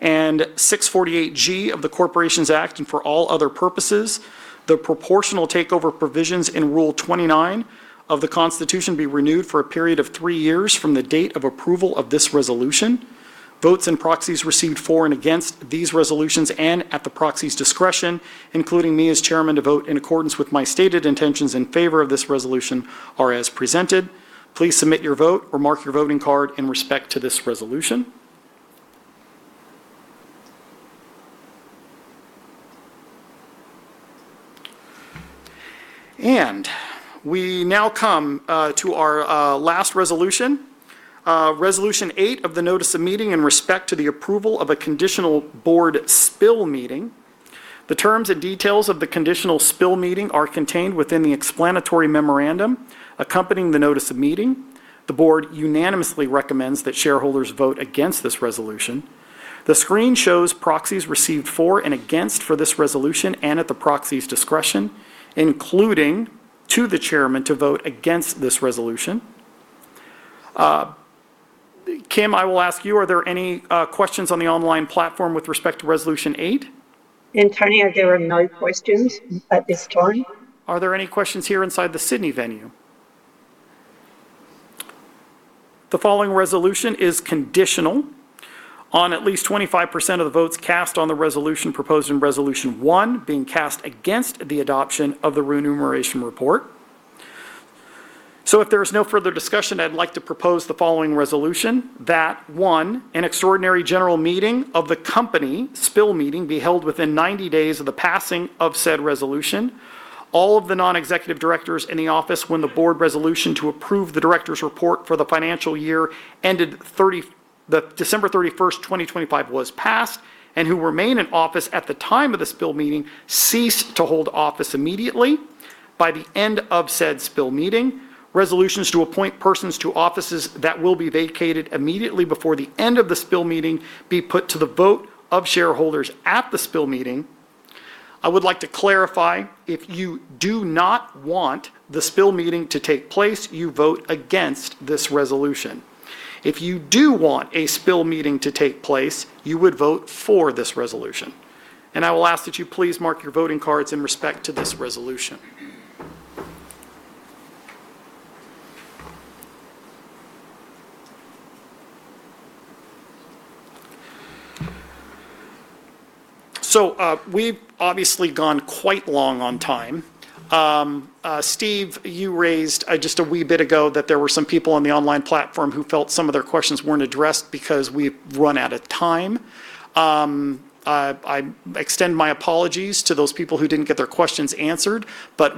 Speaker 2: and Section 648G of the Corporations Act, and for all other purposes, the proportional takeover provisions in Rule 29 of the Constitution be renewed for a period of three years from the date of approval of this resolution. Votes and proxies received for and against these resolutions, and at the proxy's discretion, including me as Chairman to vote in accordance with my stated intentions in favor of this resolution, are as presented. Please submit your vote or mark your voting card in respect to this resolution. We now come to our last resolution, Resolution 8 of the notice of meeting in respect to the approval of a conditional board spill meeting. The terms and details of the conditional spill meeting are contained within the explanatory memorandum accompanying the notice of meeting. The board unanimously recommends that shareholders vote against this resolution. The screen shows proxies received for and against for this resolution and at the proxy's discretion, including to the Chairman to vote against this resolution. Kim Larkin, I will ask you, are there any questions on the online platform with respect to Resolution 8?
Speaker 5: Antonio, there are no questions at this time.
Speaker 2: Are there any questions here inside the Sydney venue? The following resolution is conditional on at least 25% of the votes cast on the resolution proposed in Resolution 1 being cast against the adoption of the remuneration report. If there's no further discussion, I'd like to propose the following resolution: that, 1, an extraordinary general meeting of the company, spill meeting, be held within 90 days of the passing of said resolution. All of the non-executive directors in the office when the board resolution to approve the director's report for the financial year ended December 31st, 2025, was passed, and who remain in office at the time of the spill meeting, cease to hold office immediately by the end of said spill meeting. Resolutions to appoint persons to offices that will be vacated immediately before the end of the spill meeting be put to the vote of shareholders at the spill meeting. I would like to clarify, if you do not want the spill meeting to take place, you vote against this resolution. If you do want a spill meeting to take place, you would vote for this resolution. I will ask that you please mark your voting cards in respect to this resolution. We've obviously gone quite long on time. Steve, you raised just a wee bit ago that there were some people on the online platform who felt some of their questions weren't addressed because we've run out of time. I extend my apologies to those people who didn't get their questions answered.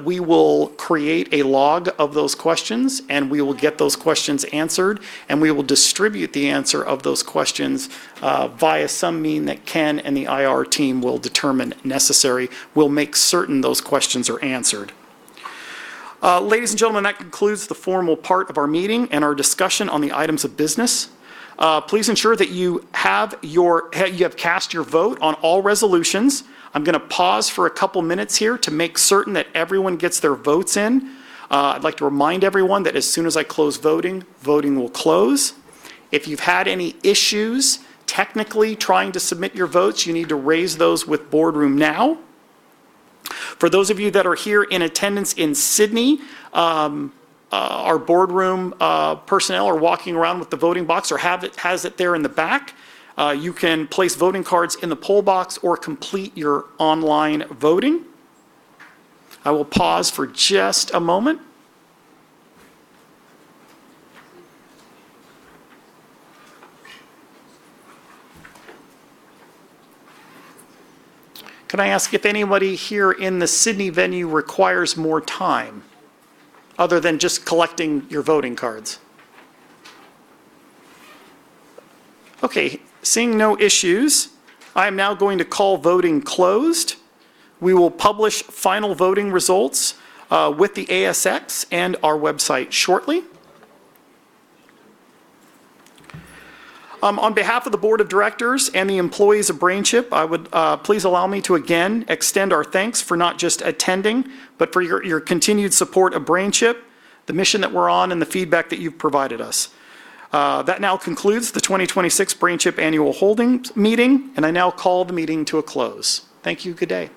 Speaker 2: We will create a log of those questions, and we will get those questions answered, and we will distribute the answer of those questions via some mean that Ken and the IR team will determine necessary. We'll make certain those questions are answered. Ladies and gentlemen, that concludes the formal part of our meeting and our discussion on the items of business. Please ensure that you have cast your vote on all resolutions. I'm gonna pause for a couple minutes here to make certain that everyone gets their votes in. I'd like to remind everyone that as soon as I close voting will close. If you've had any issues technically trying to submit your votes, you need to raise those with BoardRoom now. For those of you that are here in attendance in Sydney, our BoardRoom personnel are walking around with the voting box or has it there in the back. You can place voting cards in the poll box or complete your online voting. I will pause for just a moment. Can I ask if anybody here in the Sydney venue requires more time other than just collecting your voting cards? Okay, seeing no issues, I am now going to call voting closed. We will publish final voting results with the ASX and our website shortly. On behalf of the board of directors and the employees of BrainChip, please allow me to again extend our thanks for not just attending, but for your continued support of BrainChip, the mission that we're on, and the feedback that you've provided us. That now concludes the 2026 BrainChip annual holdings meeting. I now call the meeting to a close. Thank you. Good day.